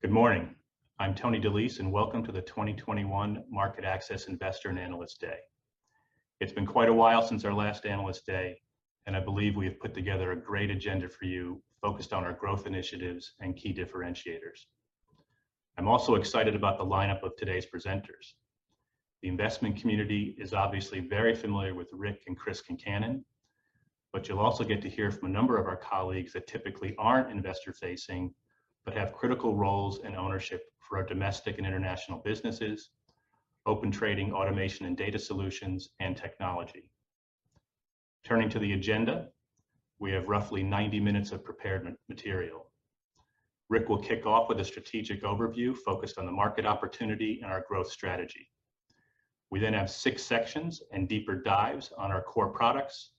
Good morning. I'm Tony DeLise, welcome to the 2021 MarketAxess Investor and Analyst Day. It's been quite a while since our last Analyst Day. I believe we have put together a great agenda for you focused on our growth initiatives and key differentiators. I'm also excited about the lineup of today's presenters. The investment community is obviously very familiar with Rick and Chris Concannon. You'll also get to hear from a number of our colleagues that typically aren't investor-facing, but have critical roles and ownership for our domestic and international businesses, Open Trading, automation and data solutions, and technology. Turning to the agenda, we have roughly 90 minutes of prepared material. Rick will kick off with a strategic overview focused on the market opportunity and our growth strategy. We have six sections and deeper dives on our core products,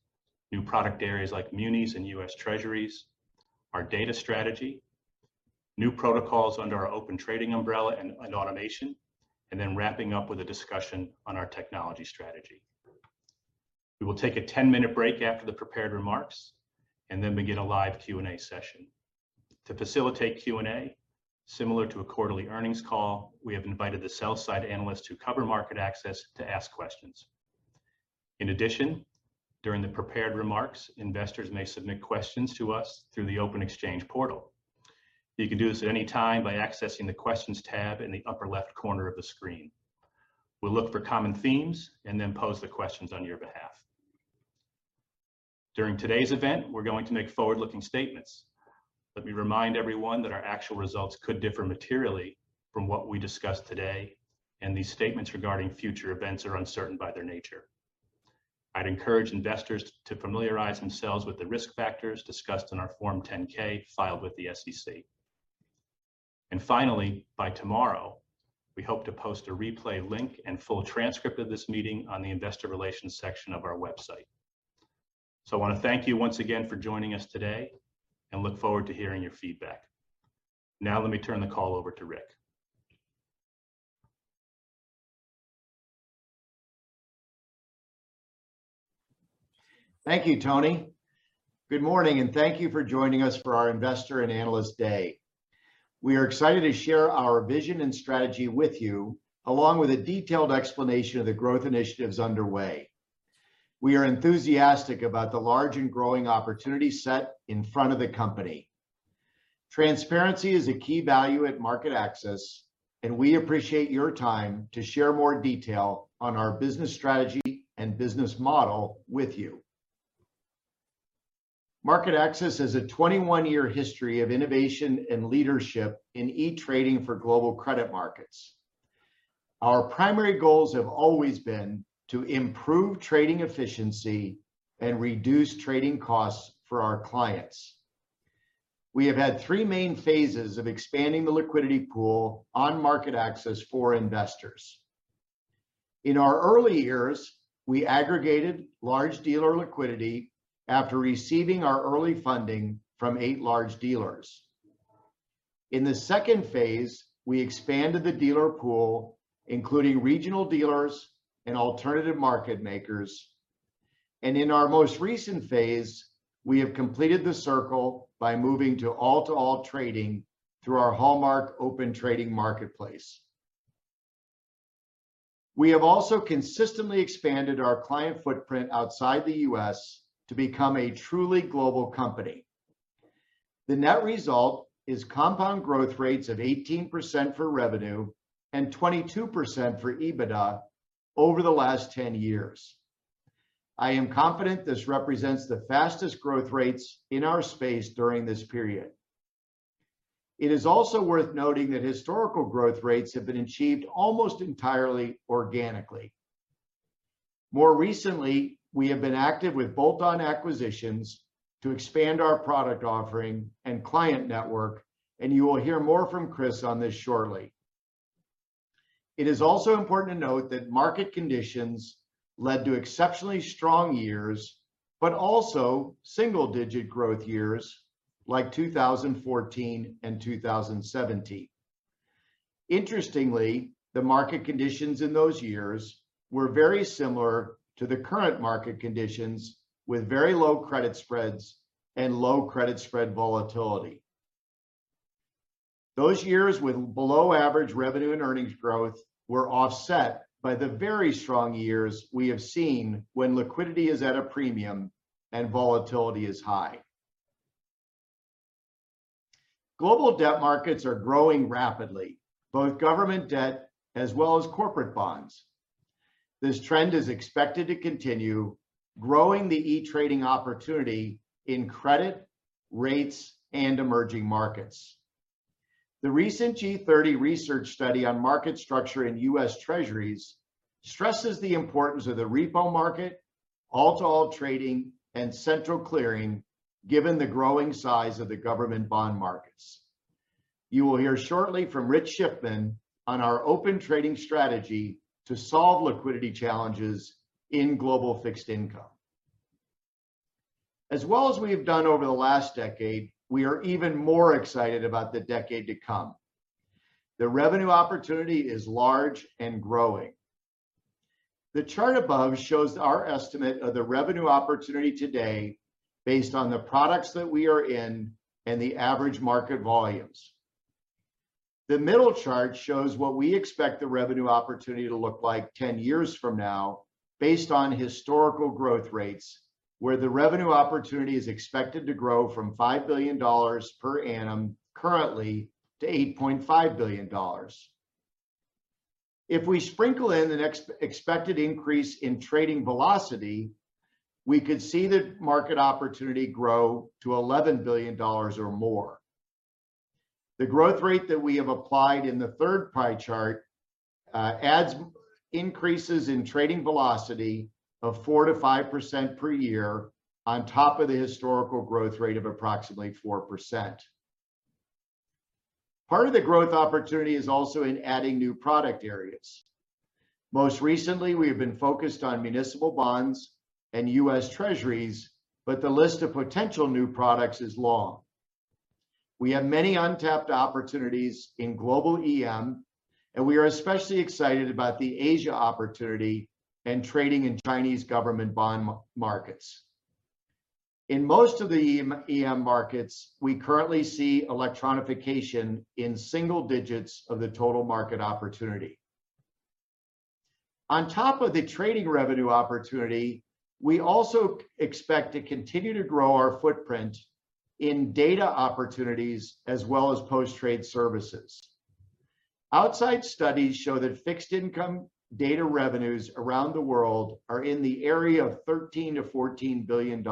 new product areas like munis and U.S. Treasuries, our data strategy, new protocols under our Open Trading umbrella and automation, and then wrapping up with a discussion on our technology strategy. We will take a 10-minute break after the prepared remarks, and then begin a live Q&A session. To facilitate Q&A, similar to a quarterly earnings call, we have invited the sell-side analysts who cover MarketAxess to ask questions. In addition, during the prepared remarks, investors may submit questions to us through the OpenExchange portal. You can do this at any time by accessing the Questions tab in the upper left corner of the screen. We'll look for common themes and then pose the questions on your behalf. During today's event, we're going to make forward-looking statements. Let me remind everyone that our actual results could differ materially from what we discuss today, and these statements regarding future events are uncertain by their nature. I'd encourage investors to familiarize themselves with the risk factors discussed in our Form 10-K filed with the SEC. Finally, by tomorrow, we hope to post a replay link and full transcript of this meeting on the investor relations section of our website. I wanna thank you once again for joining us today, and look forward to hearing your feedback. Now let me turn the call over to Rick. Thank you, Tony. Good morning, and thank you for joining us for our Investor and Analyst Day. We are excited to share our vision and strategy with you, along with a detailed explanation of the growth initiatives underway. We are enthusiastic about the large and growing opportunity set in front of the company. Transparency is a key value at MarketAxess, and we appreciate your time to share more detail on our business strategy and business model with you. MarketAxess has a 21-year history of innovation and leadership in e-trading for global credit markets. Our primary goals have always been to improve trading efficiency and reduce trading costs for our clients. We have had three main phases of expanding the liquidity pool on MarketAxess for investors. In our early years, we aggregated large dealer liquidity after receiving our early funding from eight large dealers. In the second phase, we expanded the dealer pool, including regional dealers and alternative market makers. In our most recent phase, we have completed the circle by moving to all-to-all trading through our hallmark Open Trading marketplace. We have also consistently expanded our client footprint outside the U.S. to become a truly global company. The net result is compound growth rates of 18% for revenue and 22% for EBITDA over the last 10 years. I am confident this represents the fastest growth rates in our space during this period. It is also worth noting that historical growth rates have been achieved almost entirely organically. More recently, we have been active with bolt-on acquisitions to expand our product offering and client network. You will hear more from Chris on this shortly. It is also important to note that market conditions led to exceptionally strong years, but also single-digit growth years, like 2014 and 2017. Interestingly, the market conditions in those years were very similar to the current market conditions, with very low credit spreads and low credit spread volatility. Those years with below-average revenue and earnings growth were offset by the very strong years we have seen when liquidity is at a premium and volatility is high. Global debt markets are growing rapidly, both government debt as well as corporate bonds. This trend is expected to continue, growing the e-trading opportunity in credit, rates, and Emerging Markets. The recent G30 research study on market structure in U.S. Treasuries stresses the importance of the repo market, all-to-all trading, and central clearing given the growing size of the government bond markets. You will hear shortly from Rich Schiffman on our Open Trading strategy to solve liquidity challenges in global fixed income. As well as we have done over the last decade, we are even more excited about the decade to come. The revenue opportunity is large and growing. The chart above shows our estimate of the revenue opportunity today based on the products that we are in and the average market volumes. The middle chart shows what we expect the revenue opportunity to look like 10 years from now based on historical growth rates, where the revenue opportunity is expected to grow from $5 billion per annum currently to $8.5 billion. If we sprinkle in the expected increase in trading velocity, we could see the market opportunity grow to $11 billion or more. The growth rate that we have applied in the third pie chart adds increases in trading velocity of 4%-5% per year on top of the historical growth rate of approximately 4%. Part of the growth opportunity is also in adding new product areas. Most recently, we have been focused on municipal bonds and U.S. Treasuries, but the list of potential new products is long. We have many untapped opportunities in global EM, and we are especially excited about the Asia opportunity and trading in Chinese government bond markets. In most of the EM markets, we currently see electronification in single digits of the total market opportunity. On top of the trading revenue opportunity, we also expect to continue to grow our footprint in data opportunities as well as post-trade services. Outside studies show that fixed income data revenues around the world are in the area of $13 billion-$14 billion.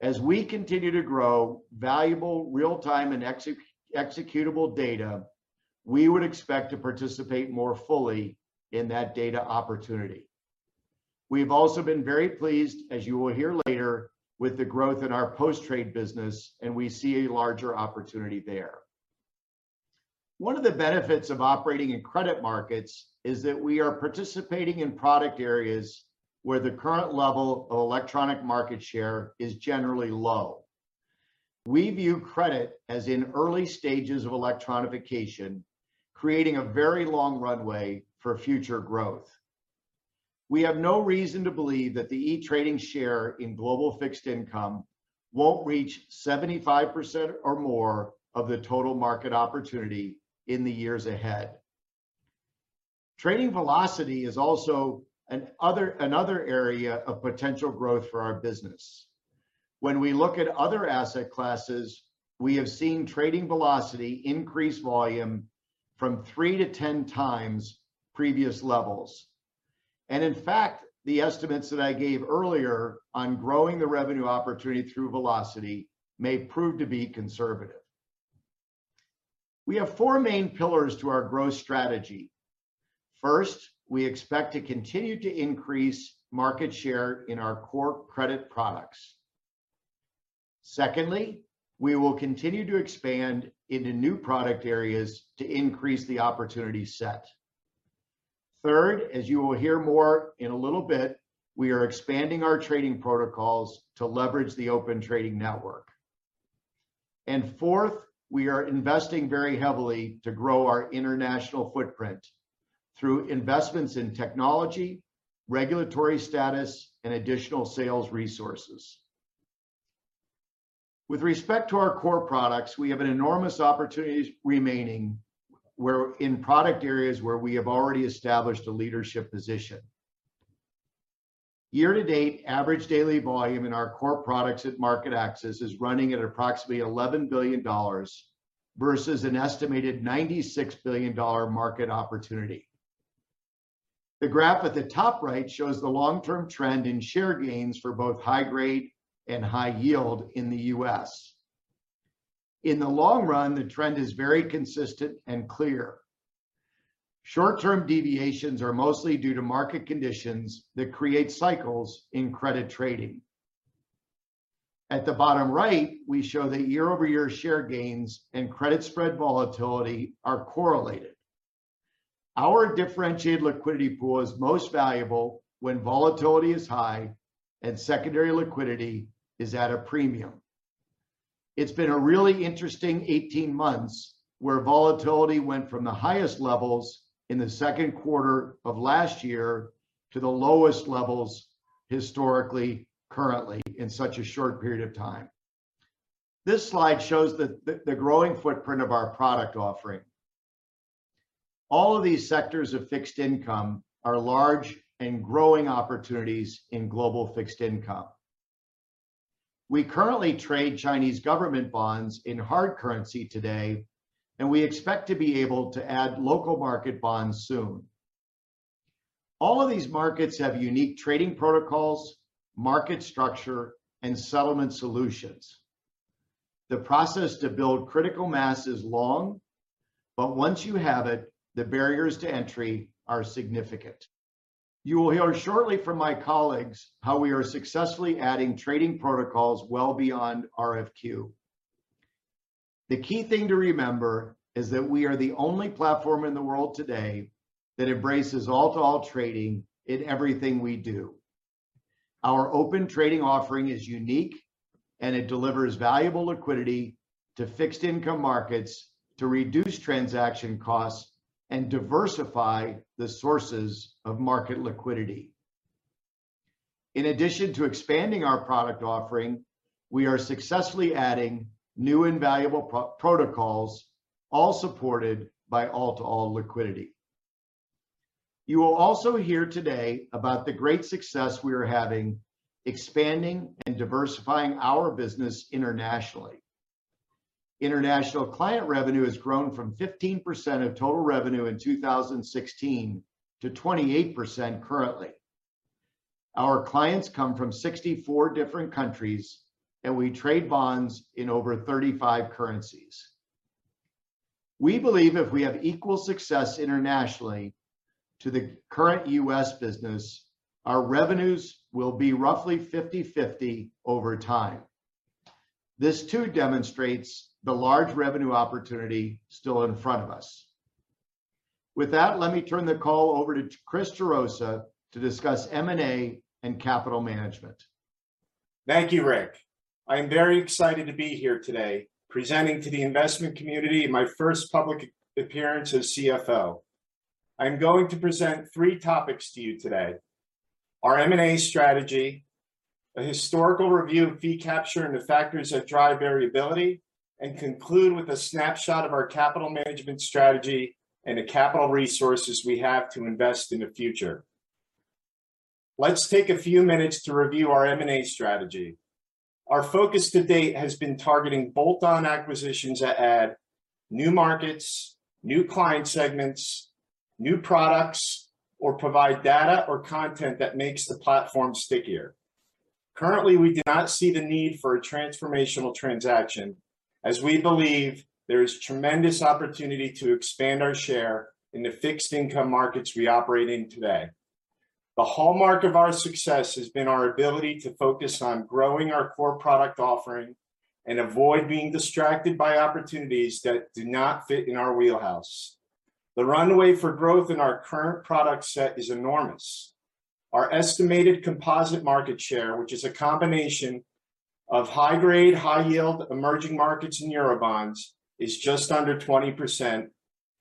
As we continue to grow valuable real-time and executable data, we would expect to participate more fully in that data opportunity. We've also been very pleased, as you will hear later, with the growth in our post-trade business, and we see a larger opportunity there. One of the benefits of operating in credit markets is that we are participating in product areas where the current level of electronic market share is generally low. We view credit as in early stages of electronification, creating a very long runway for future growth. We have no reason to believe that the e-trading share in global fixed income won't reach 75% or more of the total market opportunity in the years ahead. Trading velocity is also another area of potential growth for our business. When we look at other asset classes, we have seen trading velocity increase volume from 3x to 10x previous levels. In fact, the estimates that I gave earlier on growing the revenue opportunity through velocity may prove to be conservative. We have four main pillars to our growth strategy. First, we expect to continue to increase market share in our core credit products. Secondly, we will continue to expand into new product areas to increase the opportunity set. Third, as you will hear more in a little bit, we are expanding our trading protocols to leverage the Open Trading network. Fourth, we are investing very heavily to grow our international footprint through investments in technology, regulatory status, and additional sales resources. With respect to our core products, we have an enormous opportunities remaining where, in product areas where we have already established a leadership position. Year-to-date average daily volume in our core products at MarketAxess is running at approximately $11 billion versus an estimated $96 billion market opportunity. The graph at the top right shows the long-term trend in share gains for both high grade and high yield in the U.S. In the long run, the trend is very consistent and clear. Short-term deviations are mostly due to market conditions that create cycles in credit trading. At the bottom right, we show the year-over-year share gains and credit spread volatility are correlated. Our differentiated liquidity pool is most valuable when volatility is high and secondary liquidity is at a premium. It's been a really interesting 18 months where volatility went from the highest levels in the second quarter of last year to the lowest levels historically, currently, in such a short period of time. This slide shows the growing footprint of our product offering. All of these sectors of fixed income are large and growing opportunities in global fixed income. We currently trade Chinese government bonds in hard currency today, and we expect to be able to add local market bonds soon. All of these markets have unique trading protocols, market structure, and settlement solutions. The process to build critical mass is long, but once you have it, the barriers to entry are significant. You will hear shortly from my colleagues how we are successfully adding trading protocols well beyond RFQ. The key thing to remember is that we are the only platform in the world today that embraces all-to-all trading in everything we do. Our Open Trading offering is unique. It delivers valuable liquidity to fixed income markets to reduce transaction costs and diversify the sources of market liquidity. In addition to expanding our product offering, we are successfully adding new and valuable protocols, all supported by all-to-all liquidity. You will also hear today about the great success we are having expanding and diversifying our business internationally. International client revenue has grown from 15% of total revenue in 2016 to 28% currently. Our clients come from 64 different countries. We trade bonds in over 35 currencies. We believe if we have equal success internationally to the current U.S. business, our revenues will be roughly 50/50 over time. This too demonstrates the large revenue opportunity still in front of us. With that, let me turn the call over to Chris Gerosa to discuss M&A and capital management. Thank you, Rick. I'm very excited to be here today presenting to the investment community my first public appearance as CFO. I'm going to present three topics to you today: our M&A strategy, a historical review of fee capture and the factors that drive variability, and conclude with a snapshot of our capital management strategy and the capital resources we have to invest in the future. Let's take a few minutes to review our M&A strategy. Our focus to date has been targeting bolt-on acquisitions that add new markets, new client segments, new products, or provide data or content that makes the platform stickier. Currently, we do not see the need for a transformational transaction, as we believe there is tremendous opportunity to expand our share in the fixed income markets we operate in today. The hallmark of our success has been our ability to focus on growing our core product offering and avoid being distracted by opportunities that do not fit in our wheelhouse. The runway for growth in our current product set is enormous. Our estimated composite market share, which is a combination of high-grade, high-yield Emerging Markets and Eurobonds, is just under 20%,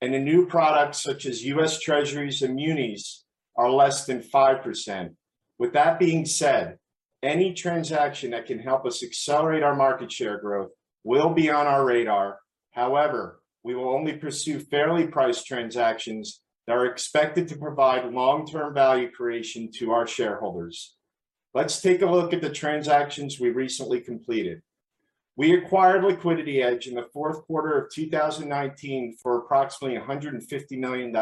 and the new products, such as U.S. Treasuries and munis, are less than 5%. With that being said, any transaction that can help us accelerate our market share growth will be on our radar. However, we will only pursue fairly priced transactions that are expected to provide long-term value creation to our shareholders. Let's take a look at the transactions we recently completed. We acquired LiquidityEdge in the fourth quarter of 2019 for approximately $150 million.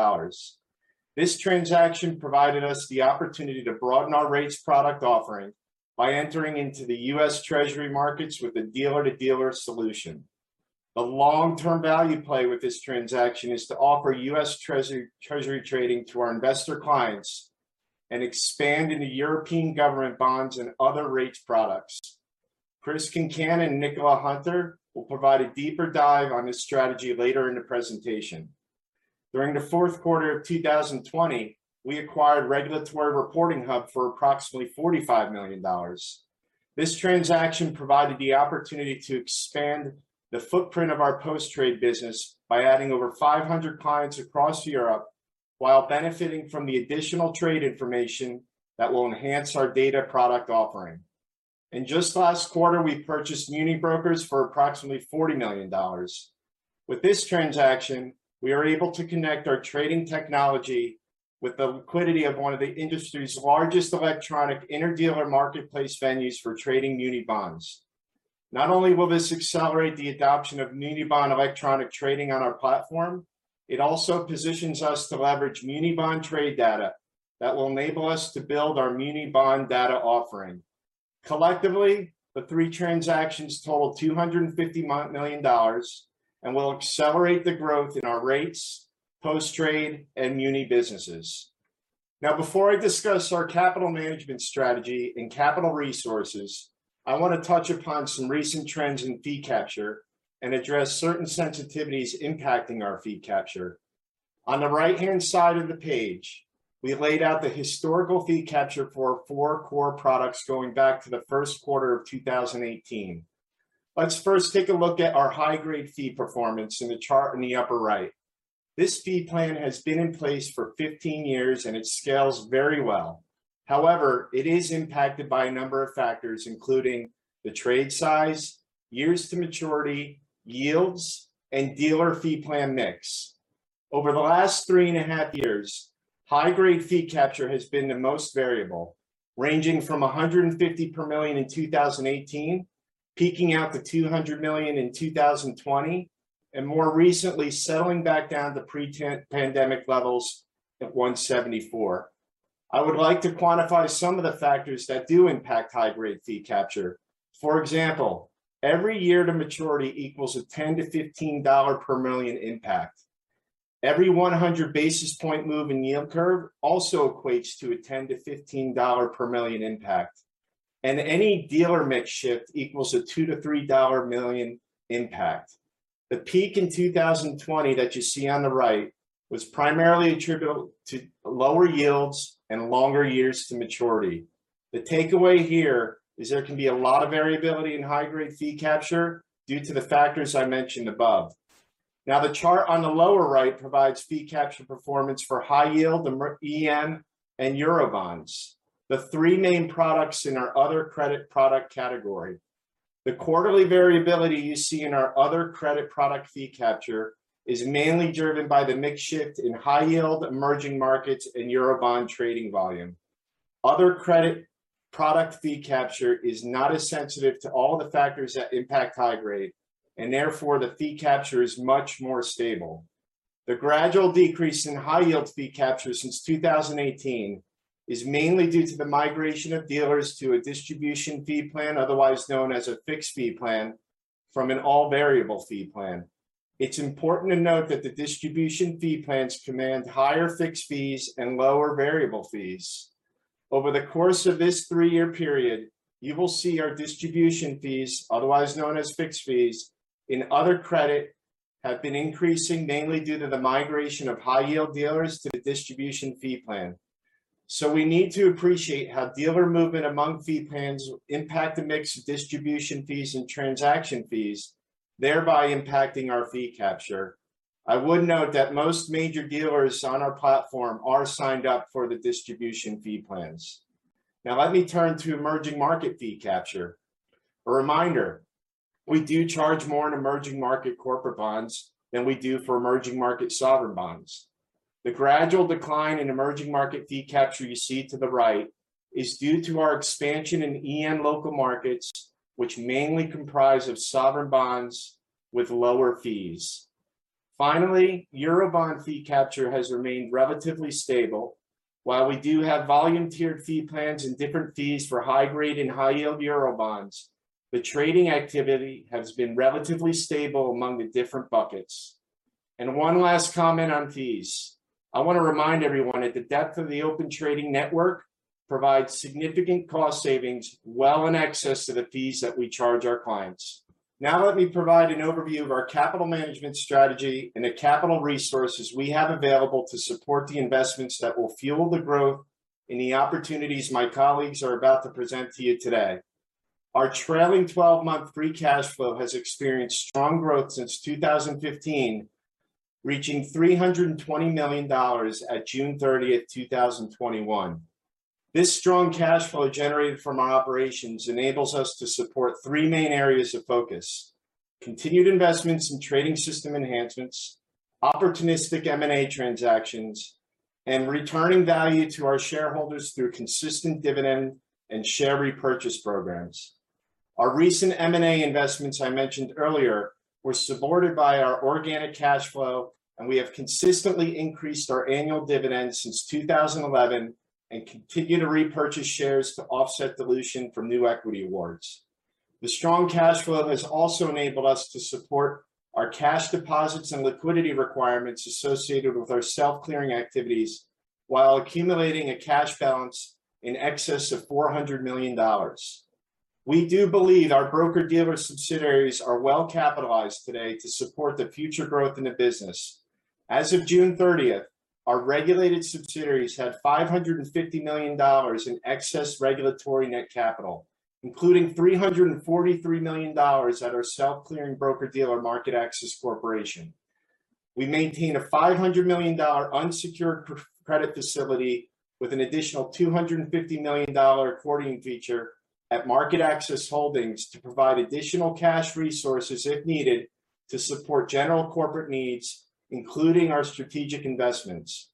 This transaction provided us the opportunity to broaden our rates product offering by entering into the U.S. Treasury markets with a dealer-to-dealer solution. The long-term value play with this transaction is to offer U.S. Treasury trading to our investor clients and expand into European government bonds and other rates products. Chris Concannon and Nichola Hunter will provide a deeper dive on this strategy later in the presentation. During the fourth quarter of 2020, we acquired Regulatory Reporting Hub for approximately $45 million. This transaction provided the opportunity to expand the footprint of our post-trade business by adding over 500 clients across Europe while benefiting from the additional trade information that will enhance our data product offering. Just last quarter, we purchased MuniBrokers for approximately $40 million. With this transaction, we are able to connect our trading technology with the liquidity of one of the industry's largest electronic interdealer marketplace venues for trading muni bonds. Not only will this accelerate the adoption of muni bond electronic trading on our platform, it also positions us to leverage muni bond trade data that will enable us to build our muni bond data offering. Collectively, the three transactions total $250 million and will accelerate the growth in our rates, post-trade, and muni businesses. Now, before I discuss our capital management strategy and capital resources, I want to touch upon some recent trends in fee capture and address certain sensitivities impacting our fee capture. On the right-hand side of the page, we laid out the historical fee capture for our four core products going back to the first quarter of 2018. Let's first take a look at our high-grade fee performance in the chart in the upper right. This fee plan has been in place for 15 years. It scales very well. However, it is impacted by a number of factors, including the trade size, years to maturity, yields, and dealer fee plan mix. Over the last three and a half years, high-grade fee capture has been the most variable, ranging from $150 per million in 2018, peaking out to $200 million in 2020. More recently, settling back down to pre-pandemic levels at $174. I would like to quantify some of the factors that do impact high-grade fee capture. For example, every year to maturity equals a $10-$15 per million impact. Every 100 basis point move in yield curve also equates to a $10-$15 per million impact. Any dealer mix shift equals a $2 million-$3 million impact. The peak in 2020 that you see on the right was primarily attributable to lower yields and longer years to maturity. The takeaway here is there can be a lot of variability in high-grade fee capture due to the factors I mentioned above. The chart on the lower right provides fee capture performance for high yield, EM, and Eurobonds, the three main products in our other credit product category. The quarterly variability you see in our other credit product fee capture is mainly driven by the mix shift in high yield, Emerging Markets, and Eurobond trading volume. Other credit product fee capture is not as sensitive to all the factors that impact high-grade, and therefore, the fee capture is much more stable. The gradual decrease in high-yield fee capture since 2018 is mainly due to the migration of dealers to a distribution fee plan, otherwise known as a fixed fee plan, from an all-variable fee plan. It's important to note that the distribution fee plans command higher fixed fees and lower variable fees. Over the course of this three-year period, you will see our distribution fees, otherwise known as fixed fees, in other credit have been increasing, mainly due to the migration of high-yield dealers to the distribution fee plan. We need to appreciate how dealer movement among fee plans impact the mix of distribution fees and transaction fees, thereby impacting our fee capture. I would note that most major dealers on our platform are signed up for the distribution fee plans. Let me turn to emerging market fee capture. A reminder, we do charge more in emerging market corporate bonds than we do for emerging market sovereign bonds. The gradual decline in emerging market fee capture you see to the right is due to our expansion in EM local markets, which mainly comprise of sovereign bonds with lower fees. Eurobond fee capture has remained relatively stable. While we do have volume-tiered fee plans and different fees for high-grade and high-yield Eurobonds, the trading activity has been relatively stable among the different buckets. One last comment on fees. I want to remind everyone that the depth of the Open Trading network provides significant cost savings well in excess to the fees that we charge our clients. Let me provide an overview of our capital management strategy and the capital resources we have available to support the investments that will fuel the growth and the opportunities my colleagues are about to present to you today. Our trailing 12-month free cash flow has experienced strong growth since 2015, reaching $320 million at June 30th, 2021. This strong cash flow generated from our operations enables us to support three main areas of focus: continued investments in trading system enhancements, opportunistic M&A transactions, and returning value to our shareholders through consistent dividend and share repurchase programs. Our recent M&A investments I mentioned earlier were supported by our organic cash flow, we have consistently increased our annual dividend since 2011 and continue to repurchase shares to offset dilution from new equity awards. The strong cash flow has also enabled us to support our cash deposits and liquidity requirements associated with our self-clearing activities while accumulating a cash balance in excess of $400 million. We do believe our broker-dealer subsidiaries are well-capitalized today to support the future growth in the business. As of June 30th, our regulated subsidiaries had $550 million in excess regulatory net capital, including $343 million at our self-clearing broker-dealer, MarketAxess Corporation. We maintain a $500 million unsecured credit facility with an additional $250 million accordion feature at MarketAxess Holdings to provide additional cash resources if needed to support general corporate needs, including our strategic investments.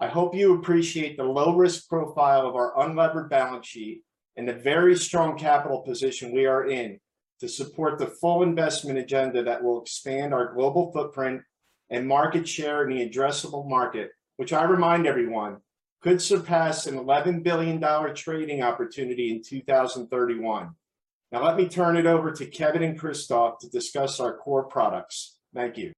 I hope you appreciate the low-risk profile of our unlevered balance sheet and the very strong capital position we are in to support the full investment agenda that will expand our global footprint and market share in the addressable market, which I remind everyone could surpass an $11 billion trading opportunity in 2031. Now let me turn it over to Kevin and Christophe to discuss our core products. Thank you.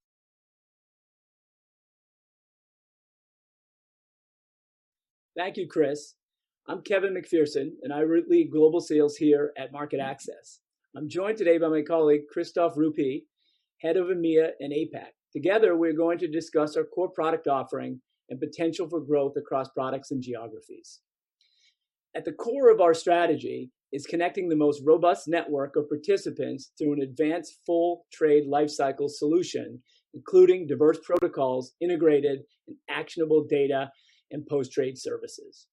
Thank you, Chris. I'm Kevin McPherson. I lead Global Sales here at MarketAxess. I'm joined today by my colleague, Christophe Roupie, Head of EMEA and APAC. Together, we're going to discuss our core product offering and potential for growth across products and geographies. At the core of our strategy is connecting the most robust network of participants through an advanced full trade life cycle solution, including diverse protocols, integrated and actionable data, and post-trade services.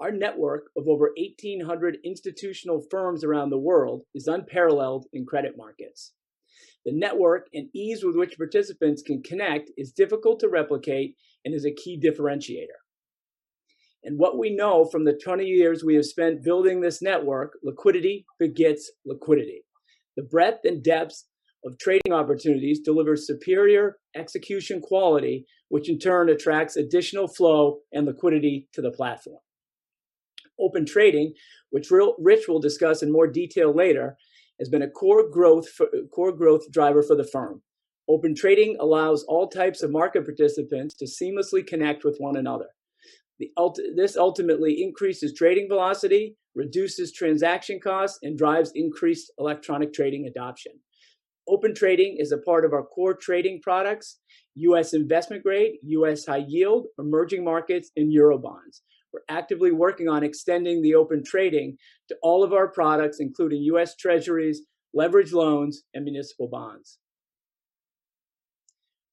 Our network of over 1,800 institutional firms around the world is unparalleled in credit markets. The network and ease with which participants can connect is difficult to replicate and is a key differentiator. What we know from the 20 years we have spent building this network, liquidity begets liquidity. The breadth and depth of trading opportunities delivers superior execution quality, which in turn attracts additional flow and liquidity to the platform. Open Trading, which Rich will discuss in more detail later, has been a core growth driver for the firm. Open Trading allows all types of market participants to seamlessly connect with one another. This ultimately increases trading velocity, reduces transaction costs, and drives increased electronic trading adoption. Open Trading is a part of our core trading products, U.S. investment grade, U.S. high yield, Emerging Markets, and Eurobonds. We're actively working on extending the Open Trading to all of our products, including U.S. Treasuries, leveraged loans, and municipal bonds.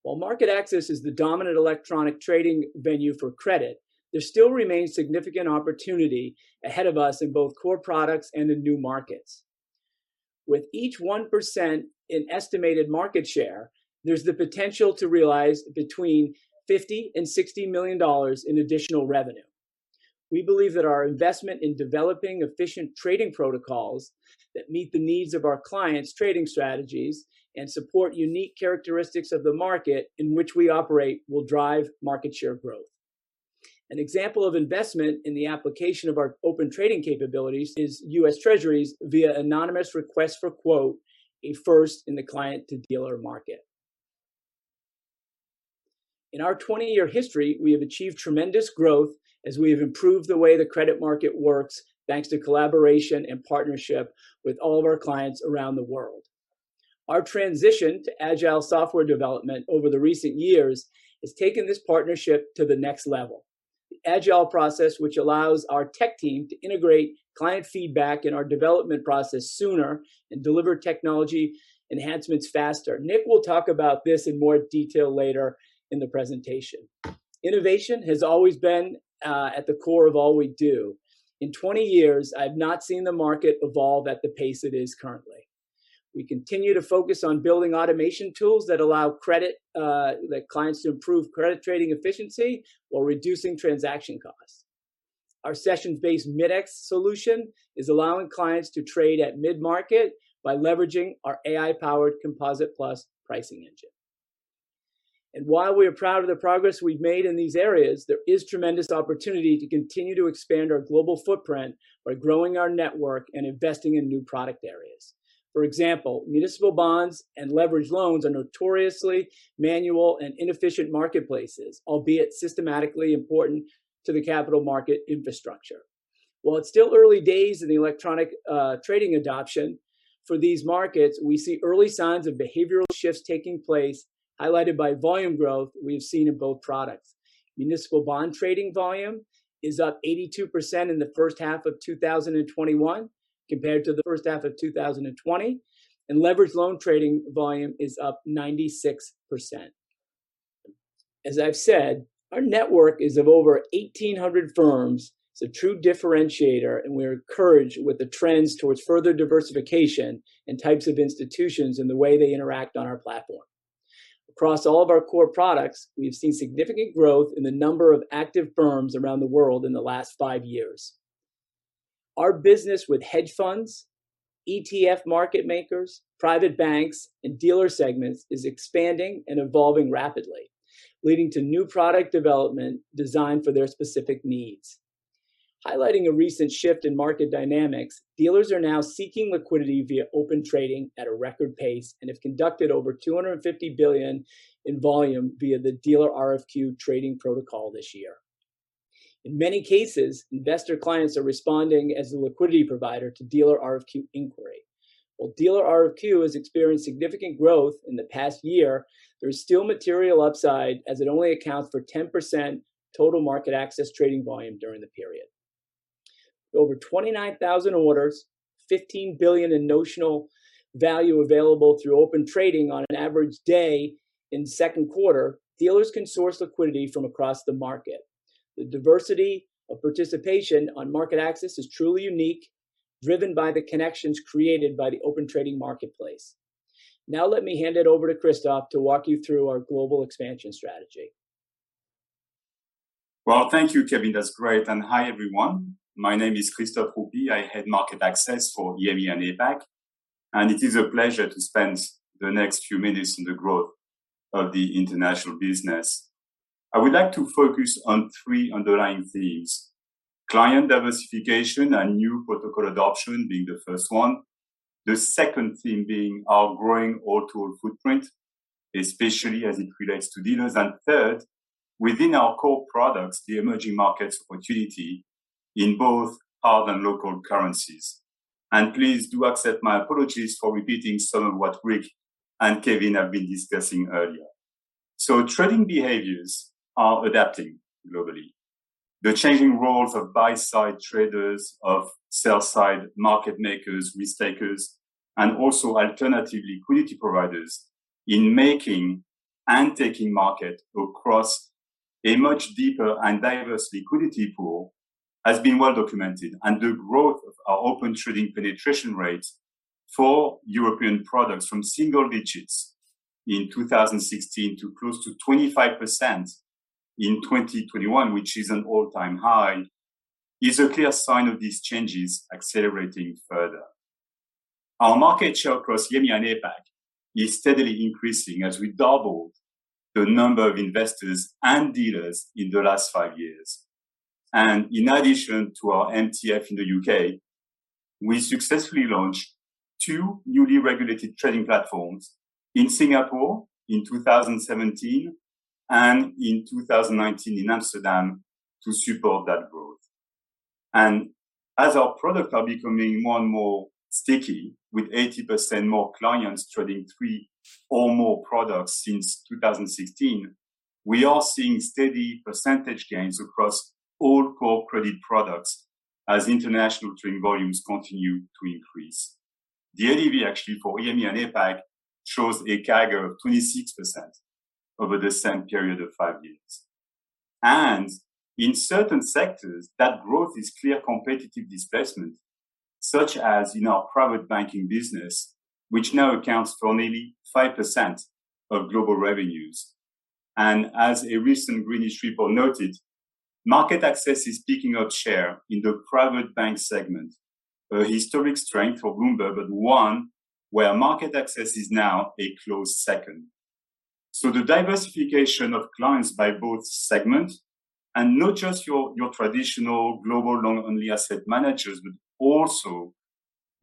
While MarketAxess is the dominant electronic trading venue for credit, there still remains significant opportunity ahead of us in both core products and in new markets. With each 1% in estimated market share, there's the potential to realize between $50 million-$60 million in additional revenue. We believe that our investment in developing efficient trading protocols that meet the needs of our clients' trading strategies and support unique characteristics of the market in which we operate will drive market share growth. An example of investment in the application of our Open Trading capabilities is U.S. Treasuries via anonymous RFQ, a first in the client-to-dealer market. In our 20-year history, we have achieved tremendous growth as we have improved the way the credit market works, thanks to collaboration and partnership with all of our clients around the world. Our transition to Agile software development over the recent years has taken this partnership to the next level, the Agile process which allows our tech team to integrate client feedback in our development process sooner and deliver technology enhancements faster. Nick will talk about this in more detail later in the presentation. Innovation has always been at the core of all we do. In 20 years, I've not seen the market evolve at the pace it is currently. We continue to focus on building automation tools that allow credit, the clients to improve credit trading efficiency while reducing transaction costs. Our sessions-based Mid-X solution is allowing clients to trade at mid-market by leveraging our AI-powered Composite+ pricing engine. While we are proud of the progress we've made in these areas, there is tremendous opportunity to continue to expand our global footprint by growing our network and investing in new product areas. For example, municipal bonds and leveraged loans are notoriously manual and inefficient marketplaces, albeit systematically important to the capital market infrastructure. While it's still early days in the electronic trading adoption for these markets, we see early signs of behavioral shifts taking place, highlighted by volume growth we've seen in both products. Municipal bond trading volume is up 82% in the first half of 2021 compared to the first half of 2020, and leveraged loan trading volume is up 96%. As I've said, our network is of over 1,800 firms. It's a true differentiator, and we're encouraged with the trends towards further diversification and types of institutions and the way they interact on our platform. Across all of our core products, we have seen significant growth in the number of active firms around the world in the last five years. Our business with hedge funds, ETF market makers, private banks, and dealer segments is expanding and evolving rapidly, leading to new product development designed for their specific needs. Highlighting a recent shift in market dynamics, dealers are now seeking liquidity via Open Trading at a record pace and have conducted over $250 billion in volume via the dealer RFQ trading protocol this year. In many cases, investor clients are responding as a liquidity provider to dealer RFQ inquiry. While dealer RFQ has experienced significant growth in the past year, there is still material upside, as it only accounts for 10% total MarketAxess trading volume during the period. Over 29,000 orders, $15 billion in notional value available through Open Trading on an average day in second quarter, dealers can source liquidity from across the market. The diversity of participation on MarketAxess is truly unique, driven by the connections created by the Open Trading marketplace. Now let me hand it over to Christophe to walk you through our global expansion strategy. Well, thank you, Kevin. That's great. Hi, everyone. My name is Christophe Roupie. I Head MarketAxess for EMEA and APAC, and it is a pleasure to spend the next few minutes on the growth of the international business. I would like to focus on three underlying themes. Client diversification and new protocol adoption being the first one. The second theme being our growing all-to-all footprint, especially as it relates to dealers. Third, within our core products, the Emerging Markets opportunity in both hard and local currencies. Please do accept my apologies for repeating some of what Rick and Kevin have been discussing earlier. Trading behaviors are adapting globally. The changing roles of buy-side traders, of sell-side market makers, risk takers, and also alternative liquidity providers in making and taking market across a much deeper and diverse liquidity pool has been well documented. The growth of our Open Trading penetration rates for European products from single digits in 2016 to close to 25% in 2021, which is an all-time high, is a clear sign of these changes accelerating further. Our market share across EMEA and APAC is steadily increasing as we doubled the number of investors and dealers in the last five years. In addition to our MTF in the U.K., we successfully launched two newly regulated trading platforms in Singapore in 2017, and in 2019 in Amsterdam to support that growth. As our product are becoming more and more sticky, with 80% more clients trading three or more products since 2016, we are seeing steady percentage gains across all core credit products as international trading volumes continue to increase. The ADV actually for EMEA and APAC shows a CAGR of 26% over the same period of five years. In certain sectors, that growth is clear competitive displacement, such as in our private banking business, which now accounts for nearly 5% of global revenues. As a recent Greenwich report noted, MarketAxess is picking up share in the private bank segment, a historic strength for Bloomberg, but one where MarketAxess is now a close second. The diversification of clients by both segment and not just your traditional global long-only asset managers, but also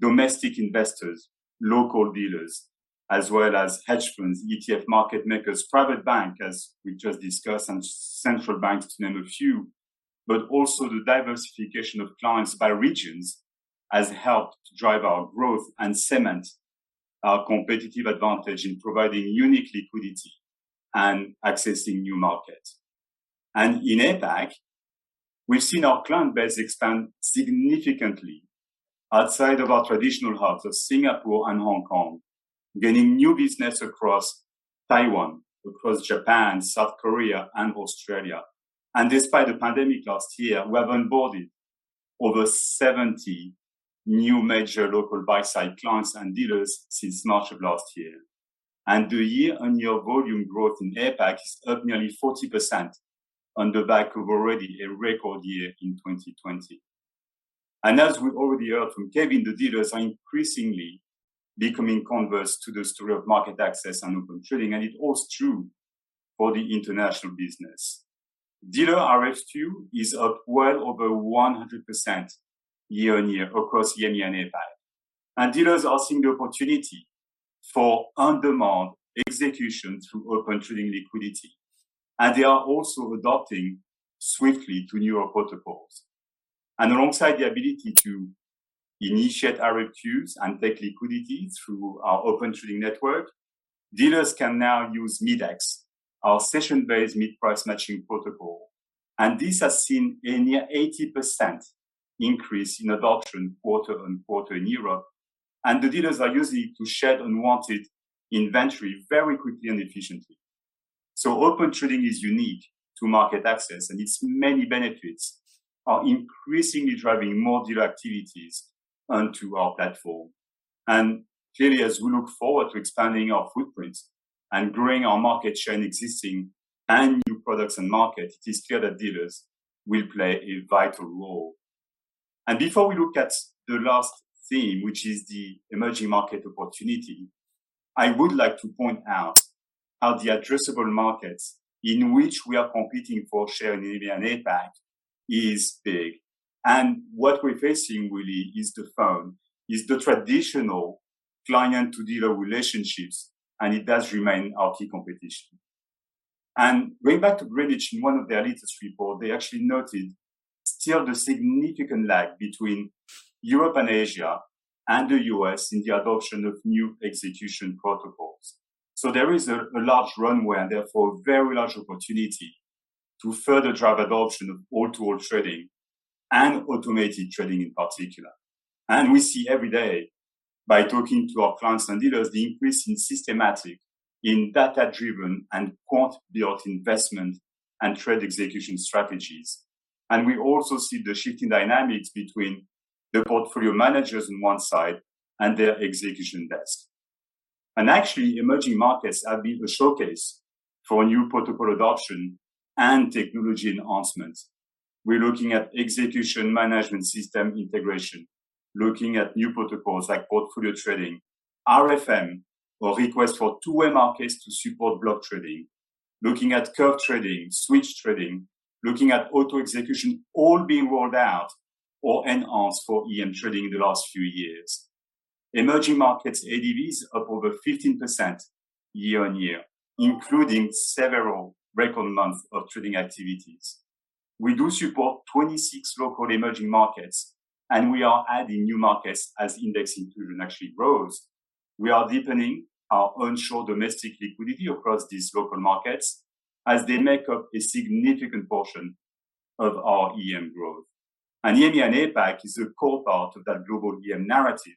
domestic investors, local dealers, as well as hedge funds, ETF market makers, private bank, as we just discussed, and central banks, to name a few. Also the diversification of clients by regions has helped drive our growth and cement our competitive advantage in providing unique liquidity and accessing new markets. In APAC, we've seen our client base expand significantly outside of our traditional hubs of Singapore and Hong Kong, gaining new business across Taiwan, across Japan, South Korea, and Australia. Despite the pandemic last year, we have onboarded over 70 new major local buy-side clients and dealers since March of last year. The year-on-year volume growth in APAC is up nearly 40% on the back of already a record year in 2020. As we already heard from Kevin, the dealers are increasingly becoming converts to the story of MarketAxess and Open Trading, and it holds true for the international business. Dealer RFQ is up well over 100% year-on-year across EMEA and APAC, and dealers are seeing the opportunity for on-demand execution through Open Trading liquidity, and they are also adapting swiftly to newer protocols. Alongside the ability to initiate RFQs and take liquidity through our Open Trading network, dealers can now use Mid-X, our session-based mid-price matching protocol, and this has seen a near 80% increase in adoption quarter-on-quarter in Europe, and the dealers are using it to shed unwanted inventory very quickly and efficiently. Open Trading is unique to MarketAxess, and its many benefits are increasingly driving more dealer activities onto our platform. Clearly, as we look forward to expanding our footprint and growing our market share in existing and new products and markets, it is clear that dealers will play a vital role. Before we look at the last theme, which is the emerging market opportunity, I would like to point out how the addressable markets in which we are competing for share in EMEA and APAC is big. What we're facing really is the firm, is the traditional client-to-dealer relationships, and it does remain our key competition. Going back to Greenwich, in one of their latest report, they actually noted still the significant lag between Europe and Asia and the U.S. in the adoption of new execution protocols. There is a large runway, and therefore a very large opportunity to further drive adoption of all-to-all trading and automated trading in particular. We see every day by talking to our clients and dealers the increase in systematic, in data-driven and quant-built investment and trade execution strategies. We also see the shifting dynamics between the portfolio managers on one side and their execution desk. Actually, Emerging Markets have been the showcase for new protocol adoption and technology enhancements. We're looking at execution management system integration, looking at new protocols like portfolio trading, RFM, or request for two-way markets to support block trading, looking at curve trading, switch trading, looking at auto execution, all being rolled out or enhanced for EM trading in the last few years. Emerging Markets ADV up over 15% year-over-year, including several record months of trading activities. We do support 26 local Emerging Markets, we are adding new markets as index inclusion actually grows. We are deepening our onshore domestic liquidity across these local markets as they make up a significant portion of our EM growth. EMEA and APAC is a core part of that global EM narrative,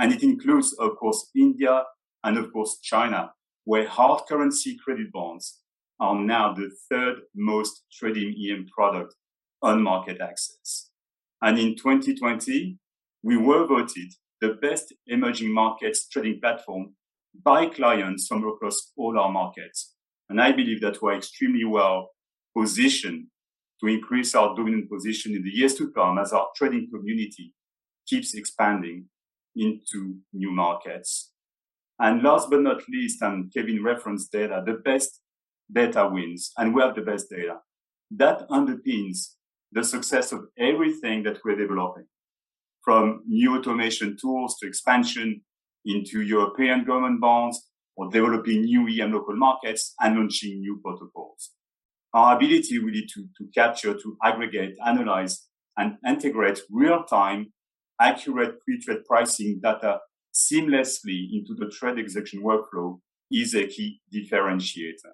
and it includes, of course, India and of course China, where hard currency credit bonds are now the third most traded EM product on MarketAxess. In 2020, we were voted the best Emerging Markets trading platform by clients from across all our markets, and I believe that we're extremely well-positioned to increase our dominant position in the years to come as our trading community keeps expanding into new markets. Last but not least, Kevin referenced data, the best data wins, and we have the best data. That underpins the success of everything that we're developing. From new automation tools to expansion into European Government Bonds or developing new EM local markets and launching new protocols. Our ability really to capture, to aggregate, analyze, and integrate real-time accurate pre-trade pricing data seamlessly into the trade execution workflow is a key differentiator.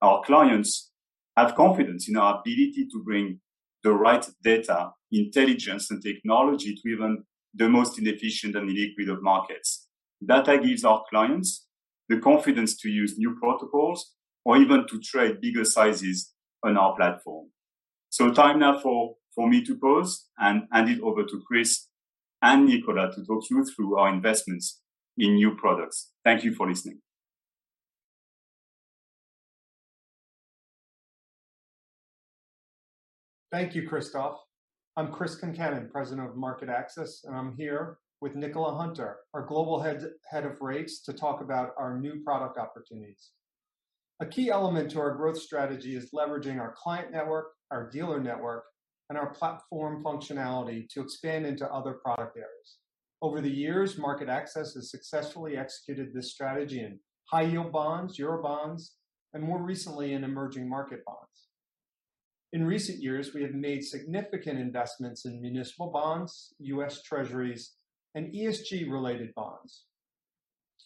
Our clients have confidence in our ability to bring the right data, intelligence, and technology to even the most inefficient and illiquid of markets. Data gives our clients the confidence to use new protocols or even to trade bigger sizes on our platform. Time now for me to pause and hand it over to Chris and Nichola to talk you through our investments in new products. Thank you for listening. Thank you, Christophe. I'm Chris Concannon, President of MarketAxess, and I'm here with Nichola Hunter, our Global Head of Rates, to talk about our new product opportunities. A key element to our growth strategy is leveraging our client network, our dealer network, and our platform functionality to expand into other product areas. Over the years, MarketAxess has successfully executed this strategy in high-yield bonds, Eurobonds, and more recently in emerging market bonds. In recent years, we have made significant investments in municipal bonds, U.S. Treasuries, and ESG-related bonds.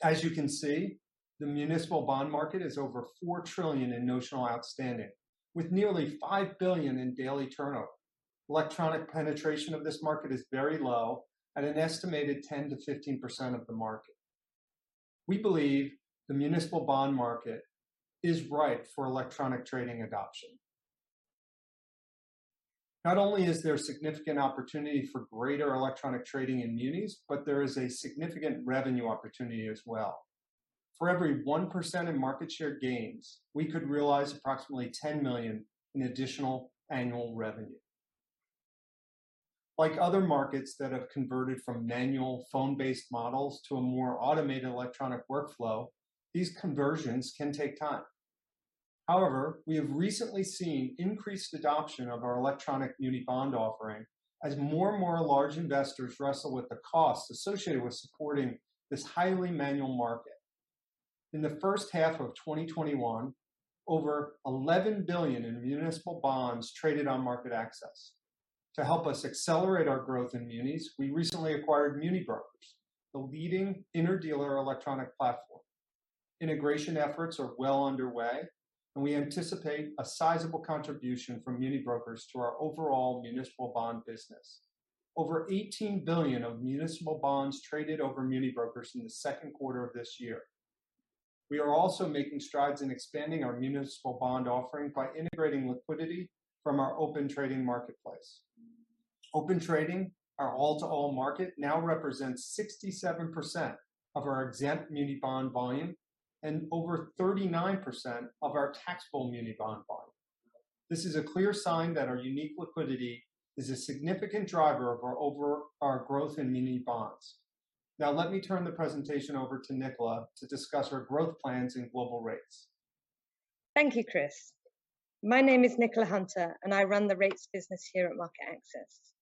As you can see, the municipal bond market is over $4 trillion in notional outstanding, with nearly $5 billion in daily turnover. Electronic penetration of this market is very low at an estimated 10% to 15% of the market. We believe the municipal bond market is ripe for electronic trading adoption. Not only is there significant opportunity for greater electronic trading in munis, but there is a significant revenue opportunity as well. For every 1% in market share gains, we could realize approximately $10 million in additional annual revenue. Like other markets that have converted from manual phone-based models to a more automated electronic workflow, these conversions can take time. However, we have recently seen increased adoption of our electronic muni bond offering as more and more large investors wrestle with the costs associated with supporting this highly manual market. In the first half of 2021, over $11 billion in municipal bonds traded on MarketAxess. To help us accelerate our growth in munis, we recently acquired MuniBrokers, the leading interdealer electronic platform. Integration efforts are well underway, and we anticipate a sizable contribution from MuniBrokers to our overall municipal bond business. Over $18 billion of municipal bonds traded over MuniBrokers in the second quarter of this year. We are also making strides in expanding our municipal bond offering by integrating liquidity from our Open Trading marketplace. Open Trading, our all-to-all market, now represents 67% of our exempt muni bond volume and over 39% of our taxable muni bond volume. This is a clear sign that our unique liquidity is a significant driver of our growth in muni bonds. Let me turn the presentation over to Nichola to discuss our growth plans in global rates. Thank you, Chris. My name is Nichola Hunter, and I run the Rates business here at MarketAxess.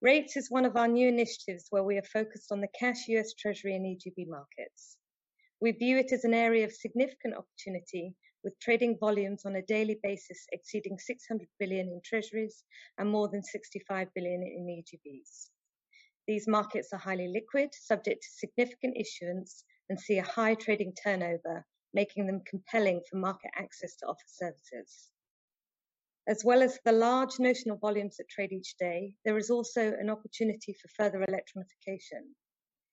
Rates is one of our new initiatives where we are focused on the cash U.S. Treasury and EGB markets. We view it as an area of significant opportunity, with trading volumes on a daily basis exceeding $600 billion in Treasuries and more than $65 billion in EGBs. These markets are highly liquid, subject to significant issuance, and see a high trading turnover, making them compelling for MarketAxess to offer services. As well as the large notional volumes that trade each day, there is also an opportunity for further electronification.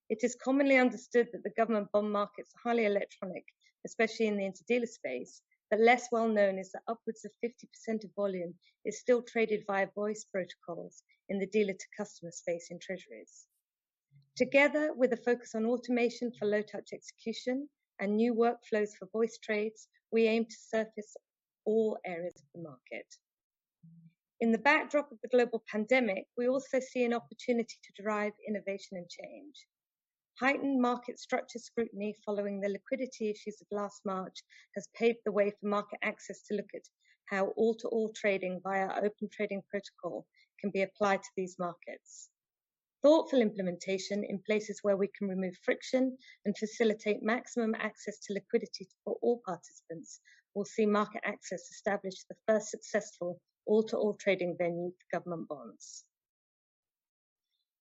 It is commonly understood that the government bond markets are highly electronic, especially in the interdealer space, less well known is that upwards of 50% of volume is still traded via voice protocols in the dealer-to-customer space in Treasuries. Together with a focus on automation for low-touch execution and new workflows for voice trades, we aim to service all areas of the market. In the backdrop of the global pandemic, we also see an opportunity to drive innovation and change. Heightened market structure scrutiny following the liquidity issues of last March has paved the way for MarketAxess to look at how all-to-all trading via our Open Trading protocol can be applied to these markets. Thoughtful implementation in places where we can remove friction and facilitate maximum access to liquidity for all participants will see MarketAxess establish the first successful all-to-all trading venue for government bonds.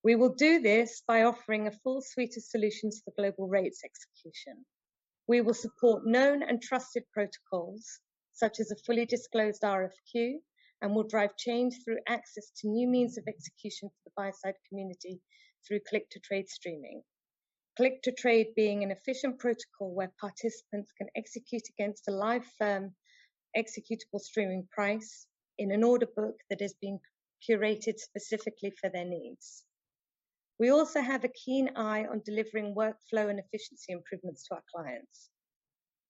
We will do this by offering a full suite of solutions for global rates execution. We will support known and trusted protocols, such as a fully disclosed RFQ, will drive change through access to new means of execution for the buy side community through click-to-trade streaming. Click-to-trade being an efficient protocol where participants can execute against a live firm executable streaming price in an order book that has been curated specifically for their needs. We also have a keen eye on delivering workflow and efficiency improvements to our clients.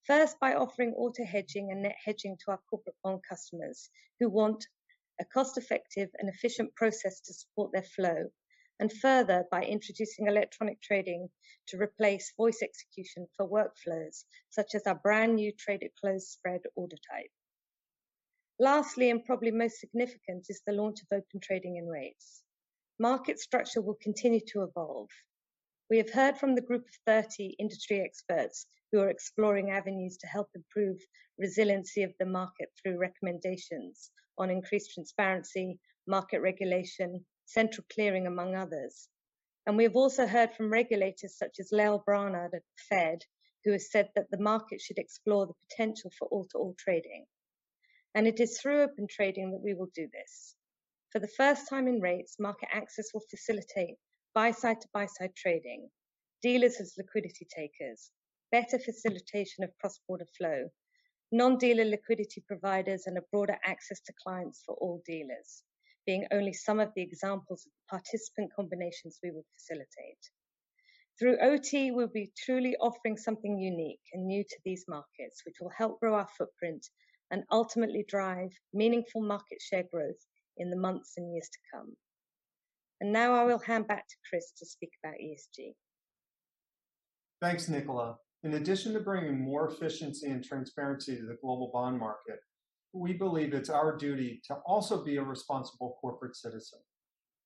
First, by offering auto hedging and net hedging to our corporate bond customers who want a cost-effective and efficient process to support their flow. Further, by introducing electronic trading to replace voice execution for workflows, such as our brand-new trade at close spread order type. Lastly, probably most significant, is the launch of Open Trading in rates. Market structure will continue to evolve. We have heard from the Group of Thirty industry experts who are exploring avenues to help improve resiliency of the market through recommendations on increased transparency, market regulation, central clearing, among others. We have also heard from regulators such as Lael Brainard at Fed, who has said that the market should explore the potential for all-to-all trading. It is through Open Trading that we will do this. For the first time in rates, MarketAxess will facilitate buy-side to buy-side trading, dealers as liquidity takers, better facilitation of cross-border flow, non-dealer liquidity providers, and a broader access to clients for all dealers, being only some of the examples of participant combinations we will facilitate. Through OT, we'll be truly offering something unique and new to these markets, which will help grow our footprint and ultimately drive meaningful market share growth in the months and years to come. Now I will hand back to Chris to speak about ESG. Thanks, Nichola. In addition to bringing more efficiency and transparency to the global bond market, we believe it's our duty to also be a responsible corporate citizen.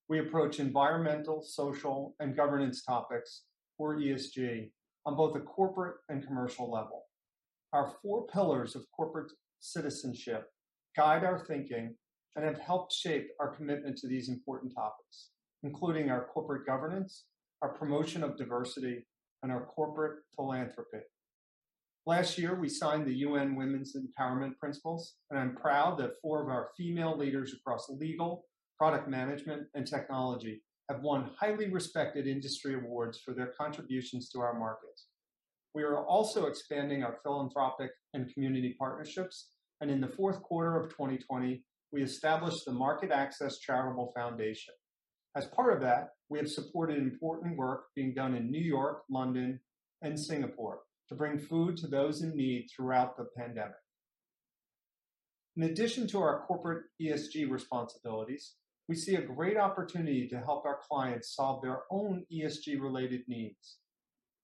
We approach environmental, social, and governance topics, or ESG, on both a corporate and commercial level. Our four pillars of corporate citizenship guide our thinking and have helped shape our commitment to these important topics, including our corporate governance, our promotion of diversity, and our corporate philanthropy. Last year, we signed the UN Women's Empowerment Principles, and I'm proud that four of our female leaders across legal, product management, and technology have won highly respected industry awards for their contributions to our markets. We are also expanding our philanthropic and community partnerships, and in the fourth quarter of 2020, we established the MarketAxess Charitable Foundation. As part of that, we have supported important work being done in New York, London, and Singapore to bring food to those in need throughout the pandemic. In addition to our corporate ESG responsibilities, we see a great opportunity to help our clients solve their own ESG-related needs.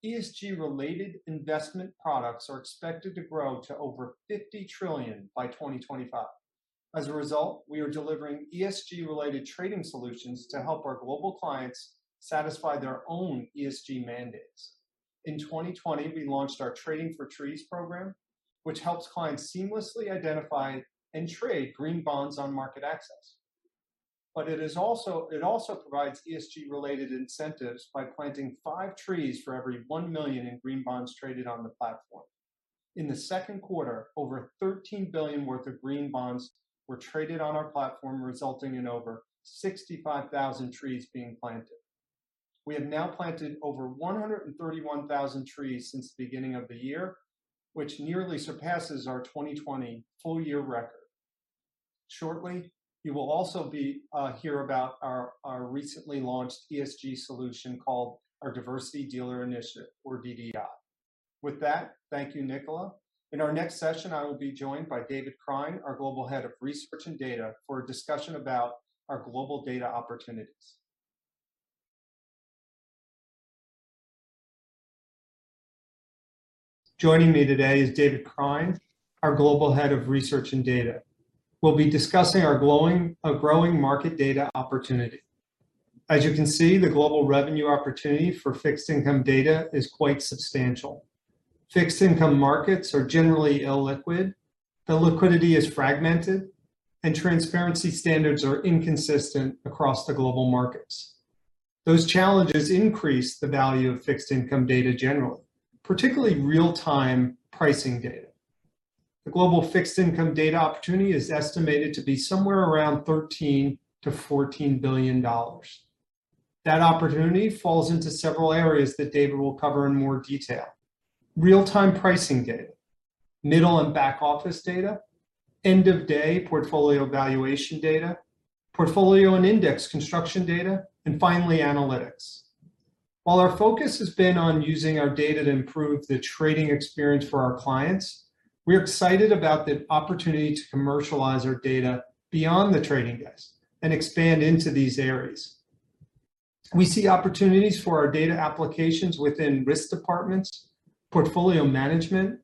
ESG-related investment products are expected to grow to over $50 trillion by 2025. We are delivering ESG-related trading solutions to help our global clients satisfy their own ESG mandates. In 2020, we launched our Trading for Trees program, which helps clients seamlessly identify and trade green bonds on MarketAxess. It also provides ESG-related incentives by planting five trees for every $1 million in green bonds traded on the platform. In the second quarter, over $13 billion worth of green bonds were traded on our platform, resulting in over 65,000 trees being planted. We have now planted over 131,000 trees since the beginning of the year, which nearly surpasses our 2020 full-year record. Shortly, you will also hear about our recently launched ESG solution called our Diversity Dealer Initiative, or DDI. With that, thank you, Nichola. In our next session, I will be joined by David Krein, our Global Head of Research and Data, for a discussion about our global data opportunities. Joining me today is David Krein, our Global Head of Research and Data. We'll be discussing our growing market data opportunity. As you can see, the global revenue opportunity for fixed income data is quite substantial. Fixed income markets are generally illiquid, the liquidity is fragmented, and transparency standards are inconsistent across the global markets. Those challenges increase the value of fixed income data generally, particularly real-time pricing data. The global fixed income data opportunity is estimated to be somewhere around $13 billion-$14 billion. That opportunity falls into several areas that David will cover in more detail: real-time pricing data, middle and back office data, end-of-day portfolio valuation data, portfolio and index construction data, and finally, analytics. While our focus has been on using our data to improve the trading experience for our clients, we're excited about the opportunity to commercialize our data beyond the trading desk and expand into these areas. We see opportunities for our data applications within risk departments, portfolio management,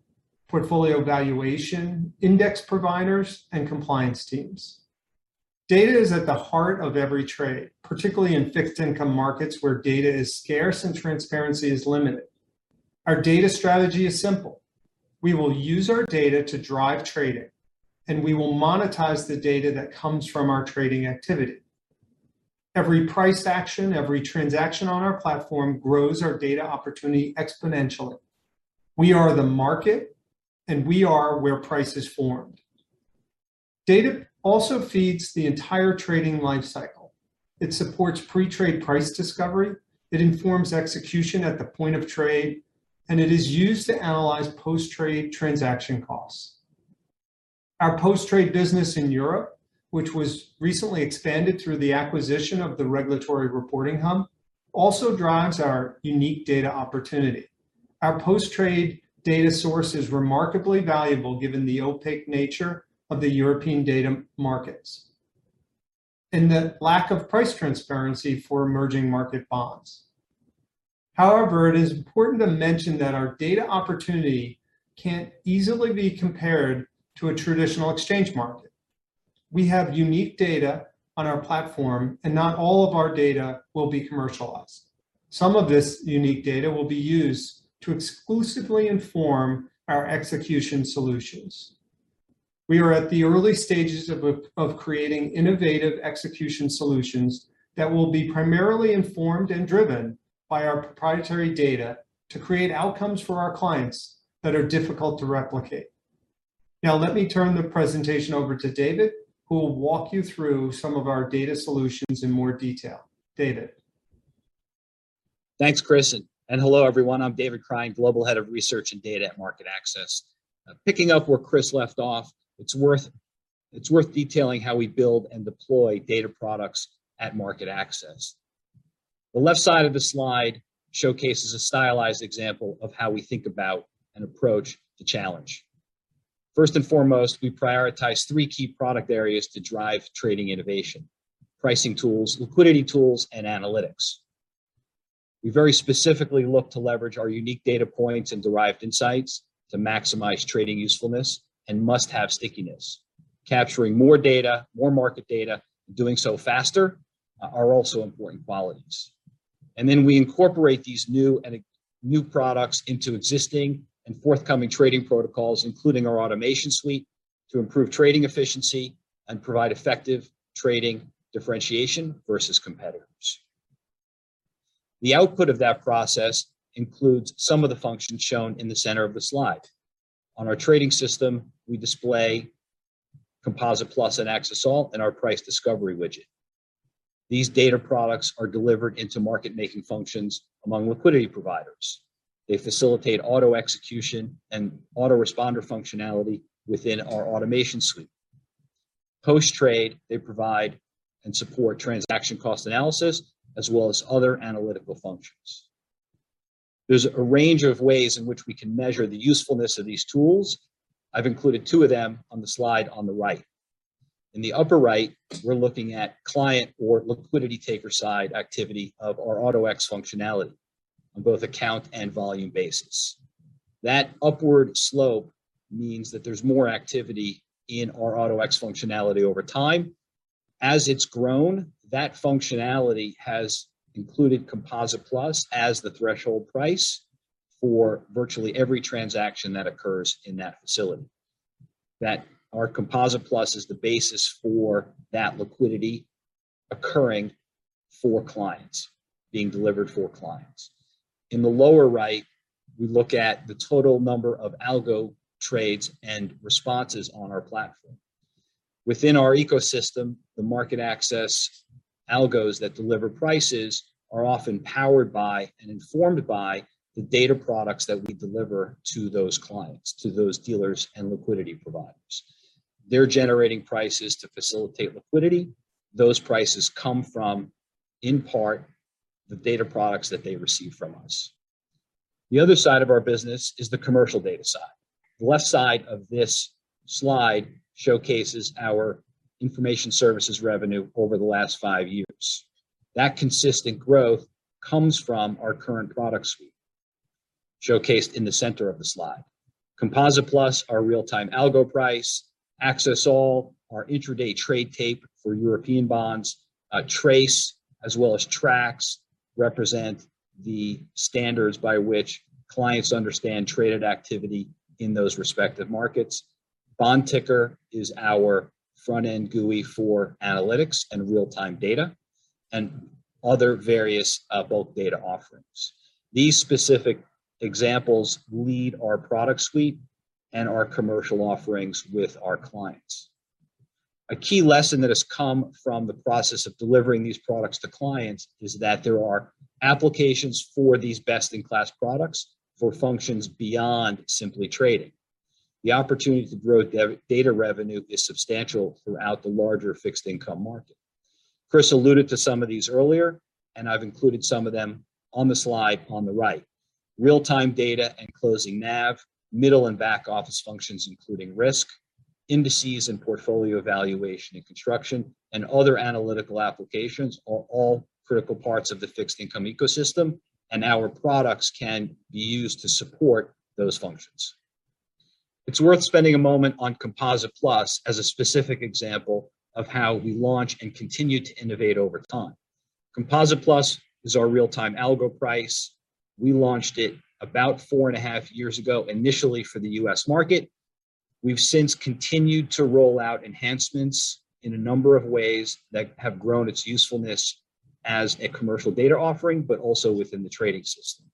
portfolio valuation, index providers, and compliance teams. Data is at the heart of every trade, particularly in fixed income markets where data is scarce and transparency is limited. Our data strategy is simple. We will use our data to drive trading, and we will monetize the data that comes from our trading activity. Every price action, every transaction on our platform grows our data opportunity exponentially. We are the market. We are where price is formed. Data also feeds the entire trading life cycle. It supports pre-trade price discovery, it informs execution at the point of trade. It is used to analyze post-trade transaction costs. Our post-trade business in Europe, which was recently expanded through the acquisition of the Regulatory Reporting Hub, also drives our unique data opportunity. Our post-trade data source is remarkably valuable given the opaque nature of the European data markets. The lack of price transparency for emerging market bonds. However, it is important to mention that our data opportunity can't easily be compared to a traditional exchange market. We have unique data on our platform. Not all of our data will be commercialized. Some of this unique data will be used to exclusively inform our execution solutions. We are at the early stages of creating innovative execution solutions that will be primarily informed and driven by our proprietary data to create outcomes for our clients that are difficult to replicate. Now, let me turn the presentation over to David, who will walk you through some of our data solutions in more detail. David. Thanks, Chris, and hello, everyone. I'm David Krein, Global Head of Research and Data at MarketAxess. Picking up where Chris left off, it's worth detailing how we build and deploy data products at MarketAxess. The left side of the slide showcases a stylized example of how we think about and approach the challenge. First and foremost, we prioritize three key product areas to drive trading innovation: pricing tools, liquidity tools, and analytics. We very specifically look to leverage our unique data points and derived insights to maximize trading usefulness and must-have stickiness. Capturing more data, more market data, and doing so faster are also important qualities. Then we incorporate these new products into existing and forthcoming trading protocols, including our automation suite, to improve trading efficiency and provide effective trading differentiation versus competitors. The output of that process includes some of the functions shown in the center of the slide. On our trading system, we display Composite+ and Axess All in our price discovery widget. These data products are delivered into market making functions among liquidity providers. They facilitate Auto-X and Auto-Responder functionality within our automation suite. Post-trade, they provide and support transaction cost analysis as well as other analytical functions. There's a range of ways in which we can measure the usefulness of these tools. I've included two of them on the slide on the right. In the upper right, we're looking at client or liquidity taker side activity of our Auto-X functionality on both account and volume basis. That upward slope means that there's more activity in our Auto-X functionality over time. As it's grown, that functionality has included Composite+ as the threshold price for virtually every transaction that occurs in that facility, that our Composite+ is the basis for that liquidity occurring for clients, being delivered for clients. In the lower right, we look at the total number of algo trades and responses on our platform. Within our ecosystem, the MarketAxess algos that deliver prices are often powered by and informed by the data products that we deliver to those clients, to those dealers and liquidity providers. They're generating prices to facilitate liquidity. Those prices come from, in part, the data products that they receive from us. The other side of our business is the commercial data side. The left side of this slide showcases our information services revenue over the last five years. That consistent growth comes from our current product suite, showcased in the center of the slide. Composite+, our real-time algo price, Axess All, our intraday trade tape for European bonds, TRACE, as well as Trax, represent the standards by which clients understand traded activity in those respective markets. BondTicker is our front-end GUI for analytics and real-time data and other various bulk data offerings. These specific examples lead our product suite and our commercial offerings with our clients. A key lesson that has come from the process of delivering these products to clients is that there are applications for these best-in-class products for functions beyond simply trading. The opportunity to grow data revenue is substantial throughout the larger fixed income market. Chris alluded to some of these earlier, and I've included some of them on the slide on the right. Real-time data and closing NAV, middle and back-office functions including risk, indices and portfolio evaluation and construction, and other analytical applications are all critical parts of the fixed income ecosystem, and our products can be used to support those functions. It's worth spending a moment on Composite+ as a specific example of how we launch and continue to innovate over time. Composite+ is our real-time algo price. We launched it about four and a half years ago, initially for the U.S. market. We've since continued to roll out enhancements in a number of ways that have grown its usefulness as a commercial data offering, but also within the trading system.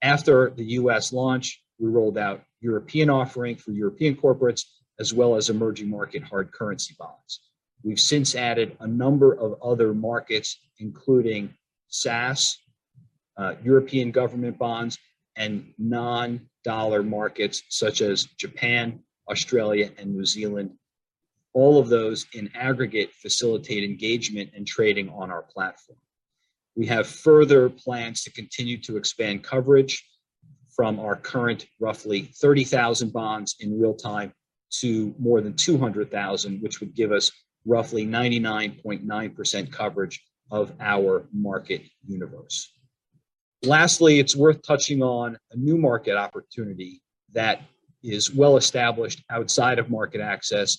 After the U.S. launch, we rolled out European offering for European corporates, as well as emerging market hard currency bonds. We've since added a number of other markets, including SSAs, European Government Bonds, and non-dollar markets such as Japan, Australia, and New Zealand. All of those in aggregate facilitate engagement and trading on our platform. We have further plans to continue to expand coverage from our current roughly 30,000 bonds in real time to more than 200,000, which would give us roughly 99.9% coverage of our market universe. Lastly, it's worth touching on a new market opportunity that is well established outside of MarketAxess,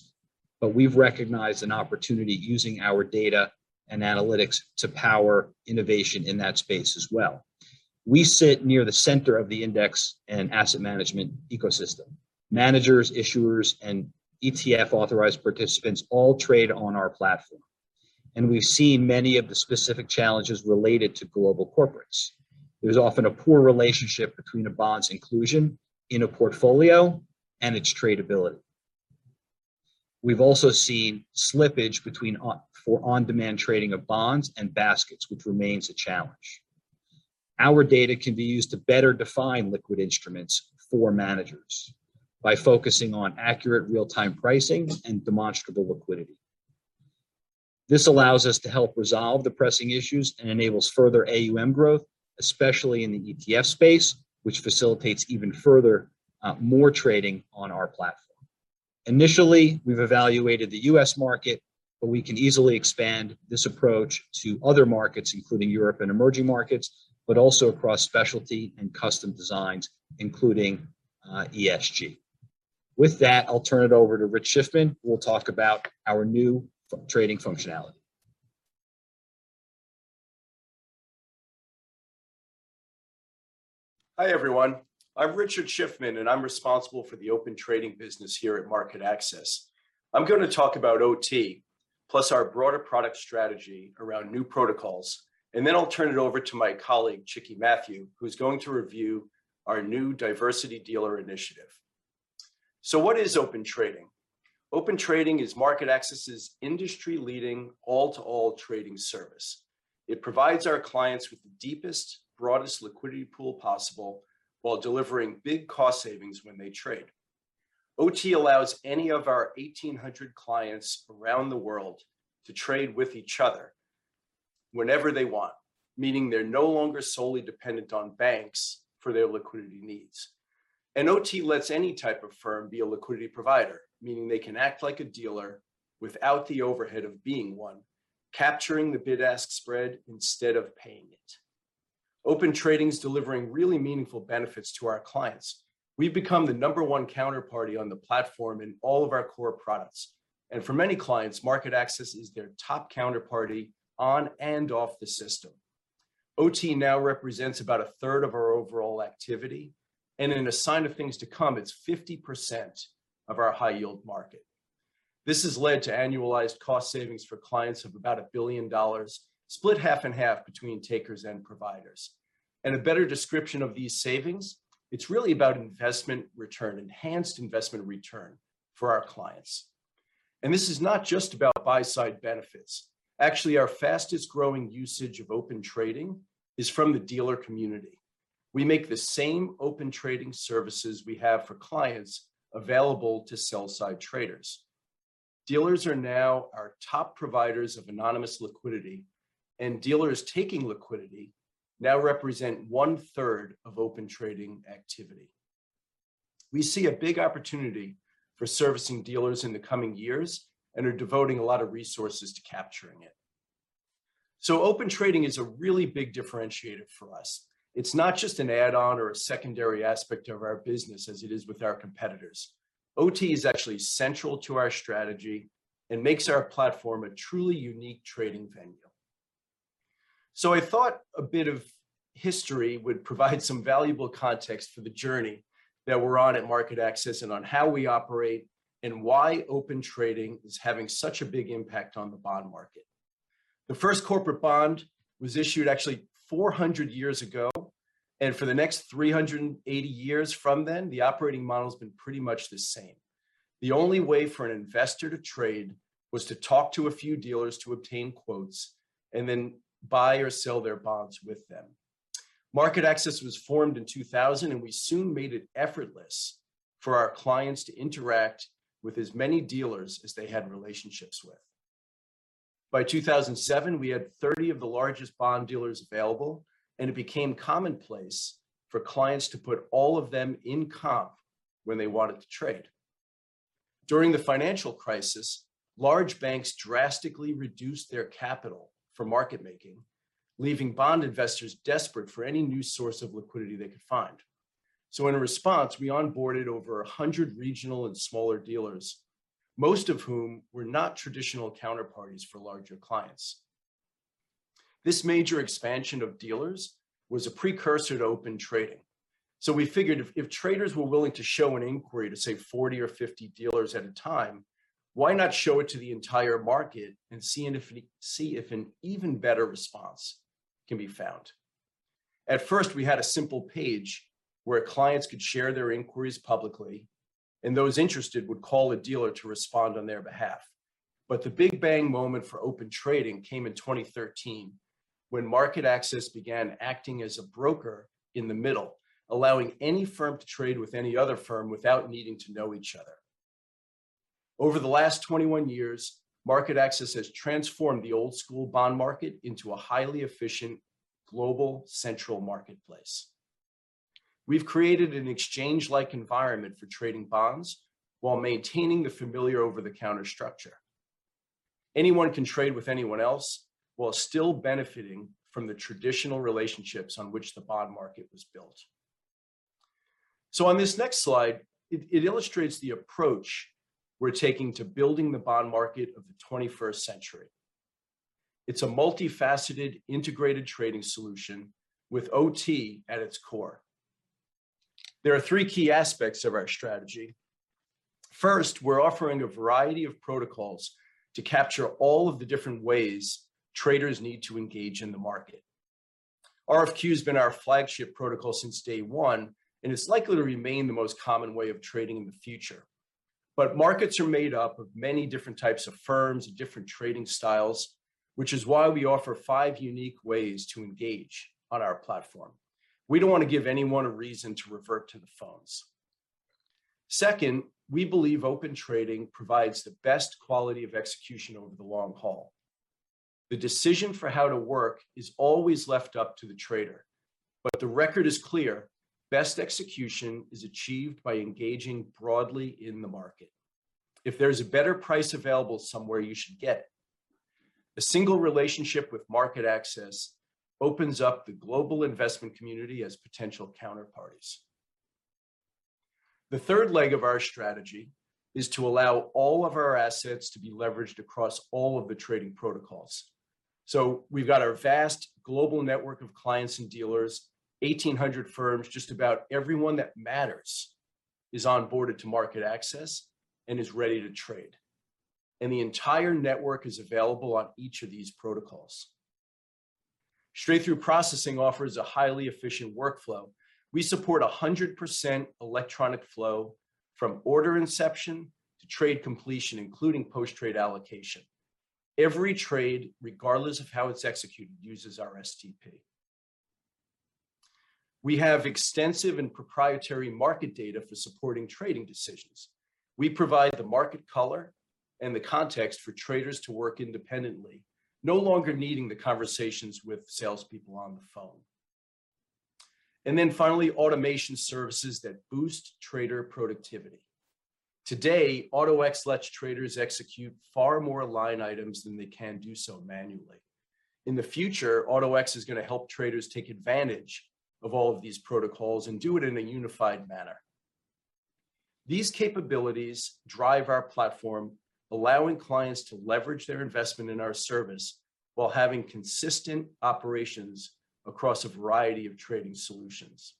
but we've recognized an opportunity using our data and analytics to power innovation in that space as well. We sit near the center of the index and asset management ecosystem. Managers, issuers, and ETF authorized participants all trade on our platform, and we've seen many of the specific challenges related to global corporates. There's often a poor relationship between a bond's inclusion in a portfolio and its tradability. We've also seen slippage between for on-demand trading of bonds and baskets, which remains a challenge. Our data can be used to better define liquid instruments for managers by focusing on accurate real-time pricing and demonstrable liquidity. This allows us to help resolve the pressing issues and enables further AUM growth, especially in the ETF space, which facilitates even further more trading on our platform. Initially, we've evaluated the U.S. market, but we can easily expand this approach to other markets, including Europe and Emerging Markets, but also across specialty and custom designs, including ESG. With that, I'll turn it over to Rich Schiffman, who will talk about our new trading functionality. Hi, everyone. I'm Richard Schiffman, I'm responsible for the Open Trading business here at MarketAxess. I'm gonna talk about OT, plus our broader product strategy around new protocols, then I'll turn it over to my colleague, Chiqui Matthew, who's going to review our new Diversity Dealer Initiative. What is Open Trading? Open Trading is MarketAxess's industry-leading all-to-all trading service. It provides our clients with the deepest, broadest liquidity pool possible while delivering big cost savings when they trade. OT allows any of our 1,800 clients around the world to trade with each other whenever they want, meaning they're no longer solely dependent on banks for their liquidity needs. OT lets any type of firm be a liquidity provider, meaning they can act like a dealer without the overhead of being one, capturing the bid-ask spread instead of paying it. Open Trading's delivering really meaningful benefits to our clients. We've become the number one counterparty on the platform in all of our core products, and for many clients, MarketAxess is their top counterparty on and off the system. OT now represents about a third of our overall activity, and in a sign of things to come, it's 50% of our high-yield market. This has led to annualized cost savings for clients of about $1 billion, split 50/50 between takers and providers. A better description of these savings, it's really about investment return, enhanced investment return for our clients. This is not just about buy side benefits. Actually, our fastest-growing usage of Open Trading is from the dealer community. We make the same Open Trading services we have for clients available to sell side traders. Dealers are now our top providers of anonymous liquidity, and dealers taking liquidity now represent one-third of Open Trading activity. We see a big opportunity for servicing dealers in the coming years and are devoting a lot of resources to capturing it. Open Trading is a really big differentiator for us. It's not just an add-on or a secondary aspect of our business as it is with our competitors. OT is actually central to our strategy and makes our platform a truly unique trading venue. I thought a bit of history would provide some valuable context for the journey that we're on at MarketAxess and on how we operate and why Open Trading is having such a big impact on the bond market. The first corporate bond was issued actually 400 years ago. For the next 380 years from then, the operating model's been pretty much the same. The only way for an investor to trade was to talk to a few dealers to obtain quotes and then buy or sell their bonds with them. MarketAxess was formed in 2000. We soon made it effortless for our clients to interact with as many dealers as they had relationships with. By 2007, we had 30 of the largest bond dealers available. It became commonplace for clients to put all of them in comp when they wanted to trade. During the financial crisis, large banks drastically reduced their capital for market making, leaving bond investors desperate for any new source of liquidity they could find. In response, we onboarded over 100 regional and smaller dealers, most of whom were not traditional counterparties for larger clients. This major expansion of dealers was a precursor to Open Trading. We figured if traders were willing to show an inquiry to, say, 40 or 50 dealers at a time, why not show it to the entire market and see if an even better response can be found? At first, we had a simple page where clients could share their inquiries publicly, and those interested would call a dealer to respond on their behalf. The big bang moment for Open Trading came in 2013 when MarketAxess began acting as a broker in the middle, allowing any firm to trade with any other firm without needing to know each other. Over the last 21 years, MarketAxess has transformed the old school bond market into a highly efficient global central marketplace. We've created an exchange-like environment for trading bonds while maintaining the familiar over-the-counter structure. Anyone can trade with anyone else while still benefiting from the traditional relationships on which the bond market was built. On this next slide, it illustrates the approach we're taking to building the bond market of the 21st century. It's a multifaceted integrated trading solution with OT at its core. There are three key aspects of our strategy. We're offering a variety of protocols to capture all of the different ways traders need to engage in the market. RFQ has been our flagship protocol since day one. It's likely to remain the most common way of trading in the future. Markets are made up of many different types of firms and different trading styles, which is why we offer five unique ways to engage on our platform. We don't want to give anyone a reason to revert to the phones. We believe Open Trading provides the best quality of execution over the long haul. The decision for how to work is always left up to the trader. The record is clear, best execution is achieved by engaging broadly in the market. If there's a better price available somewhere, you should get it. A single relationship with MarketAxess opens up the global investment community as potential counterparties. The third leg of our strategy is to allow all of our assets to be leveraged across all of the trading protocols. We've got our vast global network of clients and dealers, 1,800 firms, just about everyone that matters is onboarded to MarketAxess and is ready to trade. The entire network is available on each of these protocols. Straight-through processing offers a highly efficient workflow. We support 100% electronic flow from order inception to trade completion, including post-trade allocation. Every trade, regardless of how it's executed, uses our STP. We have extensive and proprietary market data for supporting trading decisions. We provide the market color and the context for traders to work independently, no longer needing the conversations with salespeople on the phone. Finally, automation services that boost trader productivity. Today, Auto-X lets traders execute far more line items than they can do so manually. In the future, Auto-X is going to help traders take advantage of all of these protocols and do it in a unified manner. These capabilities drive our platform, allowing clients to leverage their investment in our service while having consistent operations across a variety of trading solutions.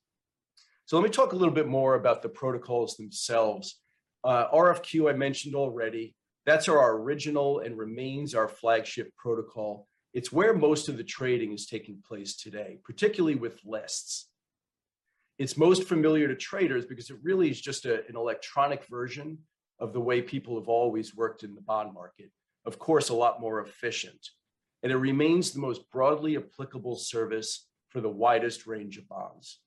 Let me talk a little bit more about the protocols themselves. RFQ I mentioned already. That's our original and remains our flagship protocol. It's where most of the trading is taking place today, particularly with lists. It's most familiar to traders because it really is just an electronic version of the way people have always worked in the bond market. Of course, a lot more efficient. It remains the most broadly applicable service for the widest range of bonds.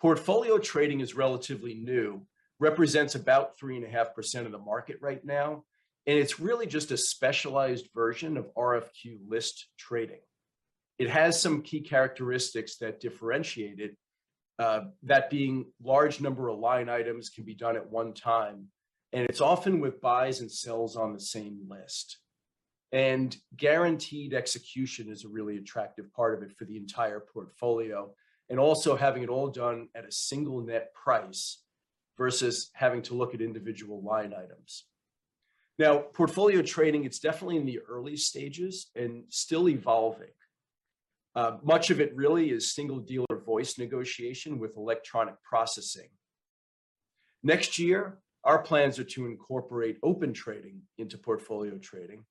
Portfolio trading is relatively new, represents about 3.5% of the market right now, and it's really just a specialized version of RFQ list trading. It has some key characteristics that differentiate it, that being large number of line items can be done at one time, and it's often with buys and sells on the same list. Guaranteed execution is a really attractive part of it for the entire portfolio, and also having it all done at a single net price versus having to look at individual line items. Now, portfolio trading, it's definitely in the early stages and still evolving. Much of it really is single dealer voice negotiation with electronic processing. Year, our plans are to incorporate Open Trading into portfolio trading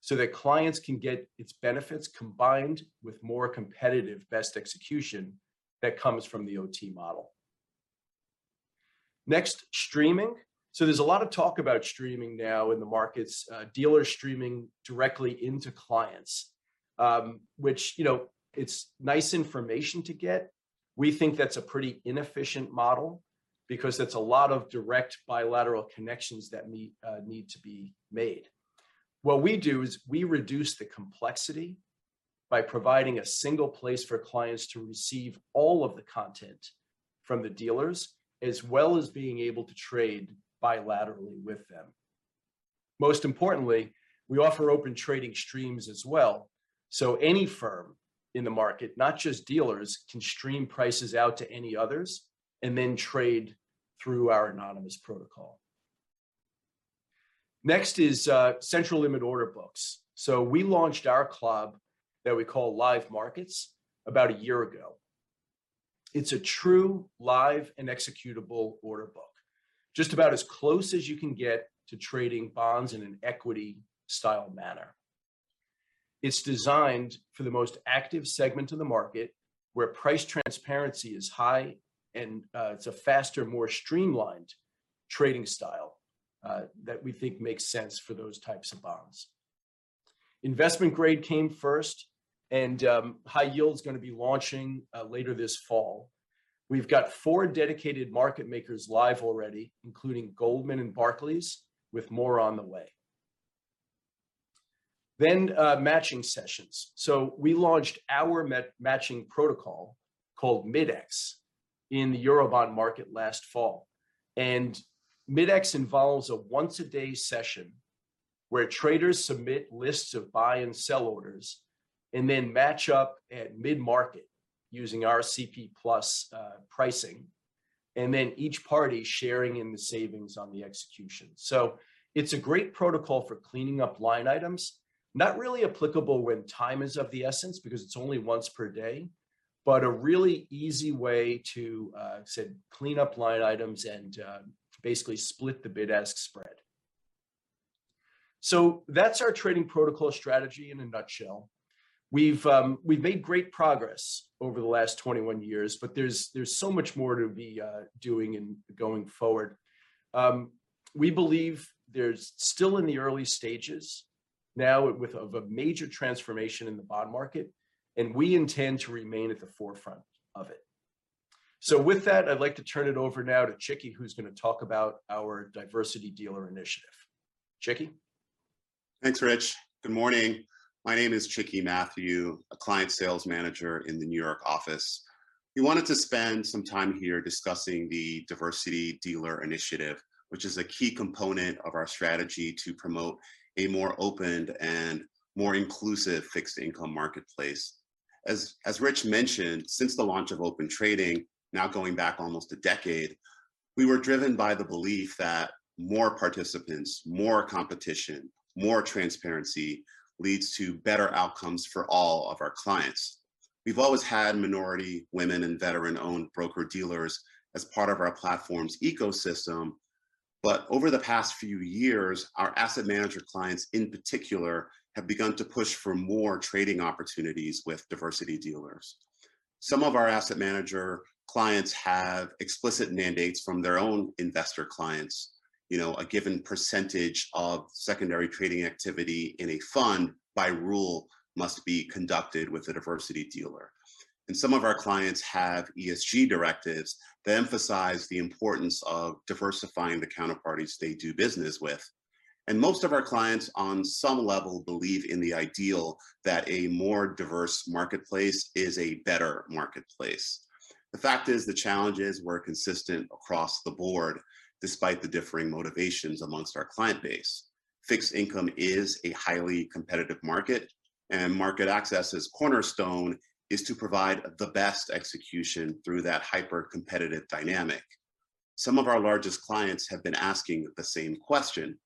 so that clients can get its benefits combined with more competitive best execution that comes from the OT model. Streaming. There's a lot of talk about streaming now in the markets, dealer streaming directly into clients, which, you know, it's nice information to get. We think that's a pretty inefficient model because that's a lot of direct bilateral connections that need to be made. What we do is we reduce the complexity by providing a single place for clients to receive all of the content from the dealers, as well as being able to trade bilaterally with them. Most importantly, we offer Open Trading streams as well, so any firm in the market, not just dealers, can stream prices out to any others and then trade through our anonymous protocol. Next is central limit order books. We launched our CLOB that we call Live Markets about one year ago. It's a true live and executable order book, just about as close as you can get to trading bonds in an equity style manner. It's designed for the most active segment of the market where price transparency is high, it's a faster, more streamlined trading style that we think makes sense for those types of bonds. Investment grade came first, high yield's gonna be launching later this fall. We've got four dedicated market makers live already, including Goldman and Barclays, with more on the way. Matching sessions. We launched our matching protocol called Mid-X in the Eurobond market last fall. Mid-X involves a once-a-day session where traders submit lists of buy and sell orders, and then match up at mid-market using our CP+, pricing, and then each party sharing in the savings on the execution. It's a great protocol for cleaning up line items. Not really applicable when time is of the essence because it's only once per day, but a really easy way to say, clean up line items and basically split the bid-ask spread. That's our trading protocol strategy in a nutshell. We've made great progress over the last 21 years, but there's so much more to be doing in going forward. We believe there's still in the early stages now with a major transformation in the bond market, and we intend to remain at the forefront of it. With that, I'd like to turn it over now to Chiqui, who's gonna talk about our Diversity Dealer Initiative. Chiqui? Thanks, Rich. Good morning. My name is Chiqui Matthew, a client sales manager in the New York office. We wanted to spend some time here discussing the Diversity Dealer Initiative, which is a key component of our strategy to promote a more open and more inclusive fixed income marketplace. As Rich mentioned, since the launch of Open Trading, now going back almost a decade, we were driven by the belief that more participants, more competition, more transparency leads to better outcomes for all of our clients. We've always had minority, women, and veteran-owned broker-dealers as part of our platform's ecosystem, over the past few years, our asset manager clients in particular have begun to push for more trading opportunities with diversity dealers. Some of our asset manager clients have explicit mandates from their own investor clients, you know, a given percentage of secondary trading activity in a fund by rule must be conducted with a Diversity Dealer. Some of our clients have ESG directives that emphasize the importance of diversifying the counterparties they do business with. Most of our clients on some level believe in the ideal that a more diverse marketplace is a better marketplace. The fact is the challenges were consistent across the board, despite the differing motivations amongst our client base. Fixed income is a highly competitive market, and MarketAxess' cornerstone is to provide the best execution through that hyper-competitive dynamic. Some of our largest clients have been asking the same question: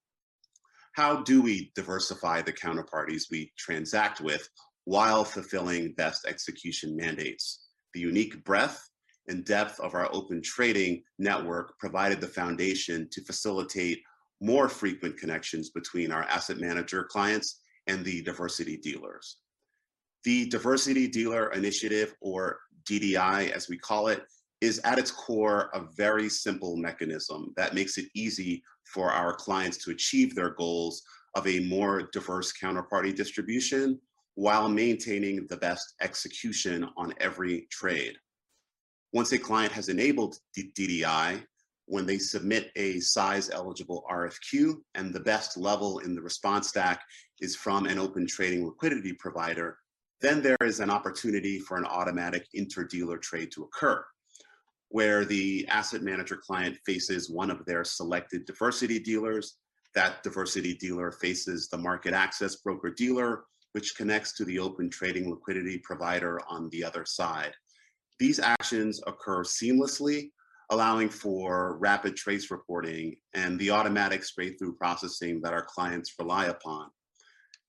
"How do we diversify the counterparties we transact with while fulfilling best execution mandates?" The unique breadth and depth of our Open Trading network provided the foundation to facilitate more frequent connections between our asset manager clients and the diversity dealers. The Diversity Dealer Initiative, or DDI as we call it, is at its core a very simple mechanism that makes it easy for our clients to achieve their goals of a more diverse counterparty distribution while maintaining the best execution on every trade. Once a client has enabled DDI, when they submit a size-eligible RFQ and the best level in the response stack is from an Open Trading liquidity provider, there is an opportunity for an automatic inter-dealer trade to occur, where the asset manager client faces one of their selected diversity dealers, that diversity dealer faces the MarketAxess broker-dealer, which connects to the Open Trading liquidity provider on the other side. These actions occur seamlessly, allowing for rapid TRACE reporting and the automatic straight-through processing that our clients rely upon.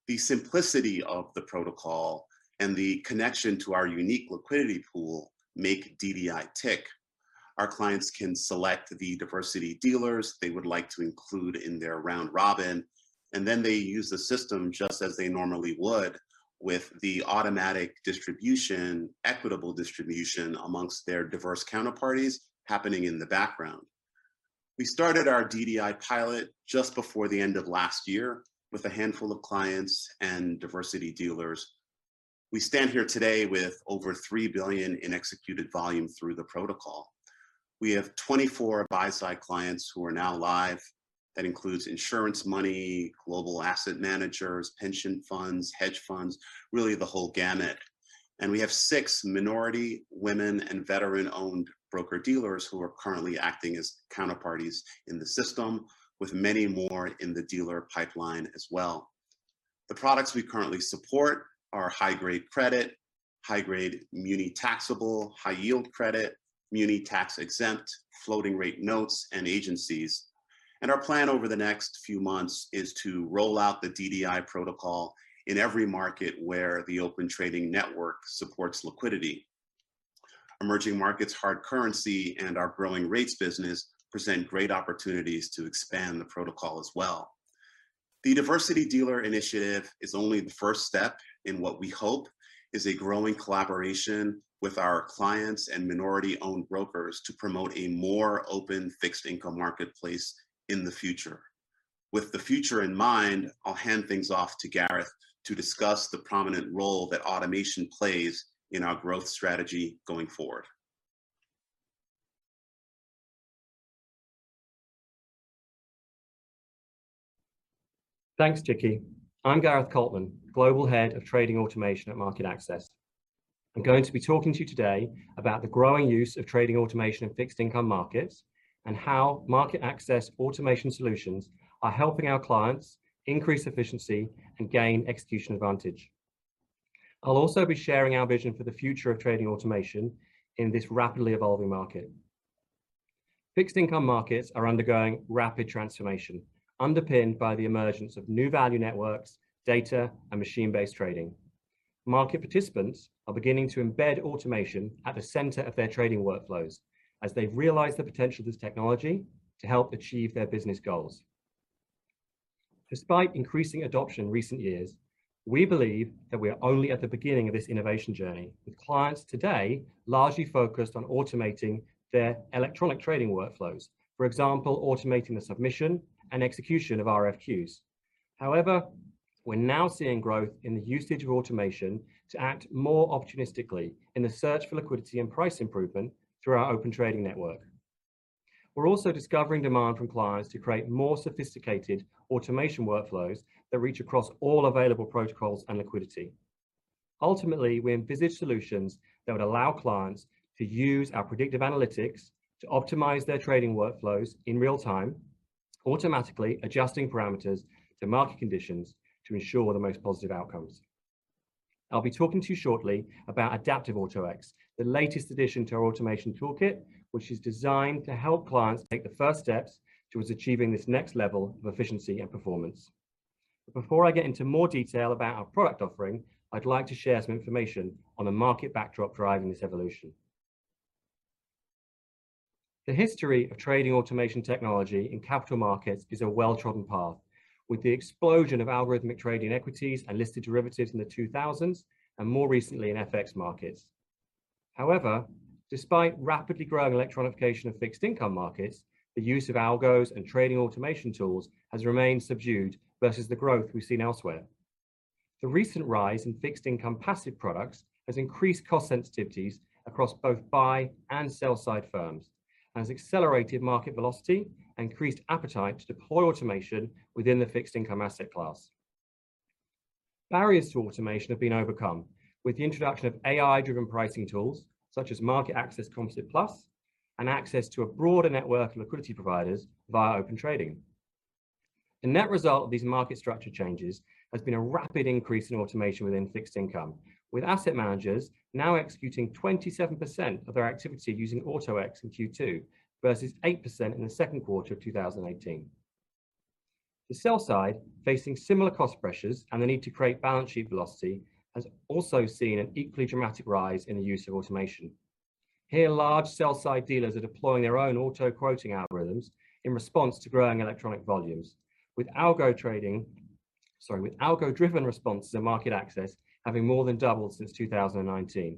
The simplicity of the protocol and the connection to our unique liquidity pool make DDI tick. Our clients can select the diversity dealers they would like to include in their round robin. They use the system just as they normally would with the automatic distribution, equitable distribution amongst their diverse counterparties happening in the background. We started our DDI pilot just before the end of last year with a handful of clients and diversity dealers. We stand here today with over $3 billion in executed volume through the protocol. We have 24 buy-side clients who are now live. That includes insurance money, global asset managers, pension funds, hedge funds, really the whole gamut. We have six minority, women, and veteran-owned broker-dealers who are currently acting as counterparties in the system, with many more in the dealer pipeline as well. The products we currently support are high-grade credit, high-grade muni taxable, high-yield credit, muni tax-exempt, floating rate notes, and agencies. Our plan over the next few months is to roll out the DDI protocol in every market where the Open Trading network supports liquidity. Emerging markets, hard currency, and our growing rates business present great opportunities to expand the protocol as well. The Diversity Dealer Initiative is only the first step in what we hope is a growing collaboration with our clients and minority-owned brokers to promote a more open fixed income marketplace in the future. With the future in mind, I'll hand things off to Gareth to discuss the prominent role that automation plays in our growth strategy going forward. Thanks, Chiqui. I'm Gareth Coltman, Global Head of Trading Automation at MarketAxess. I'm going to be talking to you today about the growing use of trading automation in fixed income markets and how MarketAxess automation solutions are helping our clients increase efficiency and gain execution advantage. I'll also be sharing our vision for the future of trading automation in this rapidly evolving market. Fixed income markets are undergoing rapid transformation, underpinned by the emergence of new value networks, data, and machine-based trading. Market participants are beginning to embed automation at the center of their trading workflows as they've realized the potential of this technology to help achieve their business goals. Despite increasing adoption in recent years, we believe that we are only at the beginning of this innovation journey, with clients today largely focused on automating their electronic trading workflows. For example, automating the submission and execution of RFQs. However, we're now seeing growth in the usage of automation to act more opportunistically in the search for liquidity and price improvement through our Open Trading network. We're also discovering demand from clients to create more sophisticated automation workflows that reach across all available protocols and liquidity. Ultimately, we envisage solutions that would allow clients to use our predictive analytics to optimize their trading workflows in real time, automatically adjusting parameters to market conditions to ensure the most positive outcomes. I'll be talking to you shortly about Adaptive Auto-X, the latest addition to our automation toolkit, which is designed to help clients take the first steps towards achieving this next level of efficiency and performance. Before I get into more detail about our product offering, I'd like to share some information on the market backdrop driving this evolution. The history of trading automation technology in capital markets is a well-trodden path, with the explosion of algorithmic trading equities and listed derivatives in the 2000s, and more recently in FX markets. However, despite rapidly growing electronification of fixed income markets, the use of algos and trading automation tools has remained subdued versus the growth we've seen elsewhere. The recent rise in fixed income passive products has increased cost sensitivities across both buy and sell side firms, and has accelerated market velocity, increased appetite to deploy automation within the fixed income asset class. Barriers to automation have been overcome with the introduction of AI-driven pricing tools, such as MarketAxess Composite+, and access to a broader network of liquidity providers via Open Trading. The net result of these market structure changes has been a rapid increase in automation within fixed income, with asset managers now executing 27% of their activity using Auto-X in Q2, versus 8% in the second quarter of 2018. The sell side, facing similar cost pressures and the need to create balance sheet velocity, has also seen an equally dramatic rise in the use of automation. Here, large sell-side dealers are deploying their own auto-quoting algorithms in response to growing electronic volumes. With algo-driven responses to MarketAxess having more than doubled since 2019.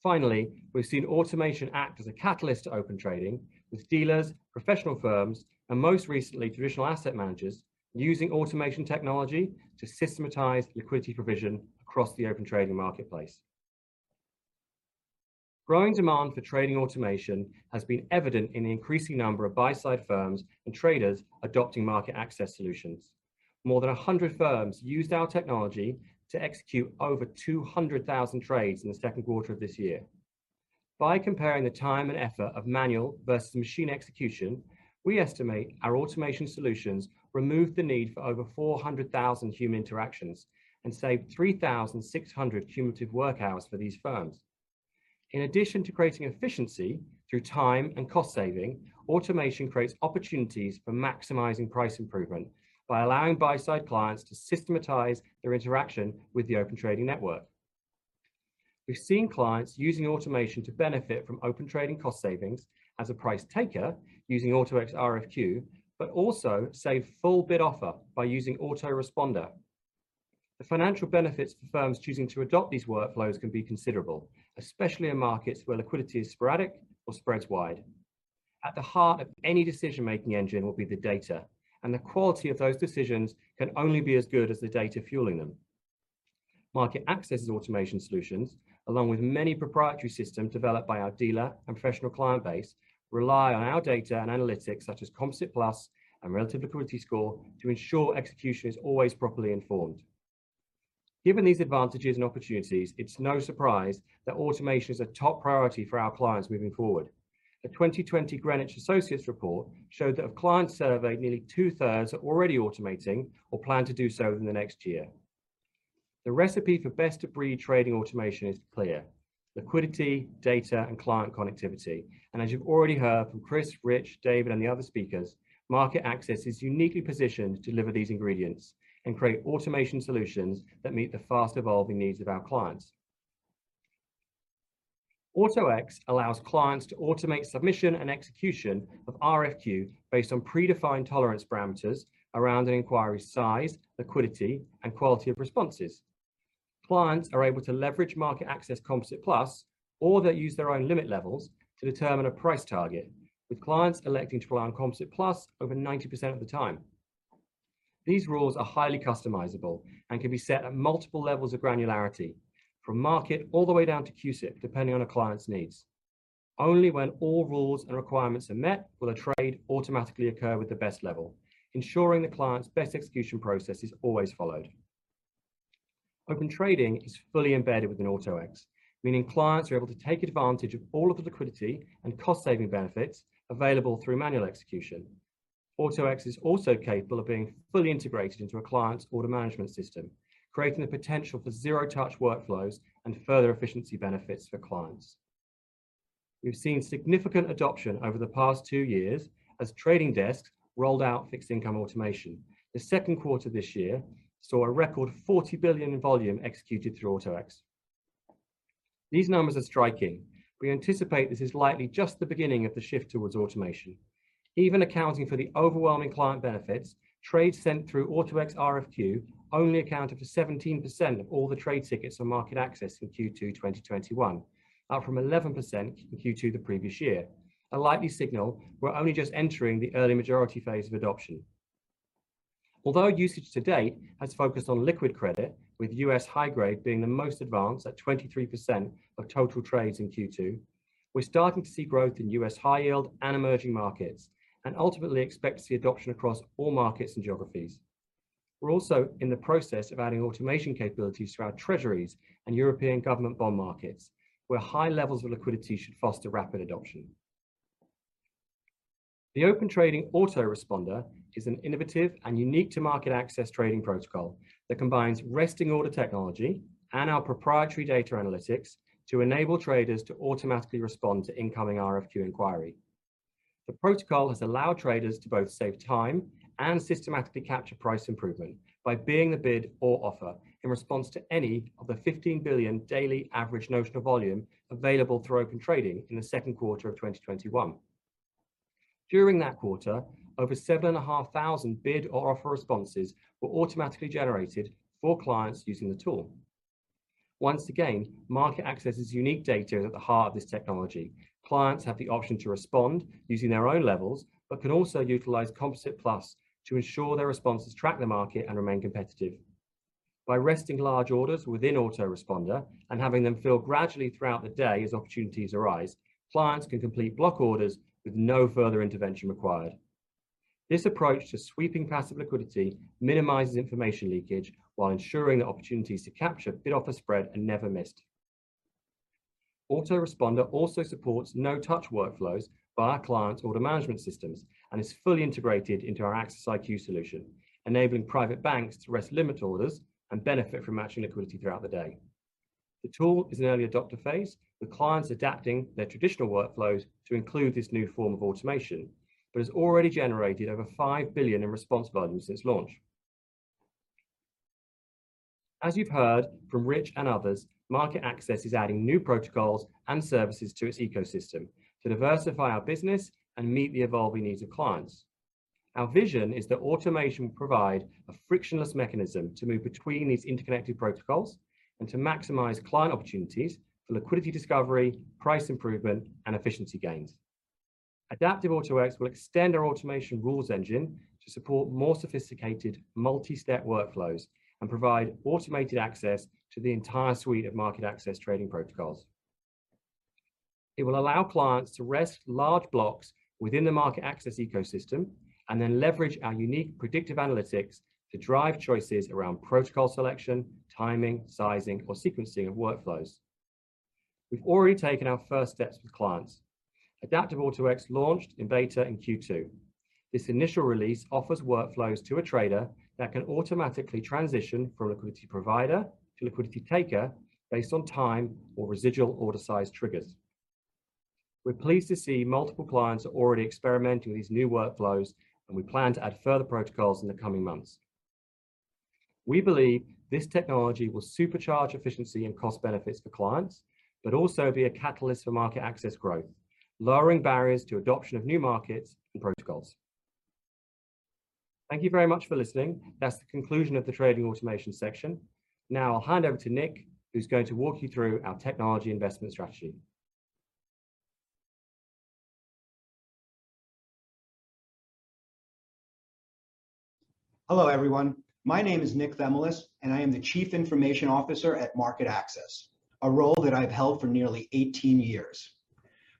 Finally, we've seen automation act as a catalyst to Open Trading with dealers, professional firms, and most recently, traditional asset managers using automation technology to systematize liquidity provision across the Open Trading marketplace. Growing demand for trading automation has been evident in the increasing number of buy-side firms and traders adopting MarketAxess solutions. More than 100 firms used our technology to execute over 200,000 trades in the second quarter of this year. By comparing the time and effort of manual versus machine execution, we estimate our automation solutions removed the need for over 400,000 human interactions and saved 3,600 cumulative work hours for these firms. In addition to creating efficiency through time and cost saving, automation creates opportunities for maximizing price improvement by allowing buy-side clients to systematize their interaction with the Open Trading network. We've seen clients using automation to benefit from Open Trading cost savings as a price taker using Auto-X RFQ, but also save full bid offer by using Auto-Responder. The financial benefits for firms choosing to adopt these workflows can be considerable, especially in markets where liquidity is sporadic or spreads wide. At the heart of any decision-making engine will be the data, and the quality of those decisions can only be as good as the data fueling them. MarketAxess' automation solutions, along with many proprietary systems developed by our dealer and professional client base, rely on our data and analytics such as Composite+ and Relative Liquidity Score to ensure execution is always properly informed. Given these advantages and opportunities, it's no surprise that automation is a top priority for our clients moving forward. A 2020 Greenwich Associates report showed that of clients surveyed, nearly two-thirds are already automating or plan to do so within the next year. The recipe for best-of-breed trading automation is clear: liquidity, data, and client connectivity. As you've already heard from Chris, Rich, David, and the other speakers, MarketAxess is uniquely positioned to deliver these ingredients and create automation solutions that meet the fast-evolving needs of our clients. Auto-X allows clients to automate submission and execution of RFQ based on predefined tolerance parameters around an inquiry size, liquidity, and quality of responses. Clients are able to leverage MarketAxess Composite+ or they use their own limit levels to determine a price target, with clients electing to rely on Composite+ over 90% of the time. These rules are highly customizable and can be set at multiple levels of granularity, from market all the way down to CUSIP, depending on a client's needs. Only when all rules and requirements are met will a trade automatically occur with the best level, ensuring the client's best execution process is always followed. Open Trading is fully embedded within Auto-X, meaning clients are able to take advantage of all of the liquidity and cost-saving benefits available through manual execution. Auto-X is also capable of being fully integrated into a client's order management system, creating the potential for zero-touch workflows and further efficiency benefits for clients. We've seen significant adoption over the past two years as trading desks rolled out fixed income automation. The second quarter this year saw a record $40 billion in volume executed through Auto-X. These numbers are striking. We anticipate this is likely just the beginning of the shift towards automation. Even accounting for the overwhelming client benefits, trades sent through Auto-X RFQ only accounted for 17% of all the trade tickets on MarketAxess in Q2 2021, up from 11% in Q2 the previous year. A likely signal we're only just entering the early majority phase of adoption. Although usage to date has focused on liquid credit, with U.S. high-grade being the most advanced at 23% of total trades in Q2, we're starting to see growth in U.S. high yield and Emerging Markets, and ultimately expect to see adoption across all markets and geographies. We're also in the process of adding automation capabilities throughout Treasuries and European government bond markets, where high levels of liquidity should foster rapid adoption. The Open Trading Auto-Responder is an innovative and unique-to-MarketAxess trading protocol that combines resting order technology and our proprietary data analytics to enable traders to automatically respond to incoming RFQ inquiry. The protocol has allowed traders to both save time and systematically capture price improvement by being the bid or offer in response to any of the $15 billion daily average notional volume available through Open Trading in the second quarter of 2021. During that quarter, over 7,500 bid or offer responses were automatically generated for clients using the tool. Once again, MarketAxess' unique data is at the heart of this technology. Clients have the option to respond using their own levels, but can also utilize Composite+ to ensure their responses track the market and remain competitive. By resting large orders within Auto-Responder and having them fill gradually throughout the day as opportunities arise, clients can complete block orders with no further intervention required. This approach to sweeping passive liquidity minimizes information leakage while ensuring that opportunities to capture bid-offer spread are never missed. Auto-Responder also supports no-touch workflows via client order management systems and is fully integrated into our Axess IQ solution, enabling private banks to rest limit orders and benefit from matching liquidity throughout the day. The tool is in an early adopter phase, with clients adapting their traditional workflows to include this new form of automation, but has already generated over $5 billion in response volume since launch. As you've heard from Rich and others, MarketAxess is adding new protocols and services to its ecosystem to diversify our business and meet the evolving needs of clients. Our vision is that automation will provide a frictionless mechanism to move between these interconnected protocols and to maximize client opportunities for liquidity discovery, price improvement, and efficiency gains. Adaptive Auto-X will extend our automation rules engine to support more sophisticated multi-step workflows and provide automated access to the entire suite of MarketAxess trading protocols. It will allow clients to rest large blocks within the MarketAxess ecosystem and then leverage our unique predictive analytics to drive choices around protocol selection, timing, sizing, or sequencing of workflows. We've already taken our first steps with clients. Adaptive Auto-X launched in beta in Q2. This initial release offers workflows to a trader that can automatically transition from liquidity provider to liquidity taker based on time or residual order size triggers. We're pleased to see multiple clients are already experimenting with these new workflows, and we plan to add further protocols in the coming months. We believe this technology will supercharge efficiency and cost benefits for clients, but also be a catalyst for MarketAxess growth, lowering barriers to adoption of new markets and protocols. Thank you very much for listening. That's the conclusion of the trading automation section. I'll hand over to Nick, who's going to walk you through our technology investment strategy. Hello, everyone. My name is Nick Themelis, and I am the Chief Information Officer at MarketAxess, a role that I've held for nearly 18 years.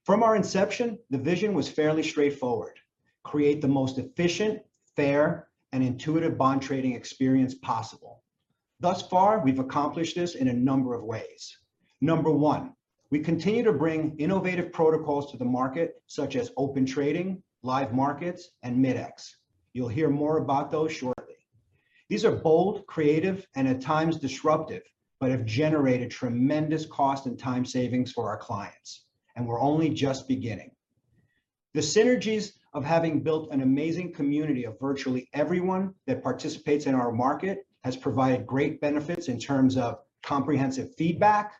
From our inception, the vision was fairly straightforward: create the most efficient, fair, and intuitive bond trading experience possible. Thus far, we've accomplished this in a number of ways. Number one, we continue to bring innovative protocols to the market, such as Open Trading, Live Markets, and Mid-X. You'll hear more about those shortly. These are bold, creative, and at times disruptive, but have generated tremendous cost and time savings for our clients, and we're only just beginning. The synergies of having built an amazing community of virtually everyone that participates in our market has provided great benefits in terms of comprehensive feedback,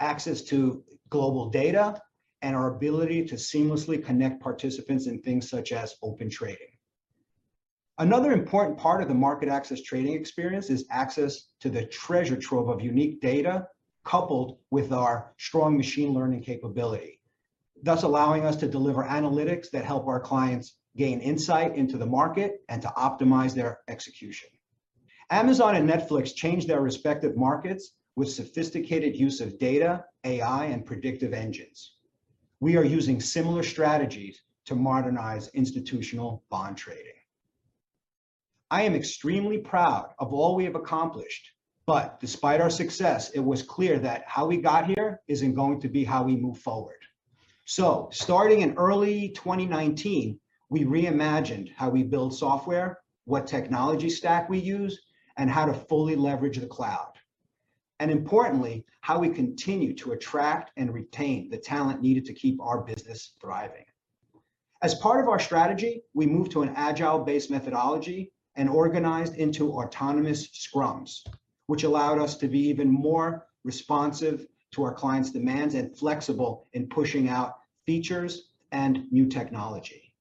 access to global data, and our ability to seamlessly connect participants in things such as Open Trading. Another important part of the MarketAxess trading experience is access to the treasure trove of unique data, coupled with our strong machine learning capability, thus allowing us to deliver analytics that help our clients gain insight into the market and to optimize their execution. Amazon and Netflix changed their respective markets with sophisticated use of data, AI, and predictive engines. We are using similar strategies to modernize institutional bond trading. I am extremely proud of all we have accomplished, despite our success, it was clear that how we got here isn't going to be how we move forward. Starting in early 2019, we reimagined how we build software, what technology stack we use, and how to fully leverage the cloud, and importantly, how we continue to attract and retain the talent needed to keep our business thriving. As part of our strategy, we moved to an Agile-based methodology and organized into autonomous scrums, which allowed us to be even more responsive to our clients' demands and flexible in pushing out features and new technology.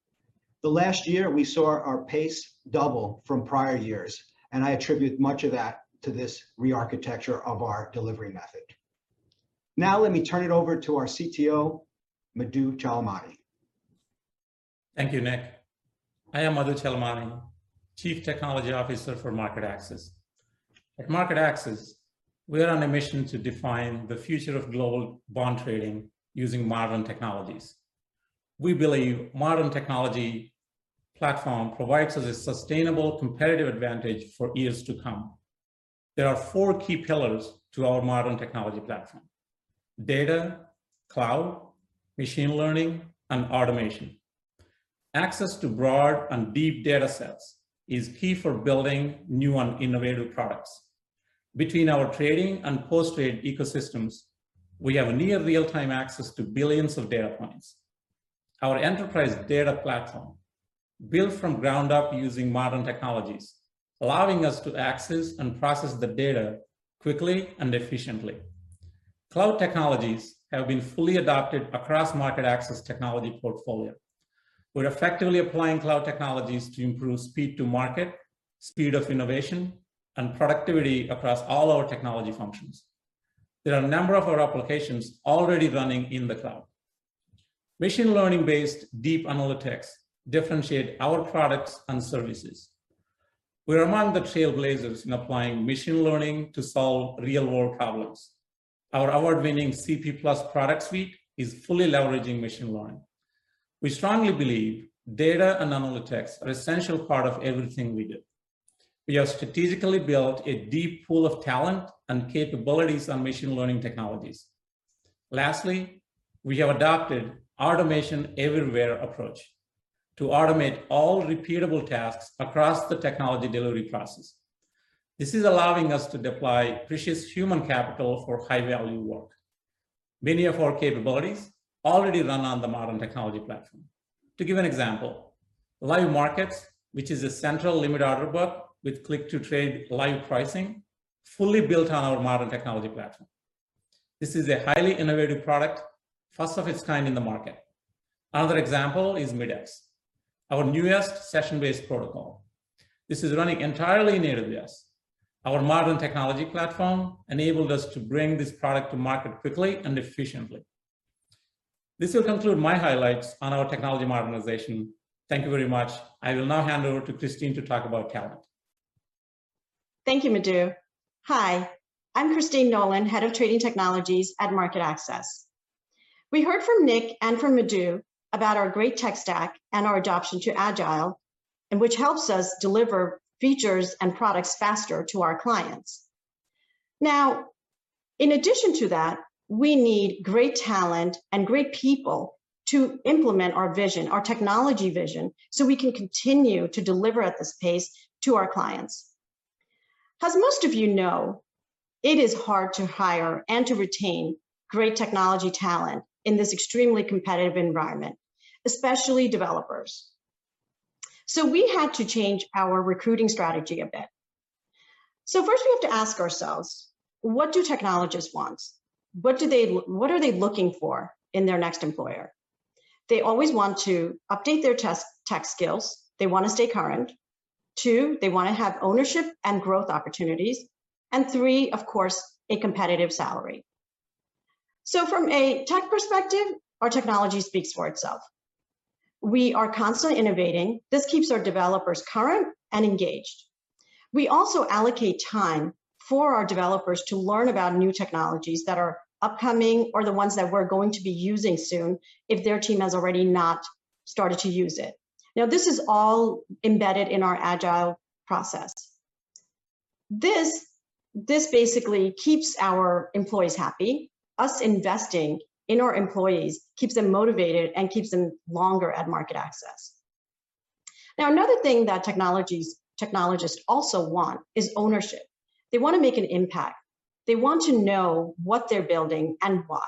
The last year, we saw our pace double from prior years, and I attribute much of that to this rearchitecture of our delivery method. Now let me turn it over to our CTO, Madhu Chalamani. Thank you, Nick. I am Madhu Chalamani, Chief Technology Officer for MarketAxess. At MarketAxess, we are on a mission to define the future of global bond trading using modern technologies. We believe modern technology platform provides us a sustainable competitive advantage for years to come. There are four key pillars to our modern technology platform: data, cloud, machine learning, and automation. Access to broad and deep data sets is key for building new and innovative products. Between our trading and post-trade ecosystems, we have a near real-time access to billions of data points. Our enterprise data platform built from ground up using modern technologies, allowing us to access and process the data quickly and efficiently. Cloud technologies have been fully adopted across MarketAxess' technology portfolio. We're effectively applying cloud technologies to improve speed to market, speed of innovation, and productivity across all our technology functions. There are a number of our applications already running in the cloud. Machine learning-based deep analytics differentiate our products and services. We're among the trailblazers in applying machine learning to solve real-world problems. Our award-winning CP+ product suite is fully leveraging machine learning. We strongly believe data and analytics are essential part of everything we do. We have strategically built a deep pool of talent and capabilities on machine learning technologies. Lastly, we have adopted automation everywhere approach to automate all repeatable tasks across the technology delivery process. This is allowing us to deploy precious human capital for high-value work. Many of our capabilities already run on the modern technology platform. To give an example, Live Markets, which is a central limit order book with click-to-trade live pricing, fully built on our modern technology platform. This is a highly innovative product, first of its kind in the market. Another example is Mid-X, our newest session-based protocol. This is running entirely natively. Yes, our modern technology platform enabled us to bring this product to market quickly and efficiently. This will conclude my highlights on our technology modernization. Thank you very much. I will now hand over to Christine to talk about talent. Thank you, Madhu. Hi, I am Christine Nolan, Head of Trading Technologies at MarketAxess. We heard from Nick and from Madhu about our great tech stack and our adoption to Agile, which helps us deliver features and products faster to our clients. In addition to that, we need great talent and great people to implement our vision, our technology vision, so we can continue to deliver at this pace to our clients. As most of you know, it is hard to hire and to retain great technology talent in this extremely competitive environment, especially developers, we had to change our recruiting strategy a bit. First we have to ask ourselves, "What do technologists want? What are they looking for in their next employer?" They always want to update their tech skills. They wanna stay current. Two, they wanna have ownership and growth opportunities. Three, of course, a competitive salary. From a tech perspective, our technology speaks for itself. We are constantly innovating. This keeps our developers current and engaged. We also allocate time for our developers to learn about new technologies that are upcoming or the ones that we're going to be using soon if their team has already not started to use it. Now, this is all embedded in our Agile process. This basically keeps our employees happy. Us investing in our employees keeps them motivated and keeps them longer at MarketAxess. Now, another thing that technologists also want is ownership. They wanna make an impact. They want to know what they're building and why.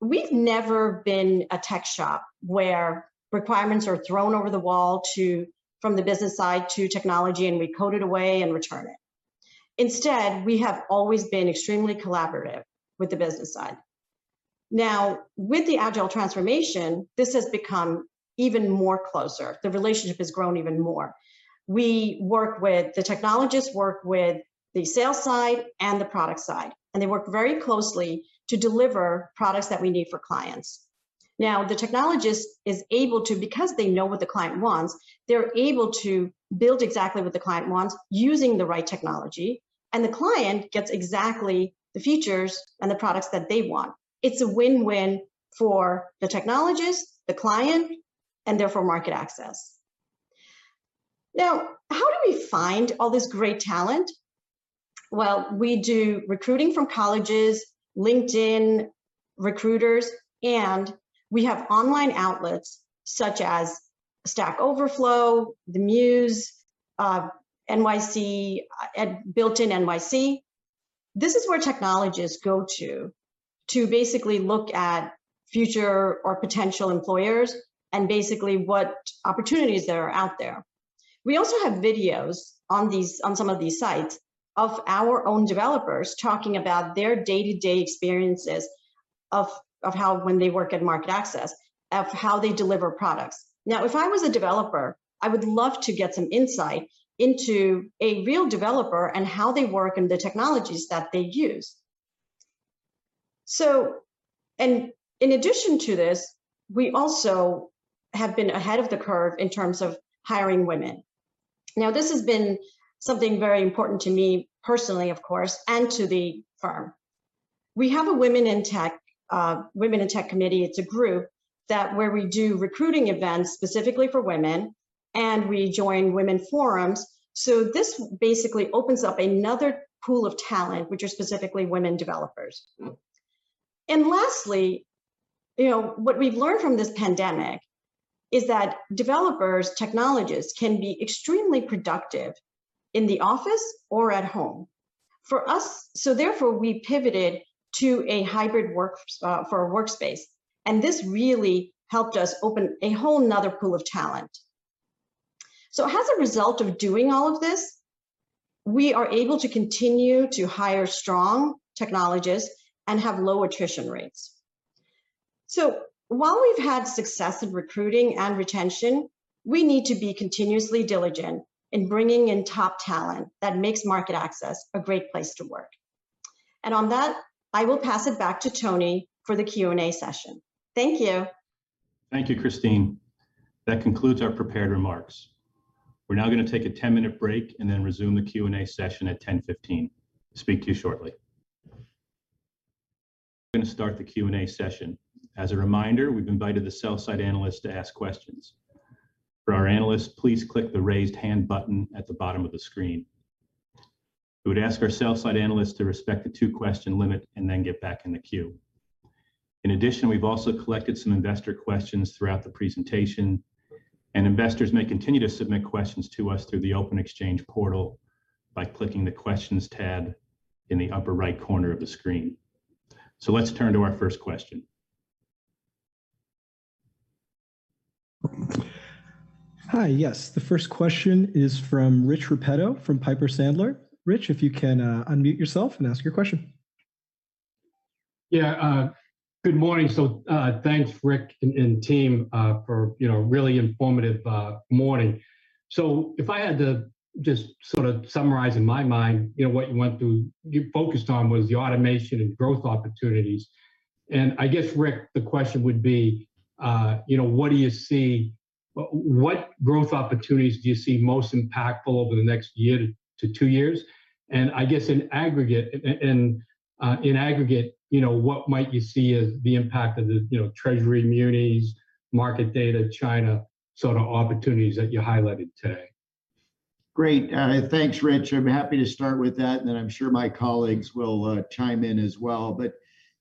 We've never been a tech shop where requirements are thrown over the wall from the business side to technology, and we code it away and return it. Instead, we have always been extremely collaborative with the business side. Now, with the Agile transformation, this has become even more closer. The relationship has grown even more. The technologists work with the sales side and the product side, and they work very closely to deliver products that we need for clients. Now, the technologist is able to, because they know what the client wants, they're able to build exactly what the client wants using the right technology, and the client gets exactly the features and the products that they want. It's a win-win for the technologist, the client, and therefore MarketAxess. Now, how do we find all this great talent? Well, we do recruiting from colleges, LinkedIn recruiters, and we have online outlets such as Stack Overflow, The Muse, Built In NYC. This is where technologists go to basically look at future or potential employers and basically what opportunities there are out there. We also have videos on some of these sites of our own developers talking about their day-to-day experiences of how when they work at MarketAxess, of how they deliver products. If I was a developer, I would love to get some insight into a real developer and how they work and the technologies that they use. In addition to this, we also have been ahead of the curve in terms of hiring women. This has been something very important to me personally, of course, and to the firm. We have a Women in Tech committee. It's a group that where we do recruiting events specifically for women, and we join women forums. This basically opens up another pool of talent, which are specifically women developers. Lastly, you know, what we've learned from this pandemic is that developers, technologists can be extremely productive in the office or at home. Therefore, we pivoted to a hybrid workspace, and this really helped us open a whole another pool of talent. As a result of doing all of this, we are able to continue to hire strong technologists and have low attrition rates. While we've had success in recruiting and retention, we need to be continuously diligent in bringing in top talent that makes MarketAxess a great place to work. On that, I will pass it back to Tony for the Q&A session. Thank you. Thank you, Christine. That concludes our prepared remarks. We're now gonna take a 10-minute break and then resume the Q&A session at 10:15 A.M. Speak to you shortly. Gonna start the Q&A session. As a reminder, we've invited the sell-side analysts to ask questions. For our analysts, please click the Raise Hand button at the bottom of the screen. We would ask our sell-side analysts to respect the two-question limit and then get back in the queue. In addition, we've also collected some investor questions throughout the presentation, and investors may continue to submit questions to us through the Open Exchange portal by clicking the Questions tab in the upper right corner of the screen. Let's turn to our first question. Hi, yes. The first question is from Rich Repetto from Piper Sandler. Rich, if you can unmute yourself and ask your question. Good morning. Thanks, Rick and team, for, you know, really informative morning. If I had to just sort of summarize in my mind, you know, what you went through, you focused on was the automation and growth opportunities. I guess, Rick, the question would be, you know, what growth opportunities do you see most impactful over the next one to two years? I guess in aggregate, in aggregate, you know, what might you see as the impact of the, you know, Treasury munis, market data, China sort of opportunities that you highlighted today? Great. Thanks, Rich. I'm happy to start with that, and then I'm sure my colleagues will chime in as well.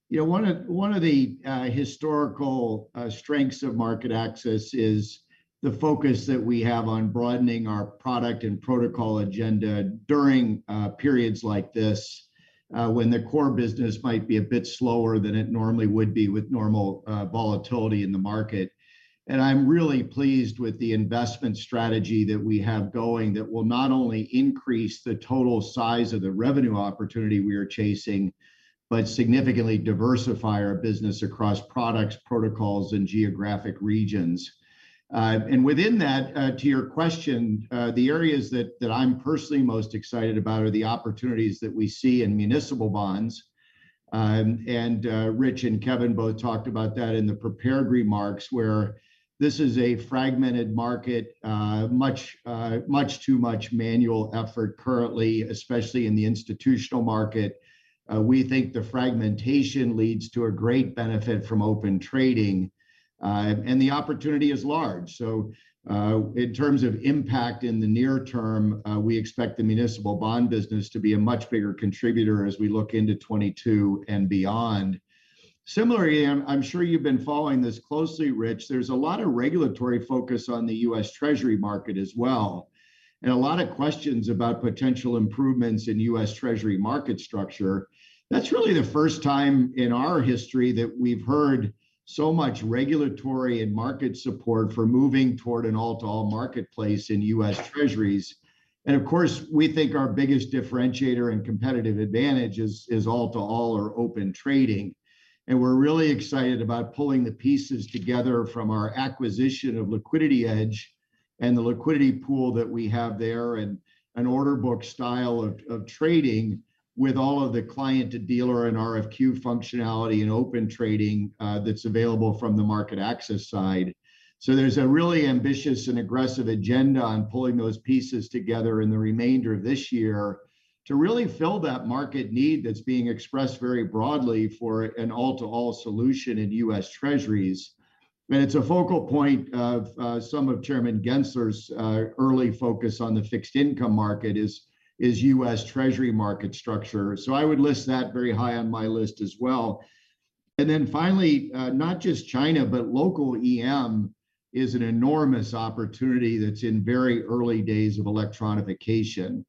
You know, one of the historical strengths of MarketAxess is the focus that we have on broadening our product and protocol agenda during periods like this, when the core business might be a bit slower than it normally would be with normal volatility in the market. I'm really pleased with the investment strategy that we have going that will not only increase the total size of the revenue opportunity we are chasing, but significantly diversify our business across products, protocols, and geographic regions. Within that, to your question, the areas that I'm personally most excited about are the opportunities that we see in municipal bonds. Rich and Kevin both talked about that in the prepared remarks, where this is a fragmented market, much too much manual effort currently, especially in the institutional market. We think the fragmentation leads to a great benefit from Open Trading, and the opportunity is large. In terms of impact in the near term, we expect the municipal bond business to be a much bigger contributor as we look into 2022 and beyond. Similarly, I'm sure you've been following this closely, Rich, there's a lot of regulatory focus on the U.S. Treasury market as well, a lot of questions about potential improvements in U.S. Treasury market structure. That's really the first time in our history that we've heard so much regulatory and market support for moving toward an all-to-all marketplace in U.S. Treasuries. Of course, we think our biggest differentiator and competitive advantage is all-to-all or Open Trading. We're really excited about pulling the pieces together from our acquisition of LiquidityEdge and the liquidity pool that we have there and an order book style of trading with all of the client to dealer and RFQ functionality and Open Trading that's available from the MarketAxess side. There's a really ambitious and aggressive agenda on pulling those pieces together in the remainder of this year to really fill that market need that's being expressed very broadly for an all-to-all solution in U.S. Treasuries. It's a focal point of some of Chairman Gensler's early focus on the fixed income market is U.S. Treasury market structure. I would list that very high on my list as well. Then finally, not just China, but local EM is an enormous opportunity that's in very early days of electronification.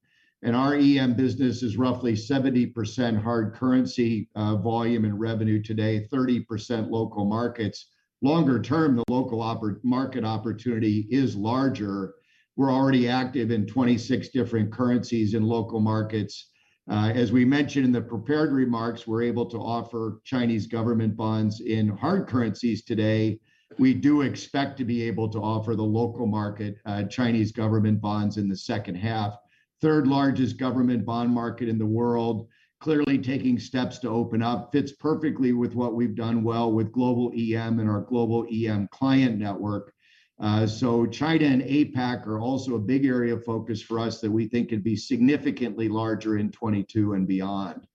Our EM business is roughly 70% hard currency volume and revenue today, 30% local markets. Longer term, the local market opportunity is larger. We're already active in 26 different currencies in local markets. As we mentioned in the prepared remarks, we're able to offer Chinese Government Bonds in hard currencies today. We do expect to be able to offer the local market Chinese Government Bonds in the second half. Third largest government bond market in the world, clearly taking steps to open up. Fits perfectly with what we've done well with global EM and our global EM client network. China and APAC are also a big area of focus for us that we think could be significantly larger in 2022 and beyond.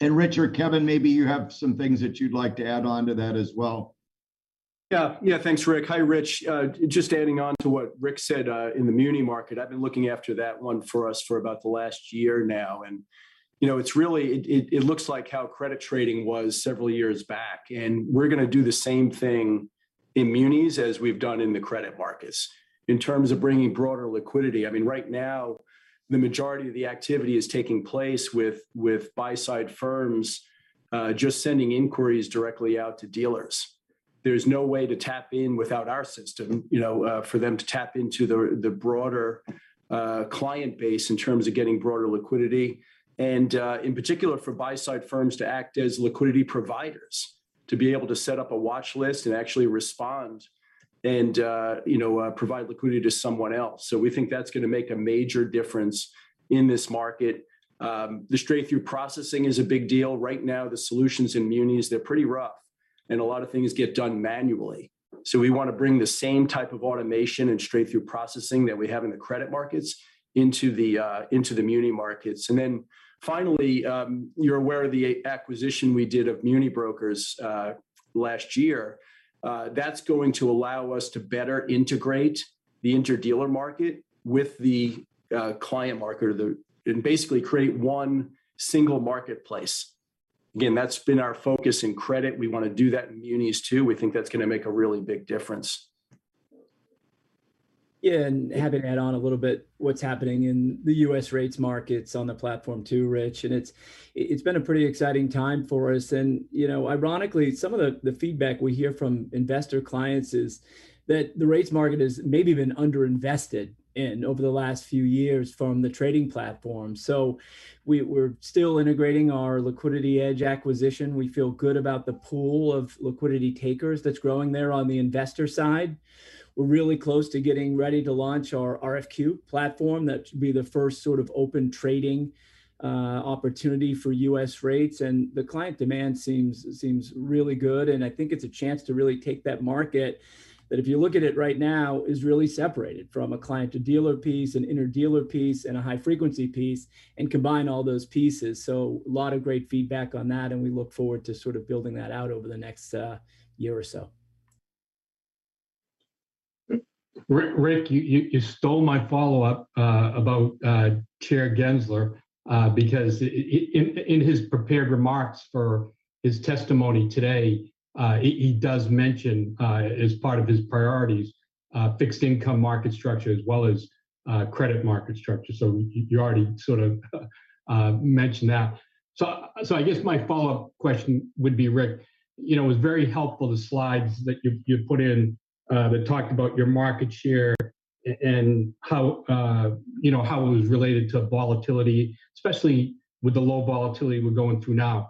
Richard, Kevin, maybe you have some things that you'd like to add on to that as well. Yeah. Yeah. Thanks, Rick. Hi, Rich. Just adding on to what Rick said, in the muni market, I've been looking after that one for us for about the last year now, and, you know, it's really, it looks like how credit trading was several years back, and we're gonna do the same thing in munis as we've done in the credit markets in terms of bringing broader liquidity. I mean, right now the majority of the activity is taking place with buy-side firms, just sending inquiries directly out to dealers. There's no way to tap in without our system, you know, for them to tap into the broader client base in terms of getting broader liquidity and in particular for buy side firms to act as liquidity providers, to be able to set up a watch list and actually respond and you know, provide liquidity to someone else. We think that's gonna make a major difference in this market. The straight-through processing is a big deal. Right now the solutions in munis, they're pretty rough, and a lot of things get done manually. We want to bring the same type of automation and straight-through processing that we have in the credit markets into the muni markets. Finally, you're aware of the acquisition we did of MuniBrokers last year. That's going to allow us to better integrate the inter-dealer market with the client market and basically create one single marketplace. That's been our focus in credit. We want to do that in munis too. We think that's gonna make a really big difference. Yeah, happy to add on a little bit what's happening in the U.S. rates markets on the platform too, Rich, it's been a pretty exciting time for us. You know, ironically, some of the feedback we hear from investor clients is that the rates market has maybe been under-invested in over the last few years from the trading platform. We're still integrating our LiquidityEdge acquisition. We feel good about the pool of liquidity takers that's growing there on the investor side. We're really close to getting ready to launch our RFQ platform. That should be the first sort of Open Trading opportunity for U.S. rates, the client demand seems really good, I think it's a chance to really take that market that if you look at it right now, is really separated from a client to dealer piece, an inter-dealer piece, and a high frequency piece and combine all those pieces. Lot of great feedback on that, and we look forward to sort of building that out over the next year or so. Rick, you stole my follow-up about Chair Gensler, because in his prepared remarks for his testimony today, he does mention as part of his priorities, fixed income market structure as well as credit market structure. You already sort of mentioned that. I guess my follow-up question would be, Rick, you know, it was very helpful, the slides that you put in that talked about your market share and how, you know, how it was related to volatility, especially with the low volatility we're going through now.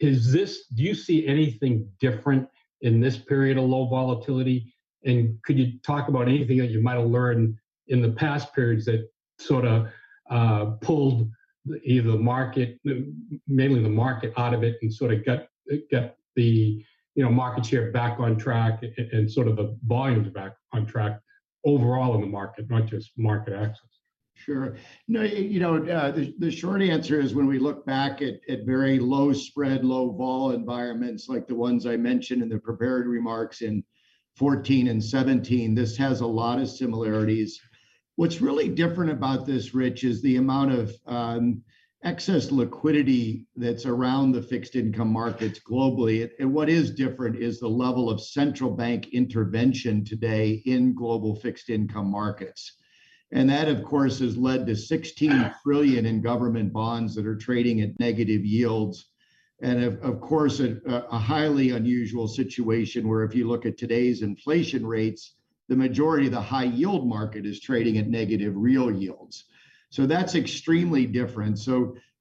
Do you see anything different in this period of low volatility, and could you talk about anything that you might have learned in the past periods that sort of pulled either the market, maybe the market out of it and sort of got the, you know, market share back on track and sort of the volumes back on track overall in the market, not just MarketAxess? Sure. No, you know, the short answer is when we look back at very low spread, low vol environments like the ones I mentioned in the prepared remarks in 2014 and 2017, this has a lot of similarities. What's really different about this, Rich, is the amount of excess liquidity that's around the fixed income markets globally. What is different is the level of central bank intervention today in global fixed income markets, and that, of course, has led to $16 trillion in government bonds that are trading at negative yields. Of course, a highly unusual situation where if you look at today's inflation rates, the majority of the high yield market is trading at negative real yields. That's extremely different.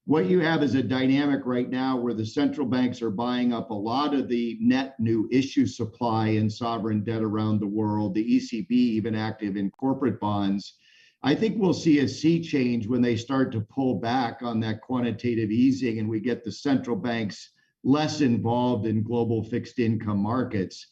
What you have is a dynamic right now where the central banks are buying up a lot of the net new issue supply and sovereign debt around the world, the ECB even active in corporate bonds. I think we'll see a sea change when they start to pull back on that quantitative easing, and we get the central banks less involved in global fixed income markets.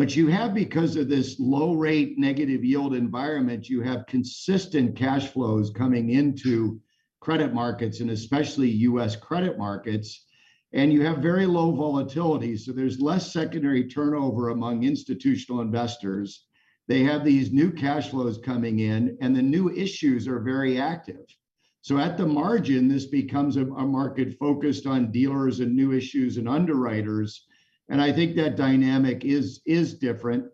You have because of this low rate negative yield environment, you have consistent cash flows coming into credit markets, and especially U.S. credit markets. You have very low volatility. There's less secondary turnover among institutional investors. They have these new cash flows coming in, and the new issues are very active. At the margin, this becomes a market focused on dealers and new issues and underwriters. I think that dynamic is different.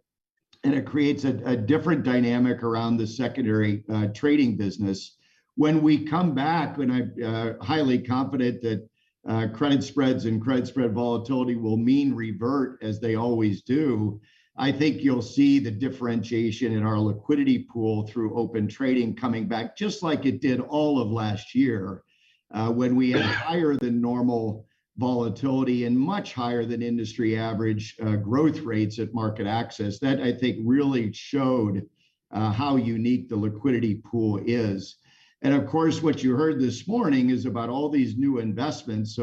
It creates a different dynamic around the secondary trading business. When we come back, I'm highly confident that credit spreads and credit spread volatility will mean revert as they always do. I think you'll see the differentiation in our liquidity pool through Open Trading coming back just like it did all of last year when we had higher than normal volatility and much higher than industry average growth rates at MarketAxess. That I think really showed how unique the liquidity pool is. Of course, what you heard this morning is about all these new investments.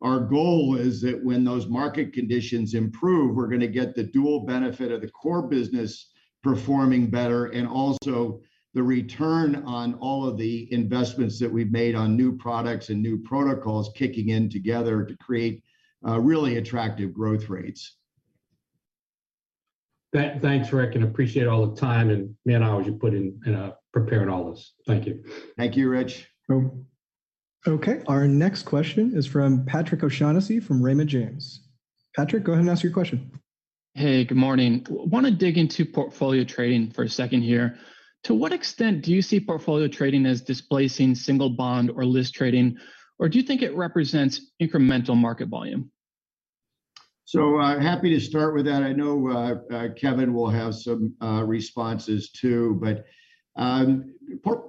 Our goal is that when those market conditions improve, we're gonna get the dual benefit of the core business performing better, and also the return on all of the investments that we've made on new products and new protocols kicking in together to create really attractive growth rates. Thanks, Rick, and appreciate all the time and man-hours you put in preparing all this. Thank you. Thank you, Rich. Okay. Our next question is from Patrick O'Shaughnessy from Raymond James. Patrick, go ahead and ask your question. Hey, good morning. Wanna dig into portfolio trading for a second here. To what extent do you see portfolio trading as displacing single bond or list trading? Or do you think it represents incremental market volume? Happy to start with that. I know Kevin will have some responses too, but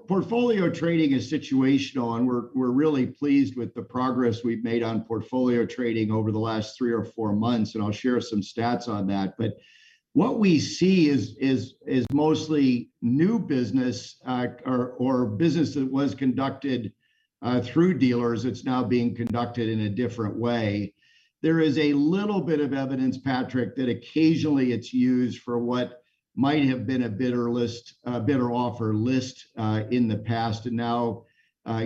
portfolio trading is situational, and we're really pleased with the progress we've made on portfolio trading over the last three or four months, and I'll share some stats on that. What we see is mostly new business, or business that was conducted through dealers, it's now being conducted in a different way. There is a little bit of evidence, Patrick, that occasionally it's used for what might have been a bid list, a bid or offer list in the past. Now,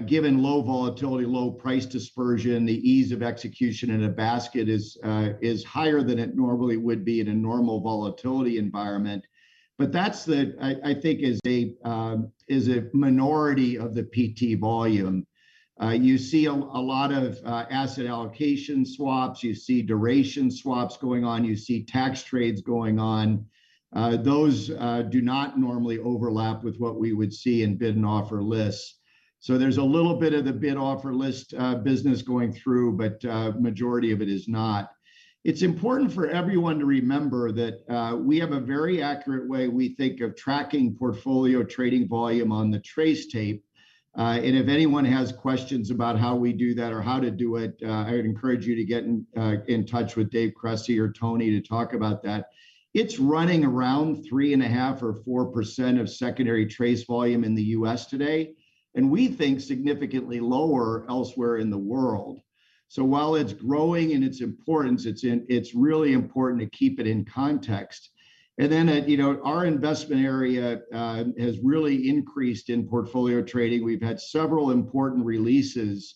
given low volatility, low price dispersion, the ease of execution in a basket is higher than it normally would be in a normal volatility environment. That's the I think is a minority of the PT volume. You see a lot of asset allocation swaps. You see duration swaps going on. You see tax trades going on. Those do not normally overlap with what we would see in bid and offer lists. There's a little bit of the bid offer list business going through, but majority of it is not. It's important for everyone to remember that we have a very accurate way we think of tracking portfolio trading volume on the TRACE tape. And if anyone has questions about how we do that or how to do it, I would encourage you to get in touch with David Krein or Tony to talk about that. It's running around 3.5% or 4% of secondary TRACE volume in the U.S. today, and we think significantly lower elsewhere in the world. While it's growing in its importance, it's really important to keep it in context. Then, you know, our investment area has really increased in portfolio trading. We've had several important releases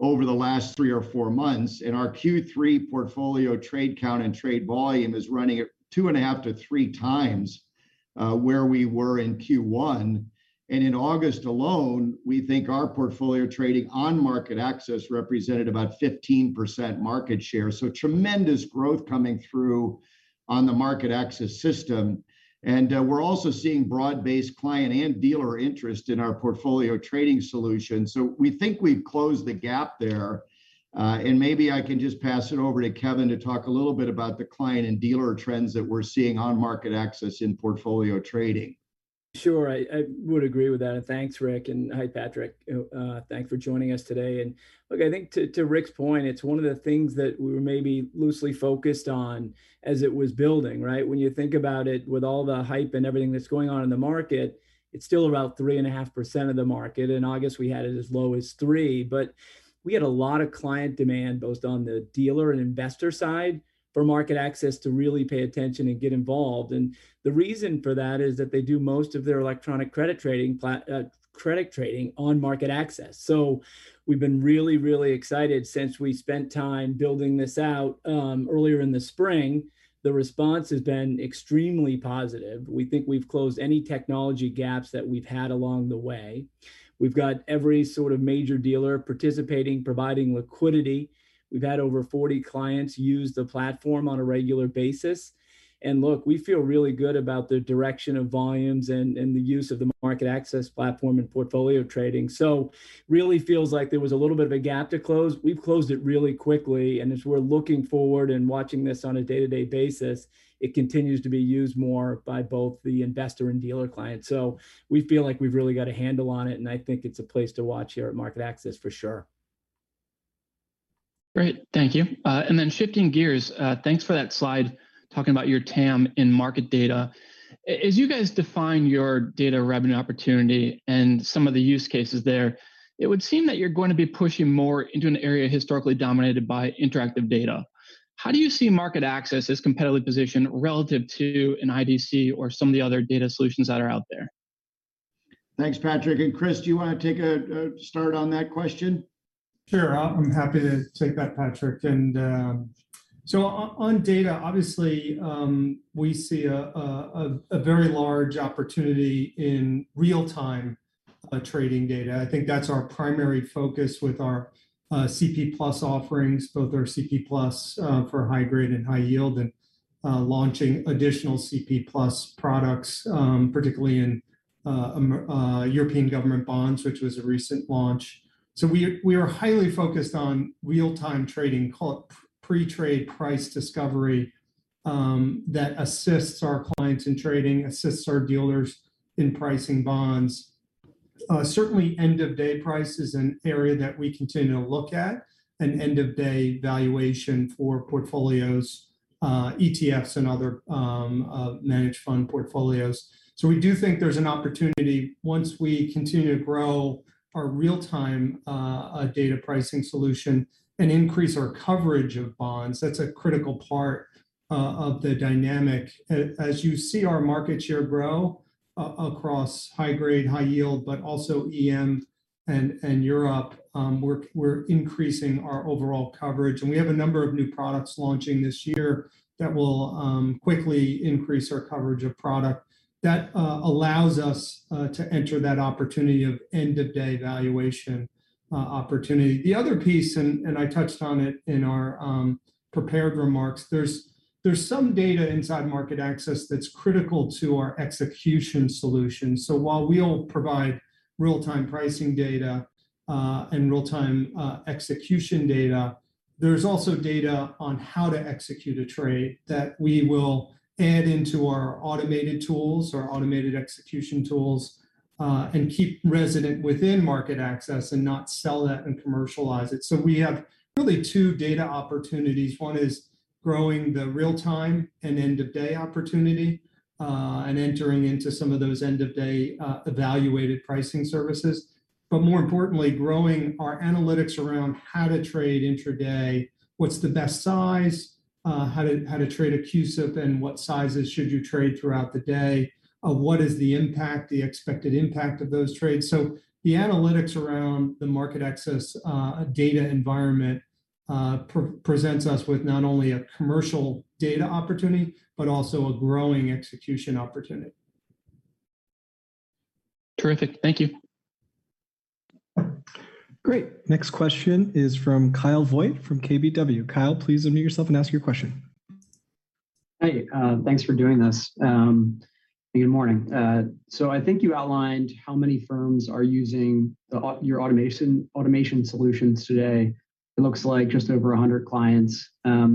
over the last three or four months, and our Q3 portfolio trade count and trade volume is running at 2.5x to 3x where we were in Q1. In August alone, we think our portfolio trading on MarketAxess represented about 15% market share. Tremendous growth coming through on the MarketAxess system. We're also seeing broad-based client and dealer interest in our portfolio trading solution. We think we've closed the gap there. Maybe I can just pass it over to Kevin to talk a little bit about the client and dealer trends that we're seeing on MarketAxess in portfolio trading. Sure. I would agree with that. Thanks, Rick, and hi, Patrick. Thanks for joining us today. Look, I think to Rick's point, it's one of the things that we were maybe loosely focused on as it was building, right? When you think about it, with all the hype and everything that's going on in the market, it's still about 3.5% of the market. In August, we had it as low as 3%. We had a lot of client demand, both on the dealer and investor side, for MarketAxess to really pay attention and get involved. The reason for that is that they do most of their electronic credit trading on MarketAxess. We've been really, really excited since we spent time building this out earlier in the spring. The response has been extremely positive. We think we've closed any technology gaps that we've had along the way. We've got every sort of major dealer participating, providing liquidity. We've had over 40 clients use the platform on a regular basis. Look, we feel really good about the direction of volumes and the use of the MarketAxess platform in portfolio trading. Really feels like there was a little bit of a gap to close. We've closed it really quickly, as we're looking forward and watching this on a day-to-day basis, it continues to be used more by both the investor and dealer client. We feel like we've really got a handle on it, and I think it's a place to watch here at MarketAxess for sure. Great. Thank you. Shifting gears, thanks for that slide talking about your TAM in market data. As you guys define your data revenue opportunity and some of the use cases there, it would seem that you're going to be pushing more into an area historically dominated by Interactive Data. How do you see MarketAxess as competitively positioned relative to an IDC or some of the other data solutions that are out there? Thanks, Patrick. Chris, do you wanna take a start on that question? Sure. I'm happy to take that, Patrick. On data, obviously, we see a very large opportunity in real time trading data. I think that's our primary focus with our Composite+ offerings, both our Composite+ for high grade and high yield, and launching additional Composite+ products, particularly in European government bonds, which was a recent launch. We are highly focused on real-time trading, call it pre-trade price discovery, that assists our clients in trading, assists our dealers in pricing bonds. Certainly end-of-day price is an area that we continue to look at, and end-of-day valuation for portfolios, ETFs and other managed fund portfolios. We do think there's an opportunity once we continue to grow our real-time data pricing solution and increase our coverage of bonds. That's a critical part of the dynamic. As you see our market share grow across high grade, high yield, but also EM and Europe, we're increasing our overall coverage. We have a number of new products launching this year that will quickly increase our coverage of product. That allows us to enter that opportunity of end-of-day valuation opportunity. The other piece, and I touched on it in our prepared remarks, there's some data inside MarketAxess that's critical to our execution solution. While we'll provide real-time pricing data, and real-time execution data, there's also data on how to execute a trade that we will add into our automated tools, our automated execution tools, and keep resident within MarketAxess and not sell that and commercialize it. We have really two data opportunities. One is growing the real time and end-of-day opportunity, and entering into some of those end-of-day evaluated pricing services. More importantly, growing our analytics around how to trade intraday, what's the best size, how to trade a CUSIP, and what sizes should you trade throughout the day. What is the impact, the expected impact of those trades? The analytics around the MarketAxess data environment presents us with not only a commercial data opportunity, but also a growing execution opportunity. Terrific. Thank you. Great. Next question is from Kyle Voigt from KBW. Kyle, please unmute yourself and ask your question. Thanks for doing this. Good morning. I think you outlined how many firms are using your automation solutions today. It looks like just over 100 clients. I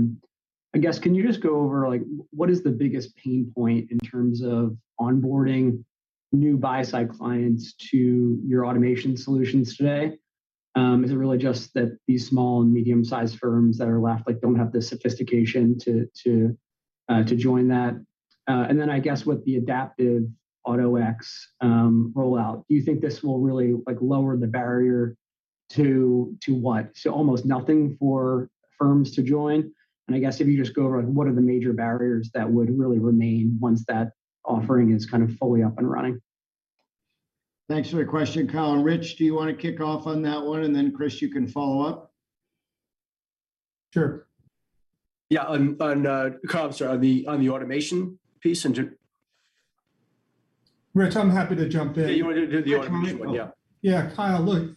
guess, can you just go over, like, what is the biggest pain point in terms of onboarding new buy-side clients to your automation solutions today? Is it really just that these small and medium-sized firms that are left, like, don't have the sophistication to join that? I guess with the Adaptive Auto-X rollout, do you think this will really, like, lower the barrier to what? To almost nothing for firms to join? I guess if you just go over, like, what are the major barriers that would really remain once that offering is kind of fully up and running? Thanks for the question, Kyle. Rich, do you wanna kick off on that one? Chris, you can follow up. Sure. Yeah, on Kyle, I'm sorry. On the automation piece? Rich, I'm happy to jump in. Yeah, you wanna do the automation one? Yeah. Yeah, Kyle, look,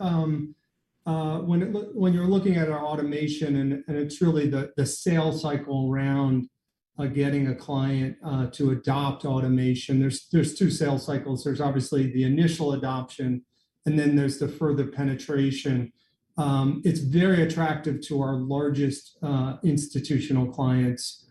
when you're looking at our automation and it's really the sales cycle around getting a client to adopt automation, there's two sales cycles. There's obviously the initial adoption, and then there's the further penetration. It's very attractive to our largest institutional clients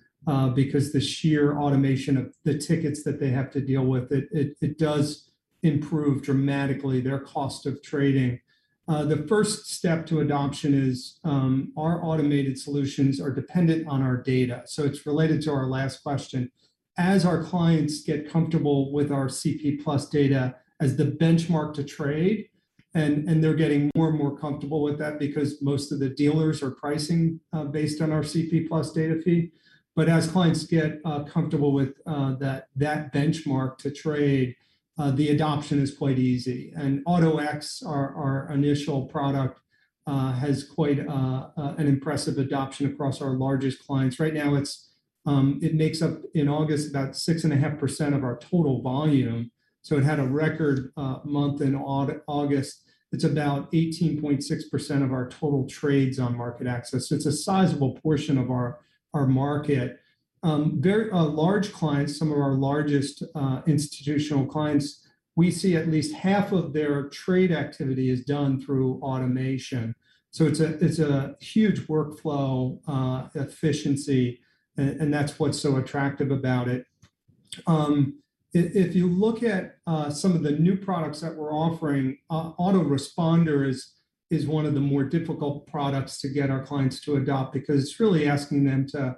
because the sheer automation of the tickets that they have to deal with, it does improve dramatically their cost of trading. The first step to adoption is our automated solutions are dependent on our data, so it's related to our last question. As our clients get comfortable with our Composite+ data as the benchmark to trade, and they're getting more and more comfortable with that because most of the dealers are pricing based on our Composite+ data feed. As clients get comfortable with that benchmark to trade, the adoption is quite easy. Auto-X, our initial product, has quite an impressive adoption across our largest clients. Right now it makes up in August about 6.5% of our total volume, so it had a record month in August. It's about 18.6% of our total trades on MarketAxess. It's a sizable portion of our market. Very large clients, some of our largest institutional clients, we see at least half of their trade activity is done through automation. It's a huge workflow efficiency. That's what's so attractive about it. If you look at some of the new products that we're offering, Auto-Responder is one of the more difficult products to get our clients to adopt because it's really asking them to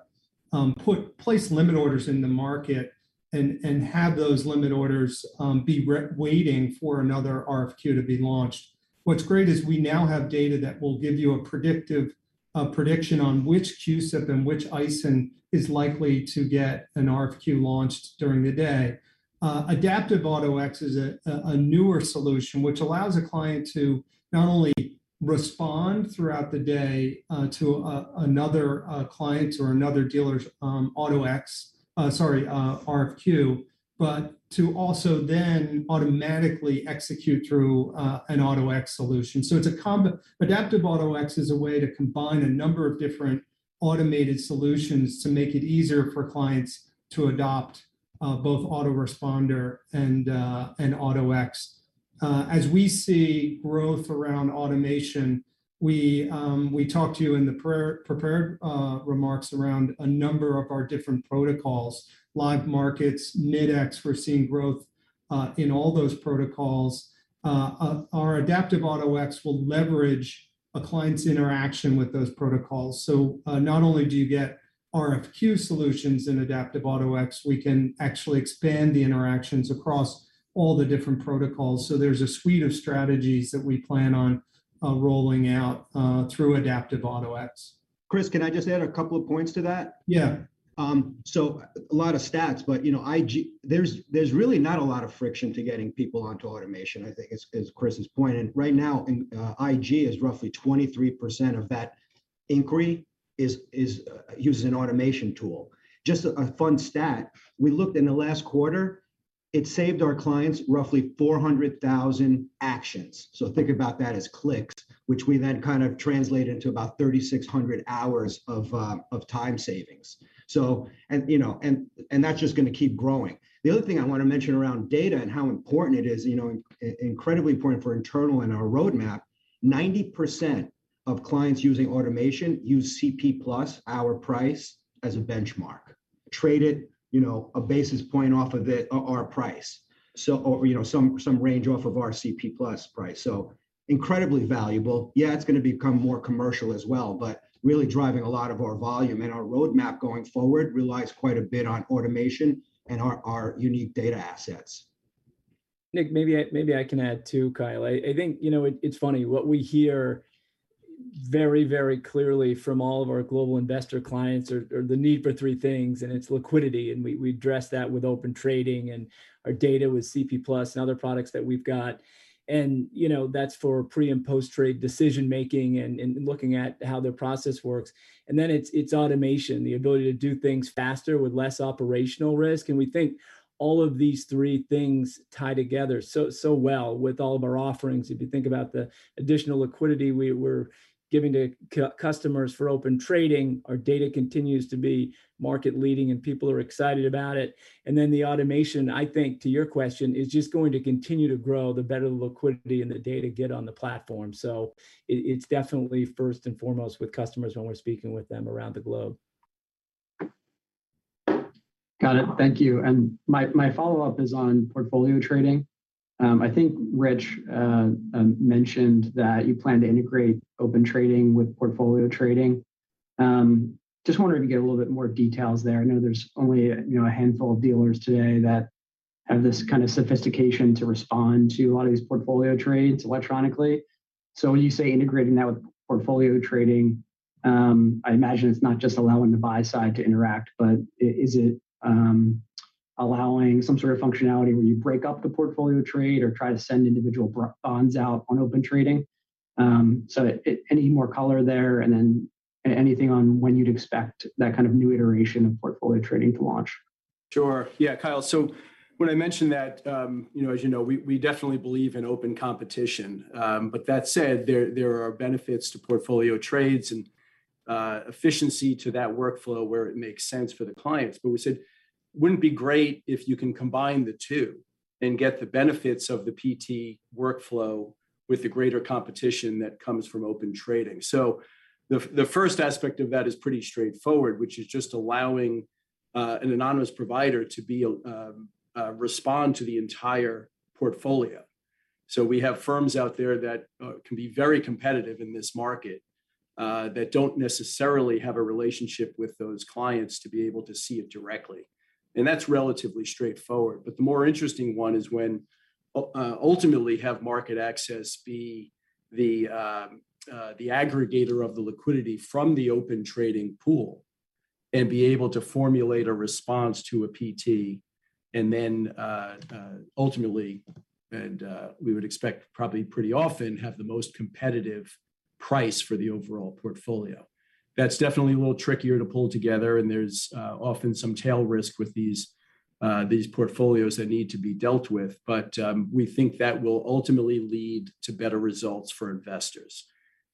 place limit orders in the market and have those limit orders waiting for another RFQ to be launched. What's great is we now have data that will give you a prediction on which CUSIP and which ISIN is likely to get an RFQ launched during the day. Adaptive Auto-X is a newer solution which allows a client to not only respond throughout the day to another client or another dealer's RFQ, but to also then automatically execute through an Auto-X solution. It's Adaptive Auto-X is a way to combine a number of different automated solutions to make it easier for clients to adopt both Auto-Responder and Auto-X. As we see growth around automation, we talked to you in the prepared remarks around a number of our different protocols. Live Markets, Mid-X, we're seeing growth in all those protocols. Our Adaptive Auto-X will leverage a client's interaction with those protocols. Not only do you get RFQ solutions in Adaptive Auto-X, we can actually expand the interactions across all the different protocols. There's a suite of strategies that we plan on rolling out through Adaptive Auto-X. Chris, can I just add a couple of points to that? Yeah. A lot of stats, but, you know, IG. There's really not a lot of friction to getting people onto automation, I think is Chris's point. Right now in IG, roughly 23% of that inquiry uses an automation tool. Just a fun stat. We looked in the last quarter, it saved our clients roughly 400,000 actions. Think about that as clicks, which we then kind of translate into about 3,600 hours of time savings. You know, that's just gonna keep growing. The other thing I wanna mention around data and how important it is, you know, incredibly important for internal and our roadmap, 90% of clients using automation use CP+, our price, as a benchmark. Traded, you know, a basis point off of it, our price. You know, some range off of our CP+ price. Incredibly valuable. It's gonna become more commercial as well, but really driving a lot of our volume, and our roadmap going forward relies quite a bit on automation and our unique data assets. Nick, maybe I can add too, Kyle. I think, you know, it's funny, what we hear very, very clearly from all of our global investor clients are the need for three things, and it's liquidity, and we address that with Open Trading and our data with CP+ and other products that we've got. You know, that's for pre- and post-trade decision-making and looking at how the process works. Then it's automation, the ability to do things faster with less operational risk. We think all of these three things tie together so well with all of our offerings. If you think about the additional liquidity we were giving to customers for Open Trading, our data continues to be market leading and people are excited about it. The automation, I think to your question, is just going to continue to grow the better liquidity and the data get on the platform. It's definitely first and foremost with customers when we're speaking with them around the globe. Got it. Thank you. My, my follow-up is on portfolio trading. I think Rich mentioned that you plan to integrate Open Trading with portfolio trading. Just wondering if you could get a little bit more details there. I know there's only, you know, a handful of dealers today that have this kind of sophistication to respond to a lot of these portfolio trades electronically. When you say integrating that with portfolio trading, I imagine it's not just allowing the buy side to interact, but is it allowing some sort of functionality where you break up the portfolio trade or try to send individual bonds out on Open Trading? Any more color there and then anything on when you'd expect that kind of new iteration of portfolio trading to launch? Sure. Yeah, Kyle. When I mentioned that, you know, as you know, we definitely believe in open competition. That said, there are benefits to portfolio trades and efficiency to that workflow where it makes sense for the clients. We said, wouldn't it be great if you can combine the two and get the benefits of the PT workflow with the greater competition that comes from Open Trading? The first aspect of that is pretty straightforward, which is just allowing an anonymous provider to be respond to the entire portfolio. We have firms out there that can be very competitive in this market that don't necessarily have a relationship with those clients to be able to see it directly. That's relatively straightforward. The more interesting one is when ultimately have MarketAxess be the aggregator of the liquidity from the Open Trading pool and be able to formulate a response to a PT and then ultimately, we would expect probably pretty often have the most competitive price for the overall portfolio. That's definitely a little trickier to pull together, and there's often some tail risk with these portfolios that need to be dealt with. We think that will ultimately lead to better results for investors,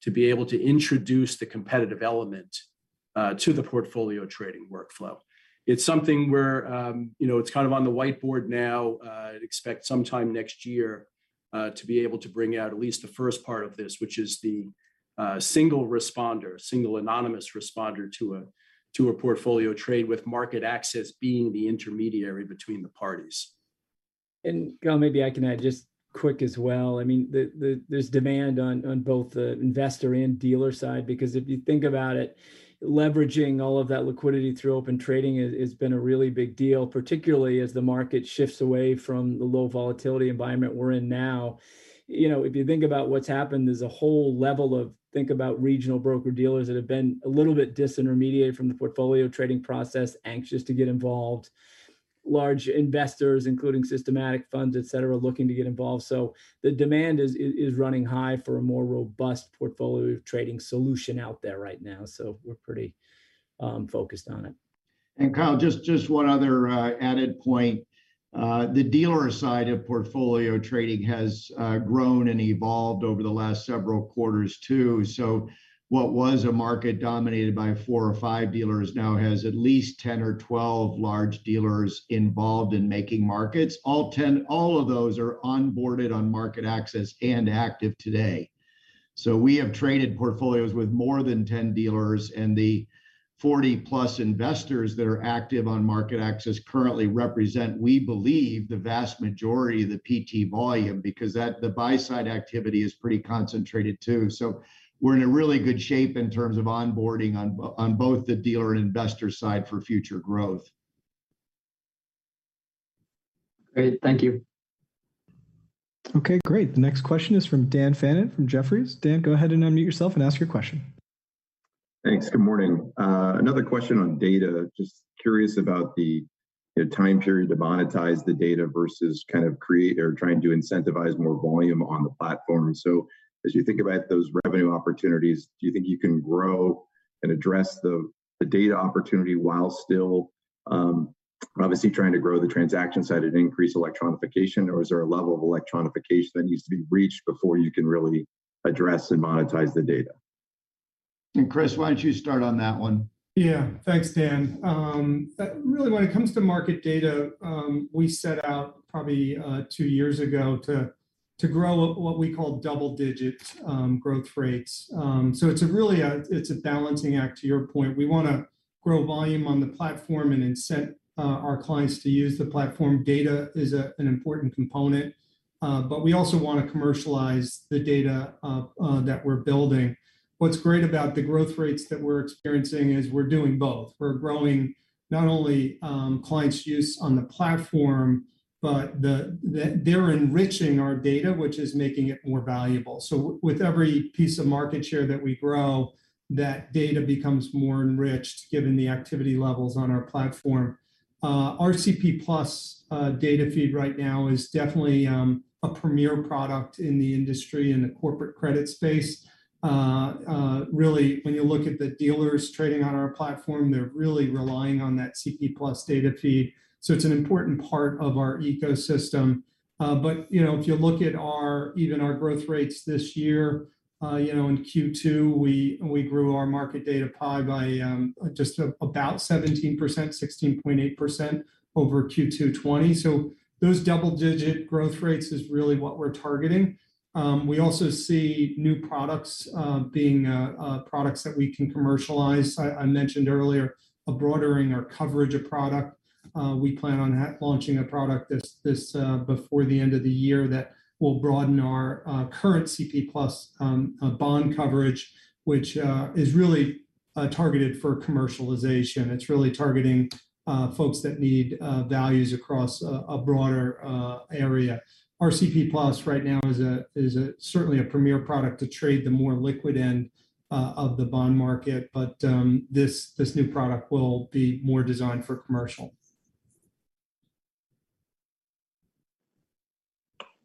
to be able to introduce the competitive element to the portfolio trading workflow. It's something where, you know, it's kind of on the whiteboard now. I'd expect sometime next year to be able to bring out at least the first part of this, which is the single responder, single anonymous responder to a portfolio trade with MarketAxess being the intermediary between the parties. Kyle, maybe I can add just quick as well. I mean, the there's demand on both the investor and dealer side because if you think about it, leveraging all of that liquidity through Open Trading has been a really big deal, particularly as the market shifts away from the low volatility environment we're in now. You know, if you think about what's happened, there's a whole level of think about regional broker-dealers that have been a little bit disintermediated from the portfolio trading process, anxious to get involved, large investors, including systematic funds, et cetera, looking to get involved. The demand is running high for a more robust portfolio trading solution out there right now. We're pretty focused on it. Kyle, just one other added point. The dealer side of portfolio trading has grown and evolved over the last several quarters too. What was a market dominated by four or five dealers now has at least 10 or 12 large dealers involved in making markets. All 10 of those are onboarded on MarketAxess and active today. We have traded portfolios with more than 10 dealers, and the 40+ investors that are active on MarketAxess currently represent, we believe, the vast majority of the PT volume because that the buy side activity is pretty concentrated too. We're in a really good shape in terms of onboarding on both the dealer and investor side for future growth. Great. Thank you. Okay, great. The next question is from Dan Fannon from Jefferies. Dan, go ahead and unmute yourself and ask your question. Thanks. Good morning. Another question on data. Just curious about the, you know, time period to monetize the data versus kind of create or trying to incentivize more volume on the platform. As you think about those revenue opportunities, do you think you can grow and address the data opportunity while still obviously trying to grow the transaction side and increase electronification, or is there a level of electronification that needs to be reached before you can really address and monetize the data? Chris, why don't you start on that one? Thanks, Dan. Really when it comes to market data, we set out probably two years ago to grow what we call double-digit growth rates. It's really a balancing act, to your point. We wanna grow volume on the platform and incent our clients to use the platform. Data is an important component. We also wanna commercialize the data that we're building. What's great about the growth rates that we're experiencing is we're doing both. We're growing not only clients' use on the platform, but they're enriching our data, which is making it more valuable. With every piece of market share that we grow, that data becomes more enriched given the activity levels on our platform. CP+ data feed right now is definitely a premier product in the industry in the corporate credit space. Really when you look at the dealers trading on our platform, they're really relying on that CP+ data feed. It's an important part of our ecosystem. You know, if you look at our, even our growth rates this year, you know, in Q2, we grew our market data pie by just about 17%, 16.8% over Q2 2020. Those double-digit growth rates is really what we're targeting. We also see new products being products that we can commercialize. I mentioned earlier, broadening our coverage of product. We plan on launching a product this, before the end of the year that will broaden our current CP+, bond coverage, which is really targeted for commercialization. It's really targeting folks that need values across a broader area. CP+ right now is certainly a premier product to trade the more liquid end of the bond market. This new product will be more designed for commercial.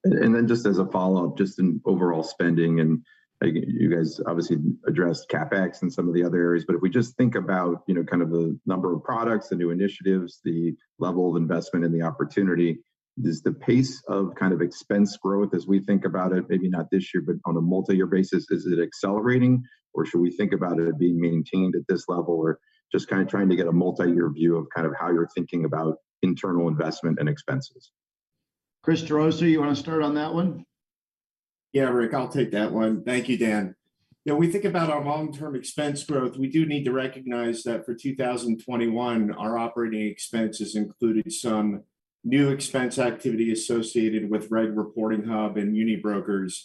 Then just as a follow-up, just in overall spending, and, like, you guys obviously addressed CapEx and some of the other areas. If we just think about, you know, kind of the number of products, the new initiatives, the level of investment and the opportunity, does the pace of kind of expense growth as we think about it, maybe not this year, but on a multi-year basis, is it accelerating, or should we think about it being maintained at this level? Just kind of trying to get a multi-year view of kind of how you're thinking about internal investment and expenses? Chris Gerosa, you wanna start on that one? Yeah, Rick, I'll take that one. Thank you, Dan. You know, we think about our long-term expense growth. We do need to recognize that for 2021, our operating expenses included some new expense activity associated with Regulatory Reporting Hub and MuniBrokers.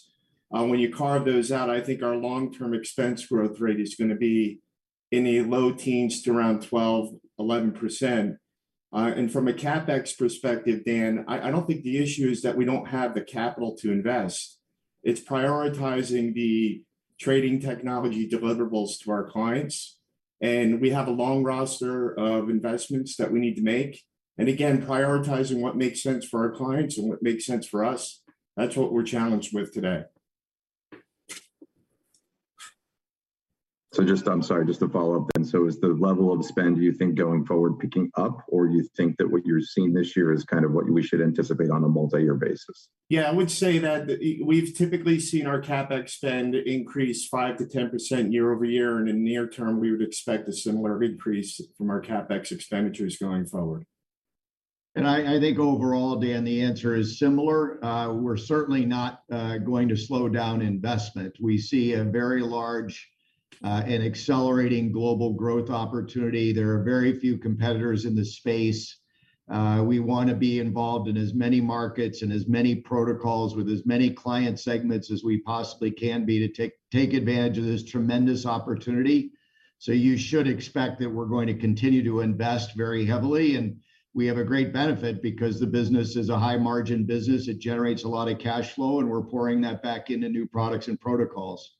When you carve those out, I think our long-term expense growth rate is going to be in the low teens to around 12%, 11%. From a CapEx perspective, Dan, I don't think the issue is that we don't have the capital to invest. It's prioritizing the trading technology deliverables to our clients, and we have a long roster of investments that we need to make. Again, prioritizing what makes sense for our clients and what makes sense for us, that's what we're challenged with today. Just I'm sorry, just to follow up then. Is the level of spend, do you think, going forward picking up, or you think that what you're seeing this year is kind of what we should anticipate on a multi-year basis? Yeah, I would say that, we've typically seen our CapEx spend increase 5%-10% year-over-year. In near term, we would expect a similar increase from our CapEx expenditures going forward. I think overall, Dan, the answer is similar. We're certainly not going to slow down investment. We see a very large and accelerating global growth opportunity. There are very few competitors in this space. We want to be involved in as many markets and as many protocols with as many client segments as we possibly can be to take advantage of this tremendous opportunity. You should expect that we're going to continue to invest very heavily, and we have a great benefit because the business is a high margin business. It generates a lot of cash flow, and we're pouring that back into new products and protocols.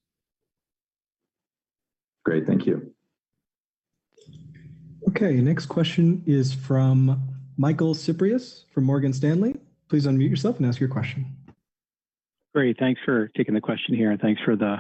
Great. Thank you. Okay. Next question is from Michael Cyprys from Morgan Stanley. Please unmute yourself and ask your question. Great. Thanks for taking the question here, thanks for the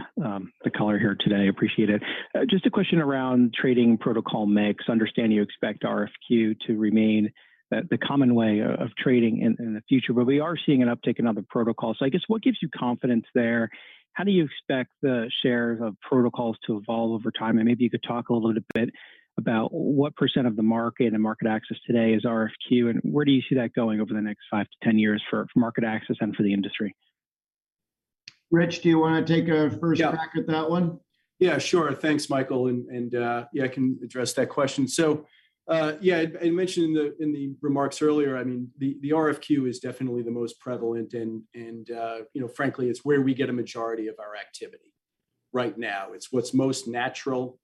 color here today. Appreciate it. Just a question around trading protocol mix. Understand you expect RFQ to remain the common way of trading in the future. We are seeing an uptick in other protocols. I guess what gives you confidence there? How do you expect the shares of protocols to evolve over time? Maybe you could talk a little bit about what percent of the market and MarketAxess today is RFQ, and where do you see that going over the next five to 10 years for MarketAxess and for the industry? Rich, do you wanna take a first-? Yeah. Crack at that one? Thanks, Michael. I can address that question. I mentioned in the remarks earlier, I mean, the RFQ is definitely the most prevalent, and, you know, frankly, it's where we get a majority of our activity right now. It's what's most natural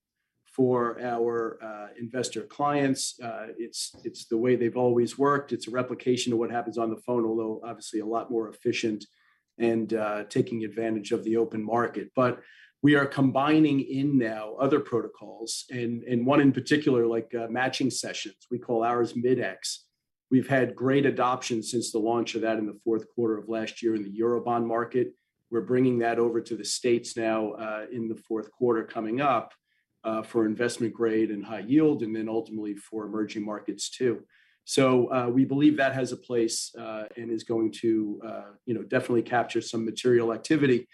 for our investor clients. It's the way they've always worked. It's a replication of what happens on the phone, although obviously a lot more efficient and taking advantage of the open market. We are combining in now other protocols and one in particular, like matching sessions. We call ours Mid-X. We've had great adoption since the launch of that in the fourth quarter of last year in the Eurobond market. We're bringing that over to the States now, in the fourth quarter coming up, for investment grade and high yield, and then ultimately for Emerging Markets too. We believe that has a place and is going to, you know, definitely capture some material activity.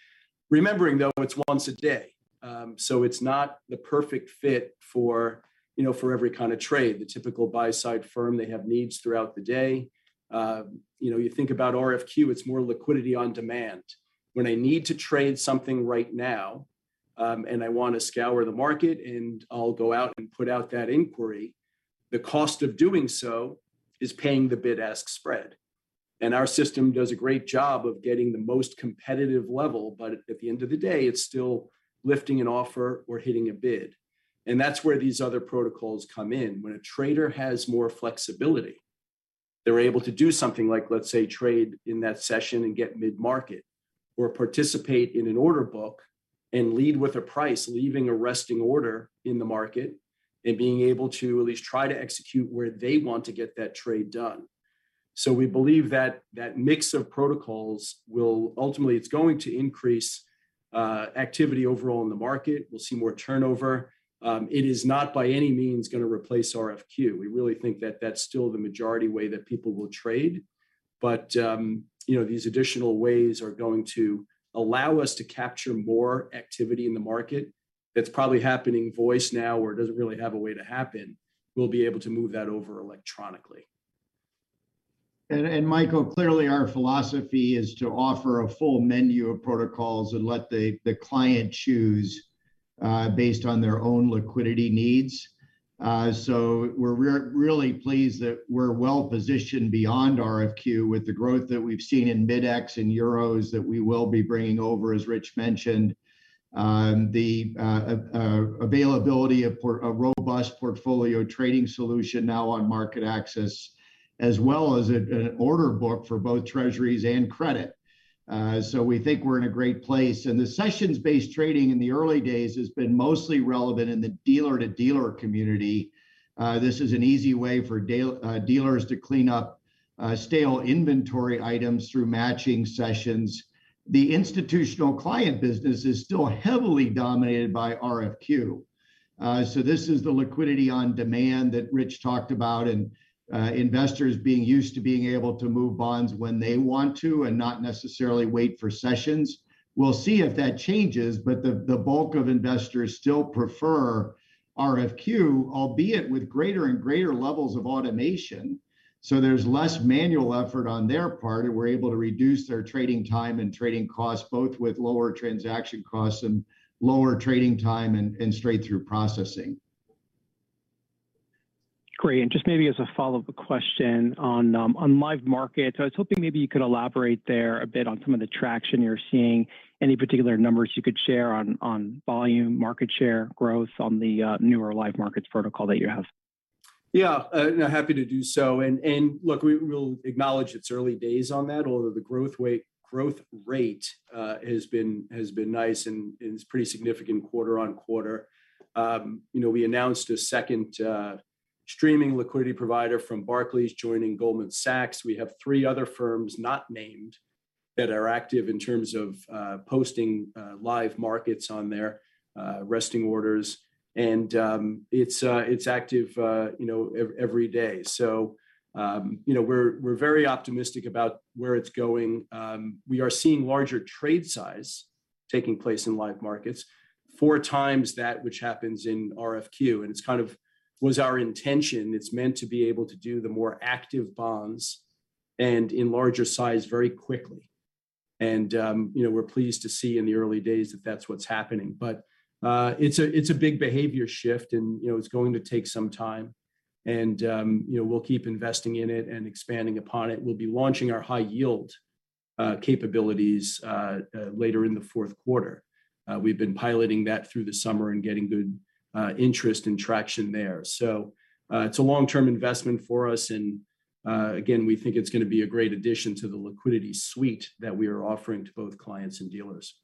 Remembering, though, it's once a day. It's not the perfect fit for, you know, for every kinda trade. The typical buy side firm, they have needs throughout the day. You know, you think about RFQ, it's more liquidity on demand. When I need to trade something right now, and I wanna scour the market, and I'll go out and put out that inquiry, the cost of doing so is paying the bid-ask spread. Our system does a great job of getting the most competitive level, but at the end of the day, it's still lifting an offer or hitting a bid. That's where these other protocols come in. When a trader has more flexibility, they're able to do something like, let's say, trade in that session and get mid-market, or participate in an order book and lead with a price, leaving a resting order in the market, and being able to at least try to execute where they want to get that trade done. We believe that that mix of protocols will ultimately, it's going to increase activity overall in the market. We'll see more turnover. It is not by any means gonna replace RFQ. We really think that that's still the majority way that people will trade. You know, these additional ways are going to allow us to capture more activity in the market that's probably happening voice now, where it doesn't really have a way to happen. We'll be able to move that over electronically. Michael, clearly our philosophy is to offer a full menu of protocols and let the client choose based on their own liquidity needs. We're really pleased that we're well-positioned beyond RFQ with the growth that we've seen in Mid-X and Euros that we will be bringing over, as Rich mentioned, the availability of a robust portfolio trading solution now on MarketAxess, as well as an order book for both Treasuries and credit. We think we're in a great place. The sessions-based trading in the early days has been mostly relevant in the dealer-to-dealer community. This is an easy way for dealers to clean up stale inventory items through matching sessions. The institutional client business is still heavily dominated by RFQ. This is the liquidity on demand that Rich talked about, and investors being used to being able to move bonds when they want to and not necessarily wait for sessions. We'll see if that changes, but the bulk of investors still prefer RFQ, albeit with greater and greater levels of automation, so there's less manual effort on their part, and we're able to reduce their trading time and trading costs, both with lower transaction costs and lower trading time and straight through processing. Great. Just maybe as a follow-up question on Live Markets, I was hoping maybe you could elaborate there a bit on some of the traction you're seeing. Any particular numbers you could share on volume, market share, growth on the newer Live Markets protocol that you have? Yeah. No, happy to do so. Look, we'll acknowledge it's early days on that, although the growth rate has been nice and it's pretty significant quarter-over-quarter. You know, we announced a second streaming liquidity provider from Barclays joining Goldman Sachs. We have three other firms not named that are active in terms of posting Live Markets on their resting orders. It's active, you know, every day. You know, we're very optimistic about where it's going. We are seeing larger trade size taking place in Live Markets. 4x that which happens in RFQ. It's kind of was our intention. It's meant to be able to do the more active bonds and in larger size very quickly. You know, we're pleased to see in the early days that that's what's happening. It's a big behavior shift and, you know, it's going to take some time. You know, we'll keep investing in it and expanding upon it. We'll be launching our high yield capabilities later in the fourth quarter. We've been piloting that through the summer and getting good interest and traction there. It's a long-term investment for us and, again, we think it's gonna be a great addition to the liquidity suite that we are offering to both clients and dealers.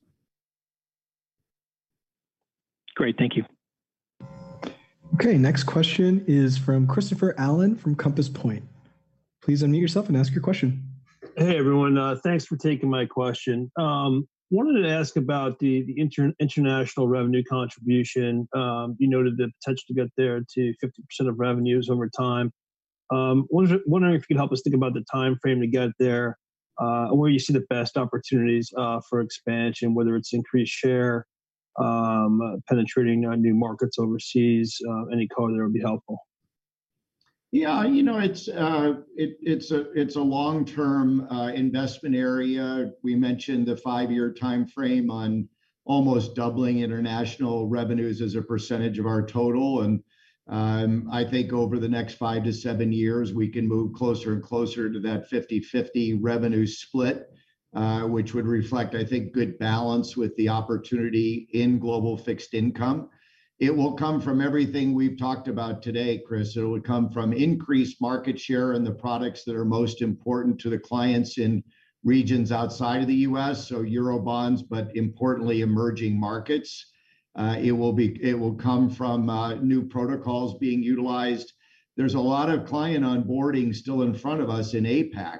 Great. Thank you. Okay. Next question is from Christopher Allen from Compass Point. Please unmute yourself and ask your question. Hey, everyone. Thanks for taking my question. Wanted to ask about international revenue contribution. You noted the potential to get there to 50% of revenues over time. Wondering if you could help us think about the timeframe to get there and where you see the best opportunities for expansion, whether it's increased share, penetrating on new markets overseas. Any color there would be helpful. Yeah, you know, it's a long-term investment area. We mentioned the five-year timeframe on almost doubling international revenues as a percentage of our total. I think over the next five to seven years, we can move closer and closer to that 50/50 revenue split, which would reflect, I think, good balance with the opportunity in global fixed income. It will come from everything we've talked about today, Chris. It'll come from increased market share in the products that are most important to the clients in regions outside of the U.S., so Eurobonds, but importantly, Emerging Markets. It will come from new protocols being utilized. There's a lot of client onboarding still in front of us in APAC.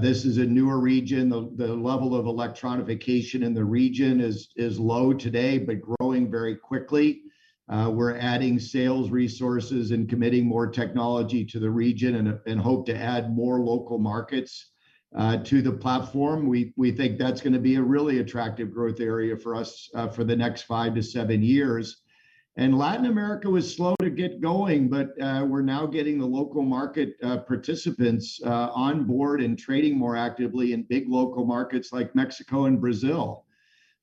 This is a newer region. The level of electronification in the region is low today, but growing very quickly. We're adding sales resources and committing more technology to the region and hope to add more local markets to the platform. We think that's gonna be a really attractive growth area for us for the next five to seven years. Latin America was slow to get going, but we're now getting the local market participants on board and trading more actively in big local markets like Mexico and Brazil.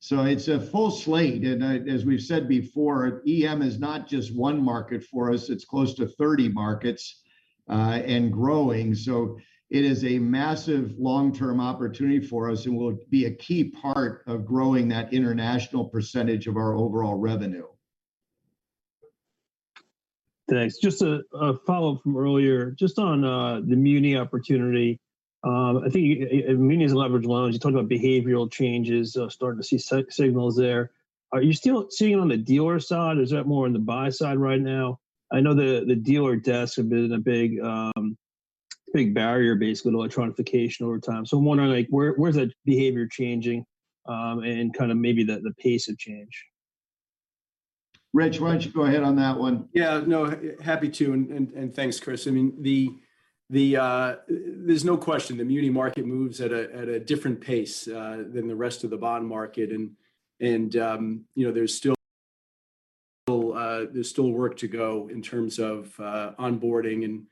It's a full slate, and as we've said before, EM is not just one market for us, it's close to 30 markets and growing. It is a massive long-term opportunity for us, and will be a key part of growing that international percentage of our overall revenue. Thanks. A follow-up from earlier, on the muni opportunity. I think munis and leveraged loans, you talked about behavioral changes, starting to see signals there. Are you still seeing it on the dealer side, or is that more on the buy side right now? I know the dealer desks have been a big barrier, basically, to electronification over time. I'm wondering, like, where is that behavior changing, and kind of maybe the pace of change? Rich, why don't you go ahead on that one? Yeah, no, happy to. Thanks, Chris. I mean, the, there's no question the muni market moves at a different pace than the rest of the bond market. You know, there's still work to go in terms of onboarding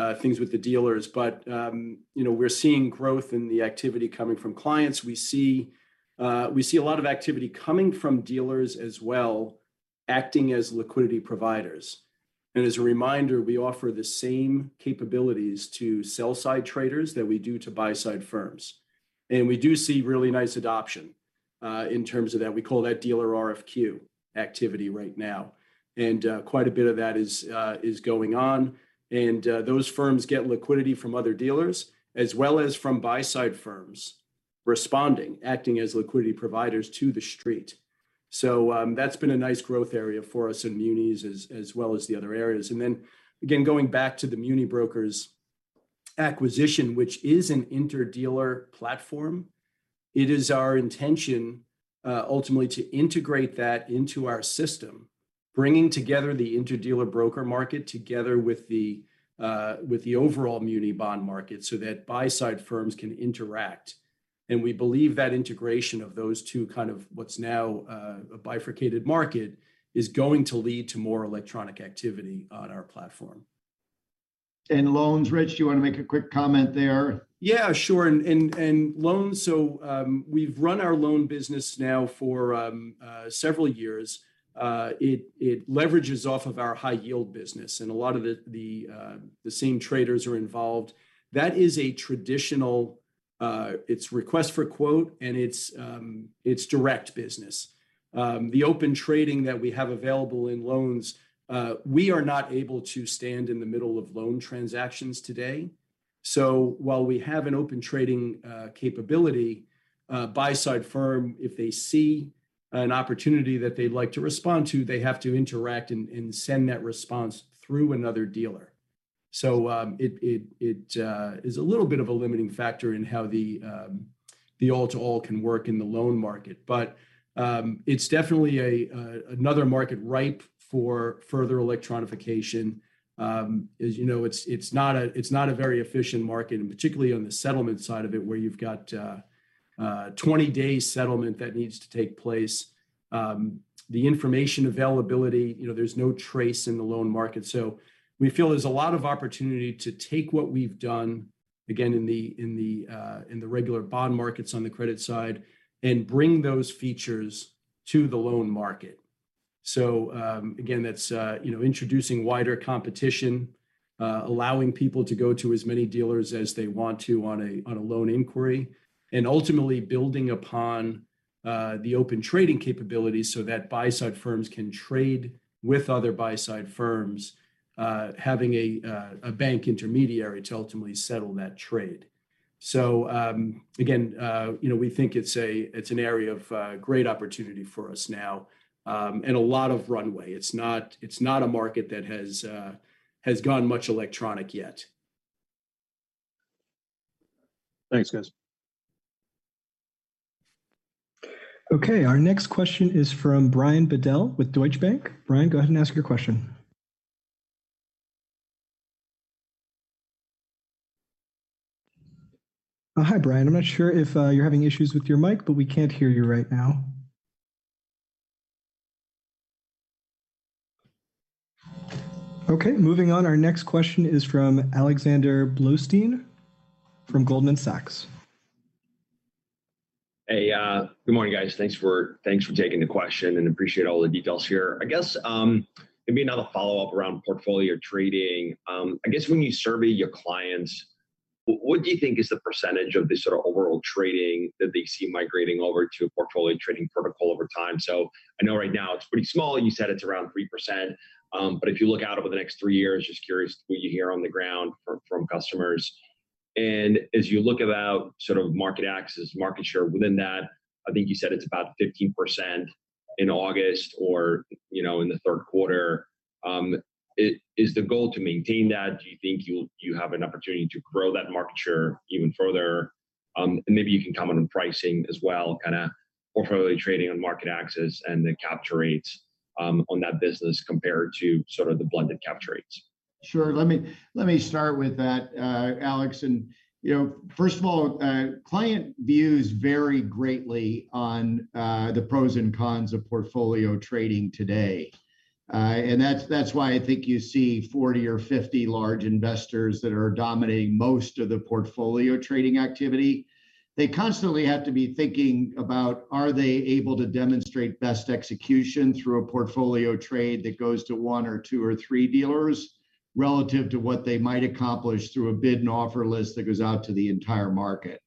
and things with the dealers. You know, we're seeing growth in the activity coming from clients. We see a lot of activity coming from dealers as well, acting as liquidity providers. As a reminder, we offer the same capabilities to sell side traders that we do to buy side firms. We do see really nice adoption in terms of that. We call that dealer RFQ activity right now. Quite a bit of that is going on. Those firms get liquidity from other dealers, as well as from buy-side firms responding, acting as liquidity providers to the street. That's been a nice growth area for us in munis as well as the other areas. Again, going back to the MuniBrokers acquisition, which is an inter-dealer platform, it is our intention ultimately to integrate that into our system, bringing together the inter-dealer broker market together with the overall muni bond market so that buy-side firms can interact. We believe that integration of those two kind of what's now a bifurcated market is going to lead to more electronic activity on our platform. Loans, Rich, do you wanna make a quick comment there? Sure. Loans, we've run our loan business now for several years. It leverages off of our high yield business, and a lot of the same traders are involved. That is a traditional, it's request for quote and it's direct business. The Open Trading that we have available in loans, we are not able to stand in the middle of loan transactions today. While we have an Open Trading capability, buy side firm, if they see an opportunity that they'd like to respond to, they have to interact and send that response through another dealer. It is a little bit of a limiting factor in how the all-to-all can work in the loan market. It's definitely another market ripe for further electronification. As you know, it's not a very efficient market, and particularly on the settlement side of it, where you've got a 20-day settlement that needs to take place. The information availability, you know, there's no TRACE in the loan market. We feel there's a lot of opportunity to take what we've done, again, in the regular bond markets on the credit side, and bring those features to the loan market. Again, that's, you know, introducing wider competition, allowing people to go to as many dealers as they want to on a loan inquiry, and ultimately building upon the Open Trading capabilities so that buy-side firms can trade with other buy-side firms, having a bank intermediary to ultimately settle that trade. Again, you know, we think it's a, it's an area of great opportunity for us now, and a lot of runway. It's not a market that has gone much electronic yet. Thanks, guys. Okay. Our next question is from Brian Bedell with Deutsche Bank. Brian, go ahead and ask your question. Oh, hi, Brian. I'm not sure if you're having issues with your mic, but we can't hear you right now. Okay. Moving on, our next question is from Alexander Blostein from Goldman Sachs. Hey. Good morning, guys. Thanks for taking the question, and appreciate all the details here. I guess, maybe another follow-up around portfolio trading. I guess when you survey your clients, what do you think is the percentage of the sort of overall trading that they see migrating over to a portfolio trading protocol over time? I know right now it's pretty small, you said it's around 3%, but if you look out over the next three years, just curious what you hear on the ground from customers. As you look about sort of MarketAxess market share within that, I think you said it's about 50% in August, or, you know, in the third quarter. Is the goal to maintain that? Do you think you'll have an opportunity to grow that market share even further? Maybe you can comment on pricing as well, portfolio trading on MarketAxess and the capture rates on that business compared to the blended capture rates. Sure. Let me start with that, Alex. You know, first of all, client views vary greatly on the pros and cons of portfolio trading today. That's why I think you see 40 or 50 large investors that are dominating most of the portfolio trading activity. They constantly have to be thinking about, are they able to demonstrate best execution through a portfolio trade that goes to one or two or three dealers relative to what they might accomplish through a bid and offer list that goes out to the entire market.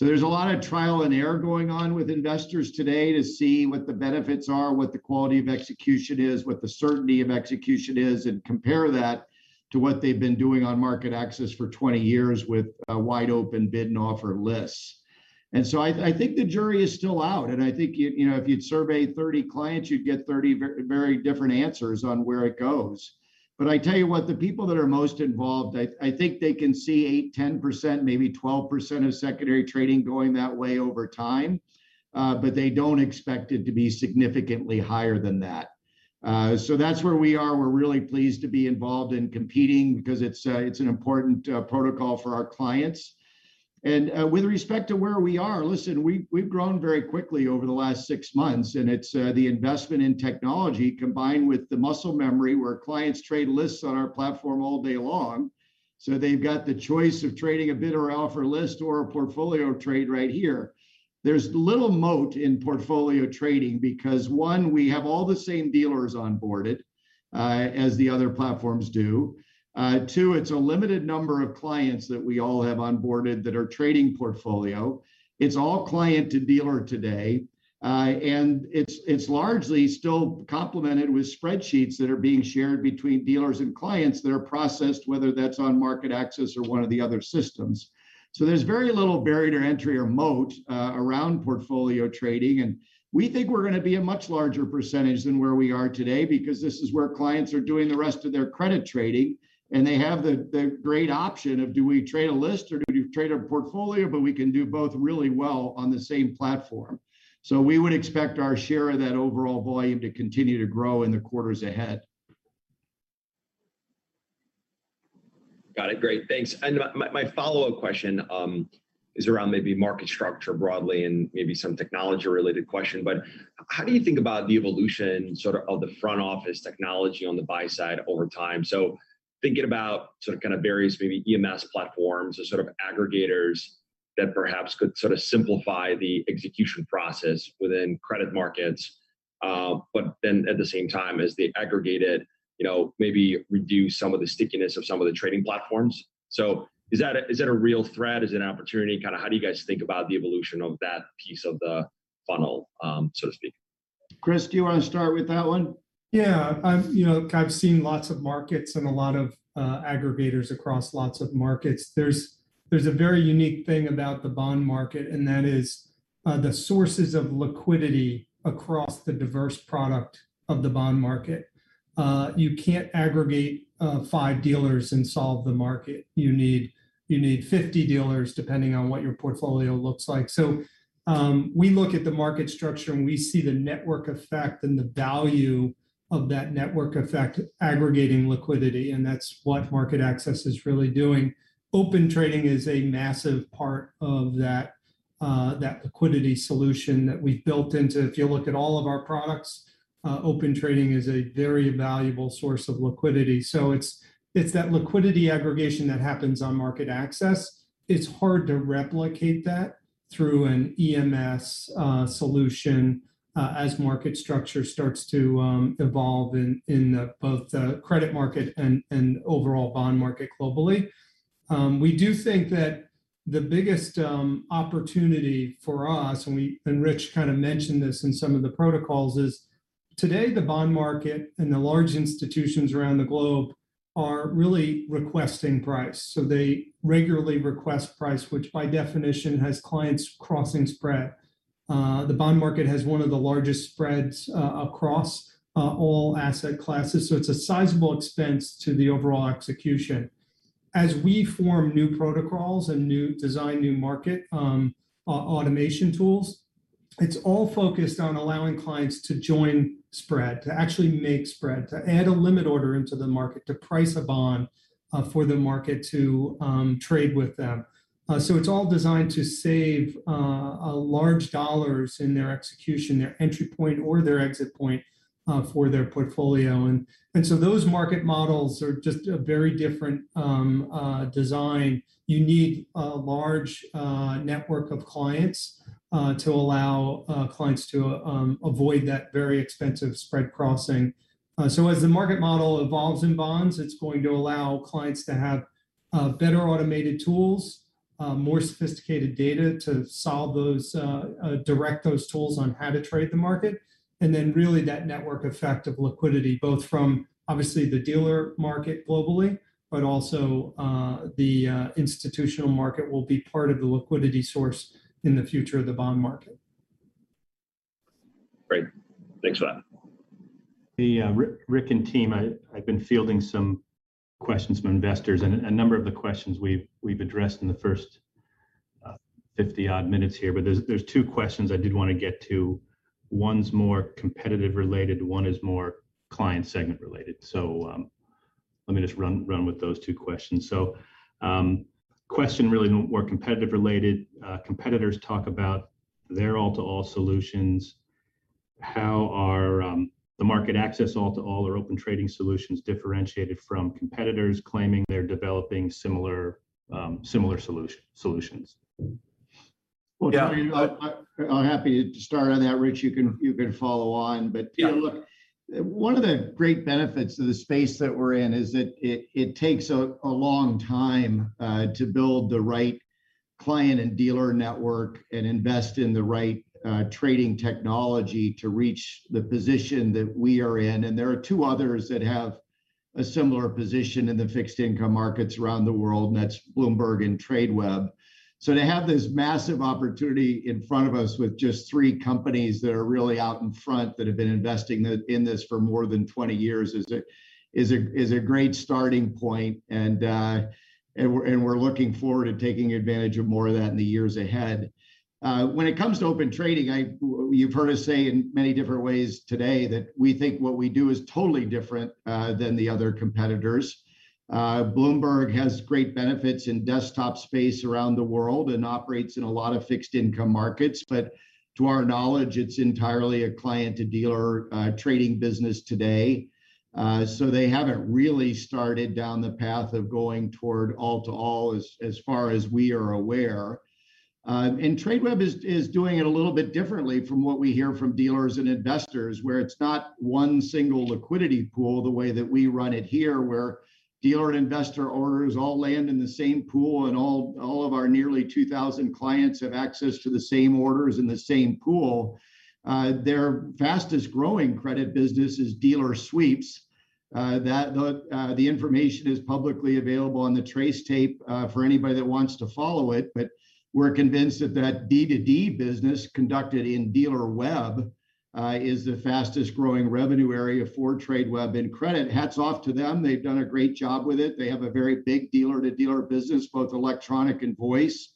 There's a lot of trial and error going on with investors today to see what the benefits are, what the quality of execution is, what the certainty of execution is, and compare that to what they've been doing on MarketAxess for 20 years with wide open bid and offer lists. I think the jury is still out, and I think, you know, if you'd surveyed 30 clients, you'd get 30 very, very different answers on where it goes. I tell you what, the people that are most involved, I think they can see 8%, 10%, maybe 12% of secondary trading going that way over time, but they don't expect it to be significantly higher than that. That's where we are. We're really pleased to be involved and competing because it's an important protocol for our clients. With respect to where we are, listen, we've grown very quickly over the last six months, and it's the investment in technology combined with the muscle memory where clients trade lists on our platform all day long. They've got the choice of trading a bid or offer list or a portfolio trade right here. There's little moat in portfolio trading because, one, we have all the same dealers onboarded as the other platforms do. Two, it's a limited number of clients that we all have onboarded that are trading portfolio. It's all client to dealer today. It's largely still complemented with spreadsheets that are being shared between dealers and clients that are processed, whether that's on MarketAxess or one of the other systems. There's very little barrier to entry or moat around portfolio trading, and we think we're gonna be a much larger percentage than where we are today because this is where clients are doing the rest of their credit trading, and they have the great option of do we trade a list or do we trade a portfolio, but we can do both really well on the same platform. We would expect our share of that overall volume to continue to grow in the quarters ahead. Got it. Great. Thanks. My, my follow-up question is around maybe market structure broadly and maybe some technology-related question, but how do you think about the evolution sort of the front office technology on the buy side over time? Thinking about sort of various maybe EMS platforms or sort of aggregators that perhaps could sort of simplify the execution process within credit markets, but then at the same time as they aggregate it, you know, maybe reduce some of the stickiness of some of the trading platforms. Is that a real threat? Is it an opportunity? Kind of how do you guys think about the evolution of that piece of the funnel, so to speak? Chris, do you wanna start with that one? Yeah. I've, you know, I've seen lots of markets and a lot of aggregators across lots of markets. There's a very unique thing about the bond market, and that is the sources of liquidity across the diverse product of the bond market. You can't aggregate five dealers and solve the market. You need 50 dealers depending on what your portfolio looks like. We look at the market structure, and we see the network effect and the value of that network effect aggregating liquidity, and that's what MarketAxess is really doing. Open Trading is a massive part of that liquidity solution that we've built into. If you look at all of our products, Open Trading is a very valuable source of liquidity. It's that liquidity aggregation that happens on MarketAxess. It's hard to replicate that through an EMS solution as market structure starts to evolve in the both the credit market and overall bond market globally. We do think that the biggest opportunity for us when we and Rich kind of mentioned this in some of the protocols, is today the bond market and the large institutions around the globe are really requesting price. They regularly request price, which by definition has clients crossing spread. The bond market has one of the largest spreads across all asset classes, so it's a sizable expense to the overall execution. As we form new protocols and new design, new market automation tools, it's all focused on allowing clients to join spread, to actually make spread, to add a limit order into the market, to price a bond for the market to trade with them. So it's all designed to save a large dollars in their execution, their entry point or their exit point for their portfolio. So those market models are just a very different design. You need a large network of clients to allow clients to avoid that very expensive spread crossing. As the market model evolves in bonds, it's going to allow clients to have better automated tools, more sophisticated data to solve those, direct those tools on how to trade the market, and then really that network effect of liquidity, both from obviously the dealer market globally, but also the institutional market will be part of the liquidity source in the future of the bond market. Great. Thanks, for that. Rick and team, I've been fielding some questions from investors, and a number of the questions we've addressed in the first 50 odd minutes here. There's two questions I did wanna get to. One is more competitive related, one is more client segment related. Let me just run with those two questions. Question really more competitive related, competitors talk about their all-to-all solutions. How are the MarketAxess all-to-all or Open Trading solutions differentiated from competitors claiming they're developing similar solutions? I'm happy to start on that, Rich. You can follow on. You know. Yeah. Look, one of the great benefits to the space that we're in is that it takes a long time to build the right client and dealer network and invest in the right trading technology to reach the position that we are in. There are two others that have a similar position in the fixed income markets around the world, and that's Bloomberg and Tradeweb. To have this massive opportunity in front of us with just three companies that are really out in front, that have been investing in this for more than 20 years is a great starting point. We're looking forward to taking advantage of more of that in the years ahead. When it comes to Open Trading, you've heard us say in many different ways today that we think what we do is totally different than the other competitors. Bloomberg has great benefits in desktop space around the world and operates in a lot of fixed income markets, but to our knowledge, it's entirely a client-to-dealer trading business today. They haven't really started down the path of going toward all-to-all as far as we are aware. Tradeweb is doing it a little bit differently from what we hear from dealers and investors, where it's not one single liquidity pool the way that we run it here, where dealer and investor orders all land in the same pool and all of our nearly 2,000 clients have access to the same orders in the same pool. Their fastest growing credit business is dealer sweeps, that the information is publicly available on the TRACE tape, for anybody that wants to follow it. We're convinced that that D2D business conducted in Dealerweb is the fastest growing revenue area for Tradeweb and credit. Hats off to them. They've done a great job with it. They have a very big dealer-to-dealer business, both electronic and voice.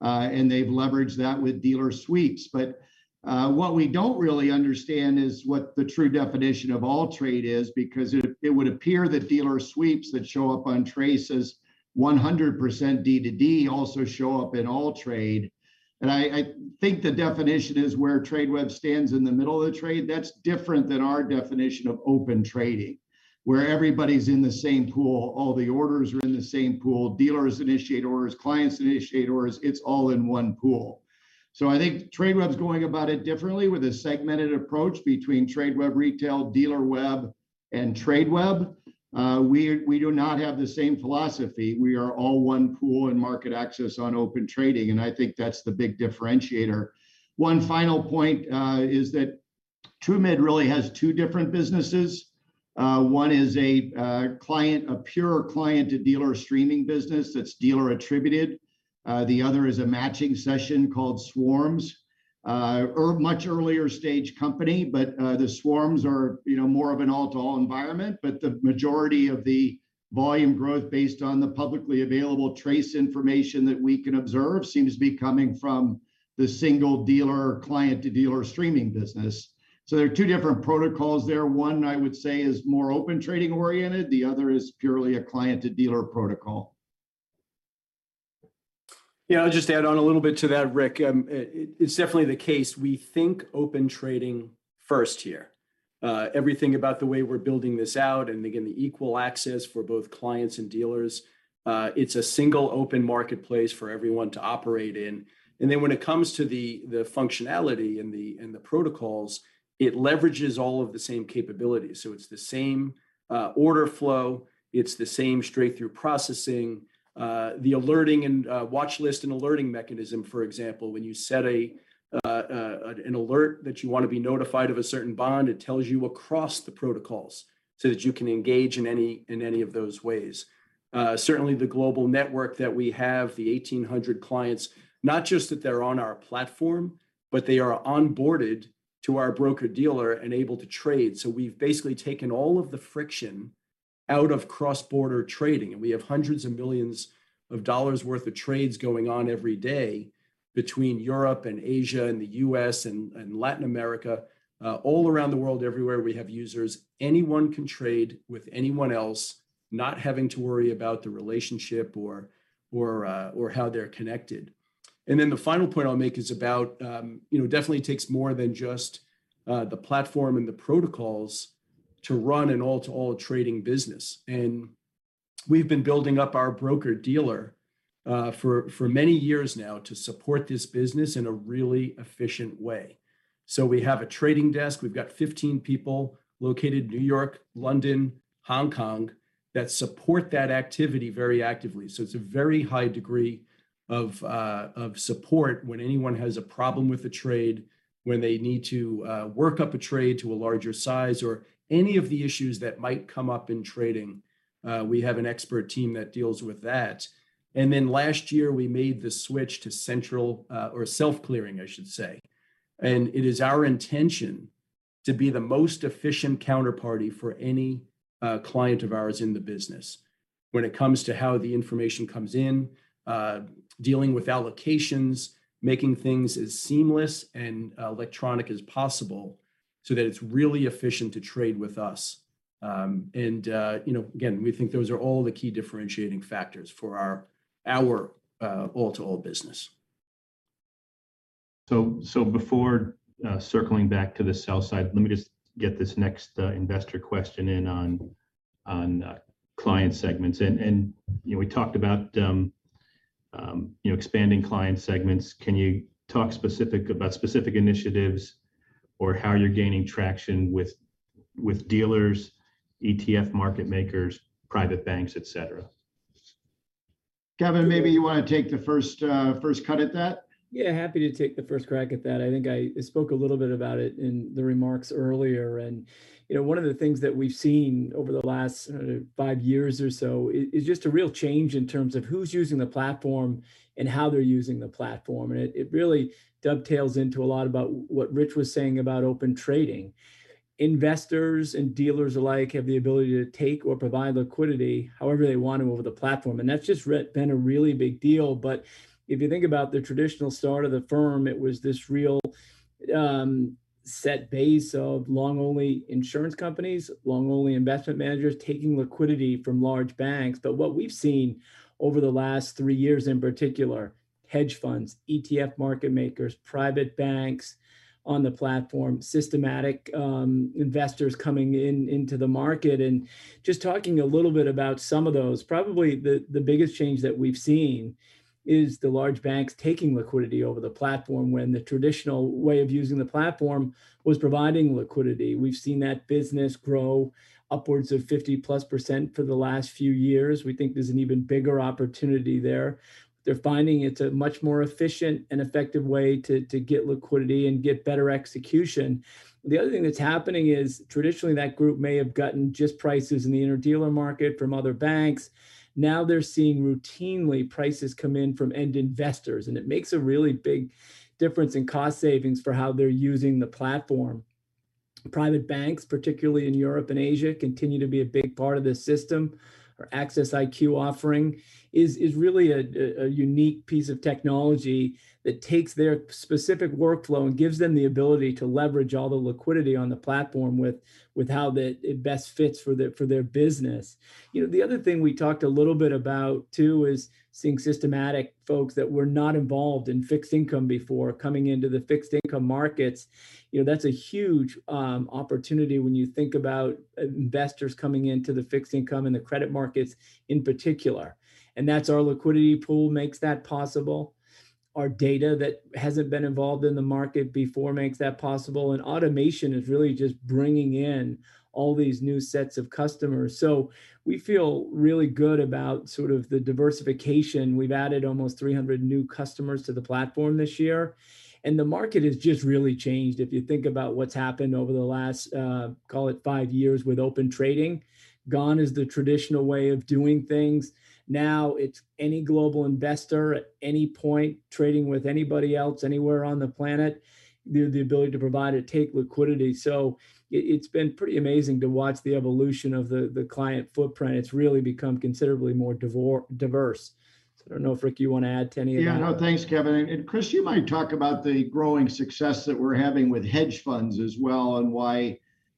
They've leveraged that with dealer sweeps. What we don't really understand is what the true definition of all-to-all is because it would appear that dealer sweeps that show up on TRACE 100% D2D also show up in all-to-all. I think the definition is where Tradeweb stands in the middle of the trade. That's different than our definition of Open Trading, where everybody's in the same pool, all the orders are in the same pool. Dealers initiate orders, clients initiate orders. It's all in one pool. I think Tradeweb's going about it differently with a segmented approach between Tradeweb, Dealerweb, and Tradeweb. We do not have the same philosophy. We are all one pool and MarketAxess on Open Trading, and I think that's the big differentiator. One final point is that Trumid really has two different businesses. One is a pure client to dealer streaming business that's dealer attributed The other is a matching session called Swarms. Much earlier stage company, the Swarms are, you know, more of an all-to-all environment. The majority of the volume growth based on the publicly available TRACE information that we can observe seems to be coming from the single dealer, client-to-dealer streaming business. There are two different protocols there. One I would say is more Open Trading oriented, the other is purely a client-to-dealer protocol. Yeah, I'll just add on a little bit to that, Rick. It's definitely the case. We think Open Trading first here. Everything about the way we're building this out, and again, the equal access for both clients and dealers, it's a single open marketplace for everyone to operate in. Then when it comes to the functionality and the protocols, it leverages all of the same capabilities. It's the same order flow, it's the same straight through processing. The alerting and watchlist and alerting mechanism, for example, when you set an alert that you wanna be notified of a certain bond, it tells you across the protocols, so that you can engage in any of those ways. Certainly the global network that we have, the 1,800 clients, not just that they're on our platform, but they are onboarded to our broker-dealer and able to trade. We've basically taken all of the friction out of cross-border trading, and we have hundreds of millions of dollars worth of trades going on every day between Europe and Asia and the U.S. and Latin America. All around the world everywhere we have users. Anyone can trade with anyone else, not having to worry about the relationship or how they're connected. Then the final point I'll make is about, you know, definitely takes more than just the platform and the protocols to run an all-to-all trading business. We've been building up our broker-dealer for many years now to support this business in a really efficient way. We have a trading desk, we've got 15 people located in New York, London, Hong Kong, that support that activity very actively. It's a very high degree of support when anyone has a problem with a trade, when they need to work up a trade to a larger size, or any of the issues that might come up in trading. We have an expert team that deals with that. Last year, we made the switch to central or self-clearing, I should say. It is our intention to be the most efficient counterparty for any client of ours in the business when it comes to how the information comes in, dealing with allocations, making things as seamless and electronic as possible so that it's really efficient to trade with us. You know, again, we think those are all the key differentiating factors for our all-to-all business. Before circling back to the sell side, let me just get this next investor question in on client segments. You know, we talked about, you know, expanding client segments. Can you talk about specific initiatives or how you're gaining traction with dealers, ETF market makers, private banks, et cetera? Kevin, maybe you wanna take the first cut at that. Yeah, happy to take the first crack at that. I think I spoke a little bit about it in the remarks earlier, you know, one of the things that we've seen over the last five years or so is just a real change in terms of who's using the platform and how they're using the platform, it really dovetails into a lot about what Rich was saying about Open Trading. Investors and dealers alike have the ability to take or provide liquidity however they want to over the platform, that's just been a really big deal. If you think about the traditional start of the firm, it was this real set base of long only insurance companies, long only investment managers taking liquidity from large banks. What we've seen over the last three years in particular, hedge funds, ETF market makers, private banks on the platform, systematic investors coming into the market. Just talking a little bit about some of those, probably the biggest change that we've seen is the large banks taking liquidity over the platform when the traditional way of using the platform was providing liquidity. We've seen that business grow upwards of 50%+ for the last few years. We think there's an even bigger opportunity there. They're finding it's a much more efficient and effective way to get liquidity and get better execution. The other thing that's happening is traditionally, that group may have gotten just prices in the inter-dealer market from other banks. They're seeing routinely prices come in from end investors, and it makes a really big difference in cost savings for how they're using the platform. Private banks, particularly in Europe and Asia, continue to be a big part of this system. Our Axess IQ offering is really a unique piece of technology that takes their specific workflow and gives them the ability to leverage all the liquidity on the platform with how that it best fits for their business. You know, the other thing we talked a little bit about too is seeing systematic folks that were not involved in fixed income before coming into the fixed income markets. You know, that's a huge opportunity when you think about investors coming into the fixed income and the credit markets in particular. That's our liquidity pool makes that possible. Our data that hasn't been involved in the market before makes that possible. Automation is really just bringing in all these new sets of customers. We feel really good about sort of the diversification. We've added almost 300 new customers to the platform this year. The market has just really changed. If you think about what's happened over the last, call it five years with Open Trading, gone is the traditional way of doing things. Now it's any global investor at any point trading with anybody else anywhere on the planet, the ability to provide or take liquidity. It's been pretty amazing to watch the evolution of the client footprint. It's really become considerably more diverse. I don't know, Rick, you wanna add to any of that? No, thanks, Kevin. Chris, you might talk about the growing success that we're having with hedge funds as well.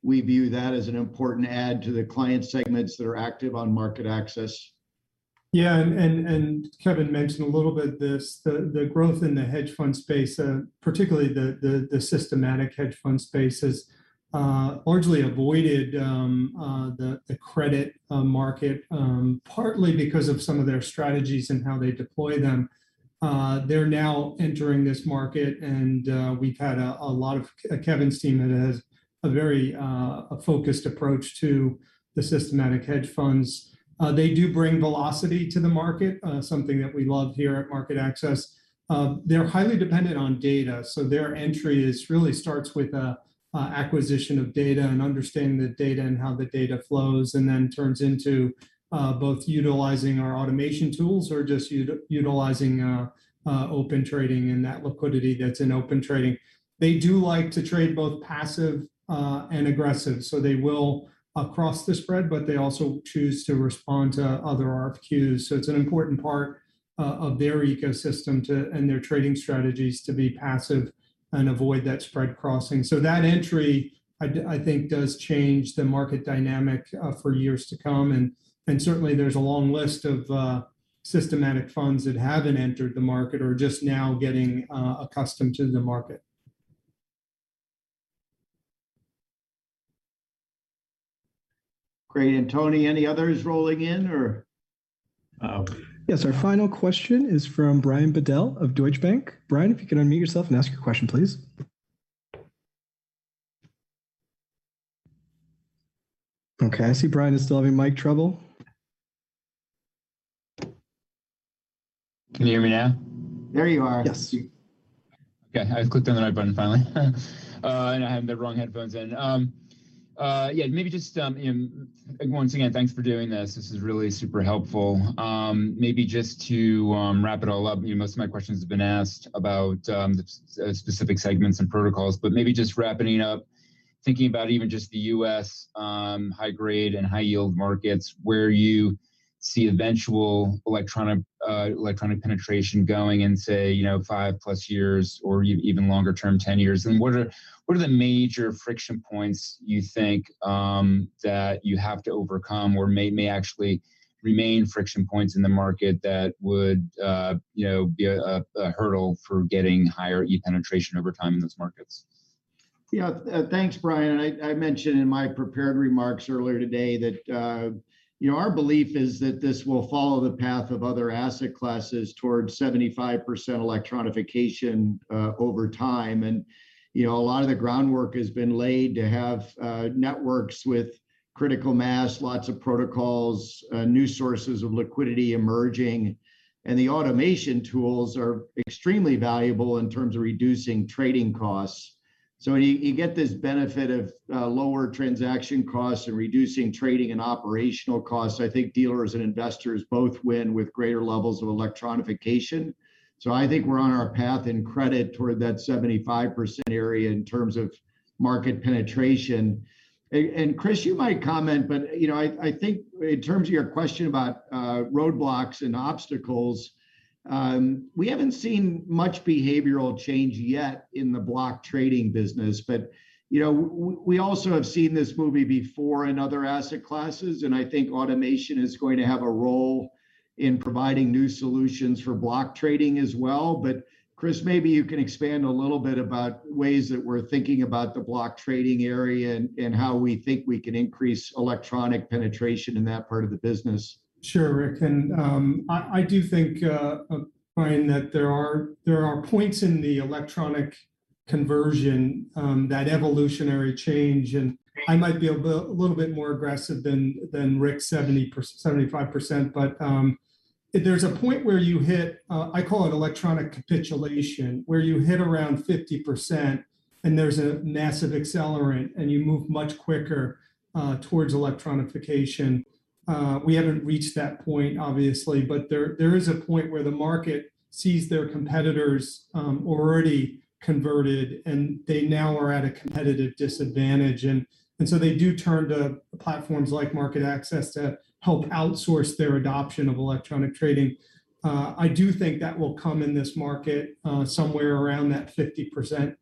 We view that as an important add to the client segments that are active on MarketAxess. Kevin mentioned a little bit this, the growth in the hedge fund space, particularly the systematic hedge fund space, has largely avoided the credit market, partly because of some of their strategies and how they deploy them. They're now entering this market, and we've had a lot of Kevin's team has a very focused approach to the systematic hedge funds. They do bring velocity to the market, something that we love here at MarketAxess. They're highly dependent on data, so their entry is really starts with acquisition of data and understanding the data and how the data flows and then turns into both utilizing our automation tools or just utilizing Open Trading and that liquidity that's in Open Trading. They do like to trade both passive and aggressive. They will across the spread, but they also choose to respond to other RFQs. It's an important part of their ecosystem to and their trading strategies to be passive and avoid that spread crossing. That entry, I think, does change the market dynamic for years to come, and certainly there's a long list of systematic funds that haven't entered the market or are just now getting accustomed to the market. Great. Tony, any others rolling in or? Yes. Our final question is from Brian Bedell of Deutsche Bank. Brian, if you can unmute yourself and ask your question, please. Okay, I see Brian is still having mic trouble. Can you hear me now? There you are. Yes. Okay. I clicked on the right button finally. I had the wrong headphones in. Yeah, maybe just Once again, thanks for doing this. This is really super helpful. Maybe just to wrap it all up, you know, most of my questions have been asked about the specific segments and protocols, but maybe just wrapping up, thinking about even just the U.S. high grade and high yield markets, where you see eventual electronic penetration going in, say, you know, 5+ years or even longer term, 10 years. What are the major friction points you think that you have to overcome or may actually remain friction points in the market that would, you know, be a hurdle for getting higher e-penetration over time in those markets? Yeah. Thanks, Brian. I mentioned in my prepared remarks earlier today that our belief is that this will follow the path of other asset classes towards 75% electronification over time. A lot of the groundwork has been laid to have networks with critical mass, lots of protocols, new sources of liquidity emerging, and the automation tools are extremely valuable in terms of reducing trading costs. You get this benefit of lower transaction costs and reducing trading and operational costs. I think dealers and investors both win with greater levels of electronification. I think we're on our path in credit toward that 75% area in terms of market penetration. Chris, you might comment, you know, I think in terms of your question about roadblocks and obstacles, we haven't seen much behavioral change yet in the block trading business. You know, we also have seen this movie before in other asset classes, and I think automation is going to have a role in providing new solutions for block trading as well. Chris, maybe you can expand a little bit about ways that we're thinking about the block trading area and how we think we can increase electronic penetration in that part of the business. Sure, Rick. I do think, Brian, that there are points in the electronic conversion, that evolutionary change and I might be a little bit more aggressive than Rick's 75%. There's a point where you hit, I call it electronic capitulation, where you hit around 50% and there's a massive accelerant and you move much quicker towards electronification. We haven't reached that point obviously, but there is a point where the market sees their competitors already converted, and they now are at a competitive disadvantage. They do turn to platforms like MarketAxess to help outsource their adoption of electronic trading. I do think that will come in this market, somewhere around that 50%,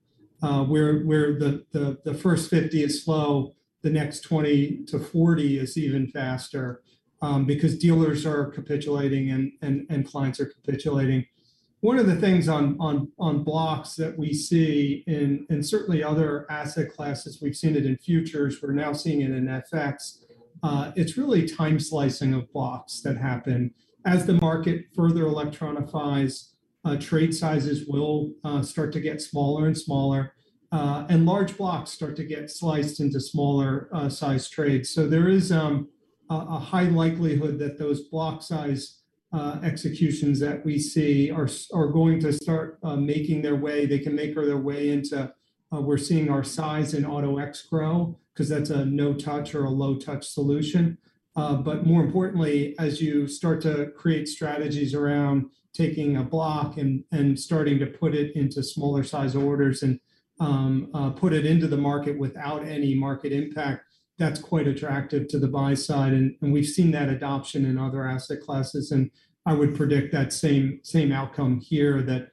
where the first 50 is slow, the next 20-40 is even faster, because dealers are capitulating and clients are capitulating. One of the things on blocks that we see in certainly other asset classes, we've seen it in futures, we're now seeing it in FX, it's really time slicing of blocks that happen. As the market further electronifies, trade sizes will start to get smaller and smaller, and large blocks start to get sliced into smaller size trades. There is a high likelihood that those block size executions that we see are going to start making their way. They can make their way into, we're seeing our size in Auto-X grow, 'cause that's a no-touch or a low-touch solution. More importantly, as you start to create strategies around taking a block and starting to put it into smaller size orders and, put it into the market without any market impact, that's quite attractive to the buy side. We've seen that adoption in other asset classes, and I would predict that same outcome here.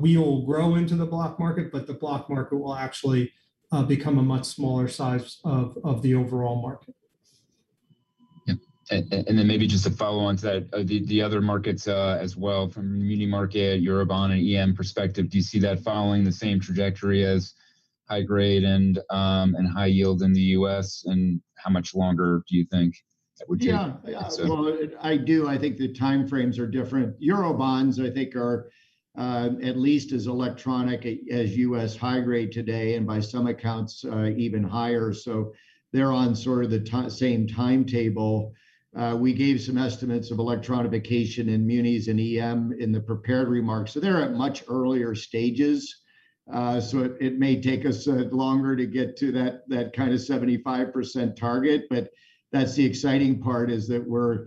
We will grow into the block market, but the block market will actually become a much smaller size of the overall market. Yeah. Maybe just to follow on to that, the other markets, as well from muni market, Eurobond and EM perspective, do you see that following the same trajectory as high grade and high yield in the U.S., and how much longer do you think that would take? Yeah. So. Well, I do. I think the timeframes are different. Eurobonds, I think are, at least as electronic as U.S. high grade today, and by some accounts, even higher. They're on sort of the same timetable. We gave some estimates of electronification in munis and EM in the prepared remarks. They're at much earlier stages, so it may take us longer to get to that kind of 75% target. That's the exciting part is that we're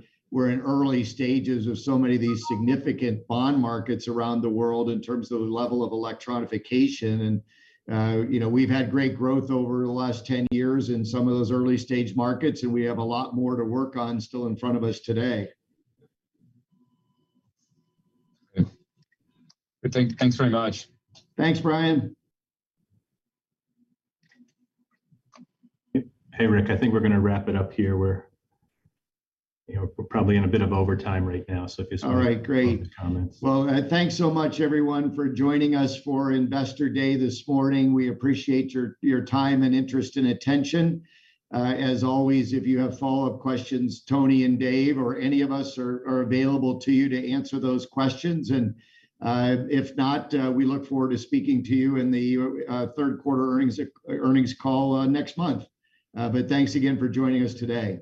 in early stages of so many of these significant bond markets around the world in terms of the level of electronification. You know, we've had great growth over the last 10 years in some of those early stage markets, and we have a lot more to work on still in front of us today. Okay. Well, thanks very much. Thanks, Brian. Hey, Rick, I think we're gonna wrap it up here. We're, you know, we're probably in a bit of overtime right now. All right, great. close comments. Well, thanks so much everyone for joining us for Investor Day this morning. We appreciate your time and interest and attention. As always, if you have follow-up questions, Tony and Dave or any of us are available to you to answer those questions. If not, we look forward to speaking to you in the third quarter earnings call next month. Thanks again for joining us today.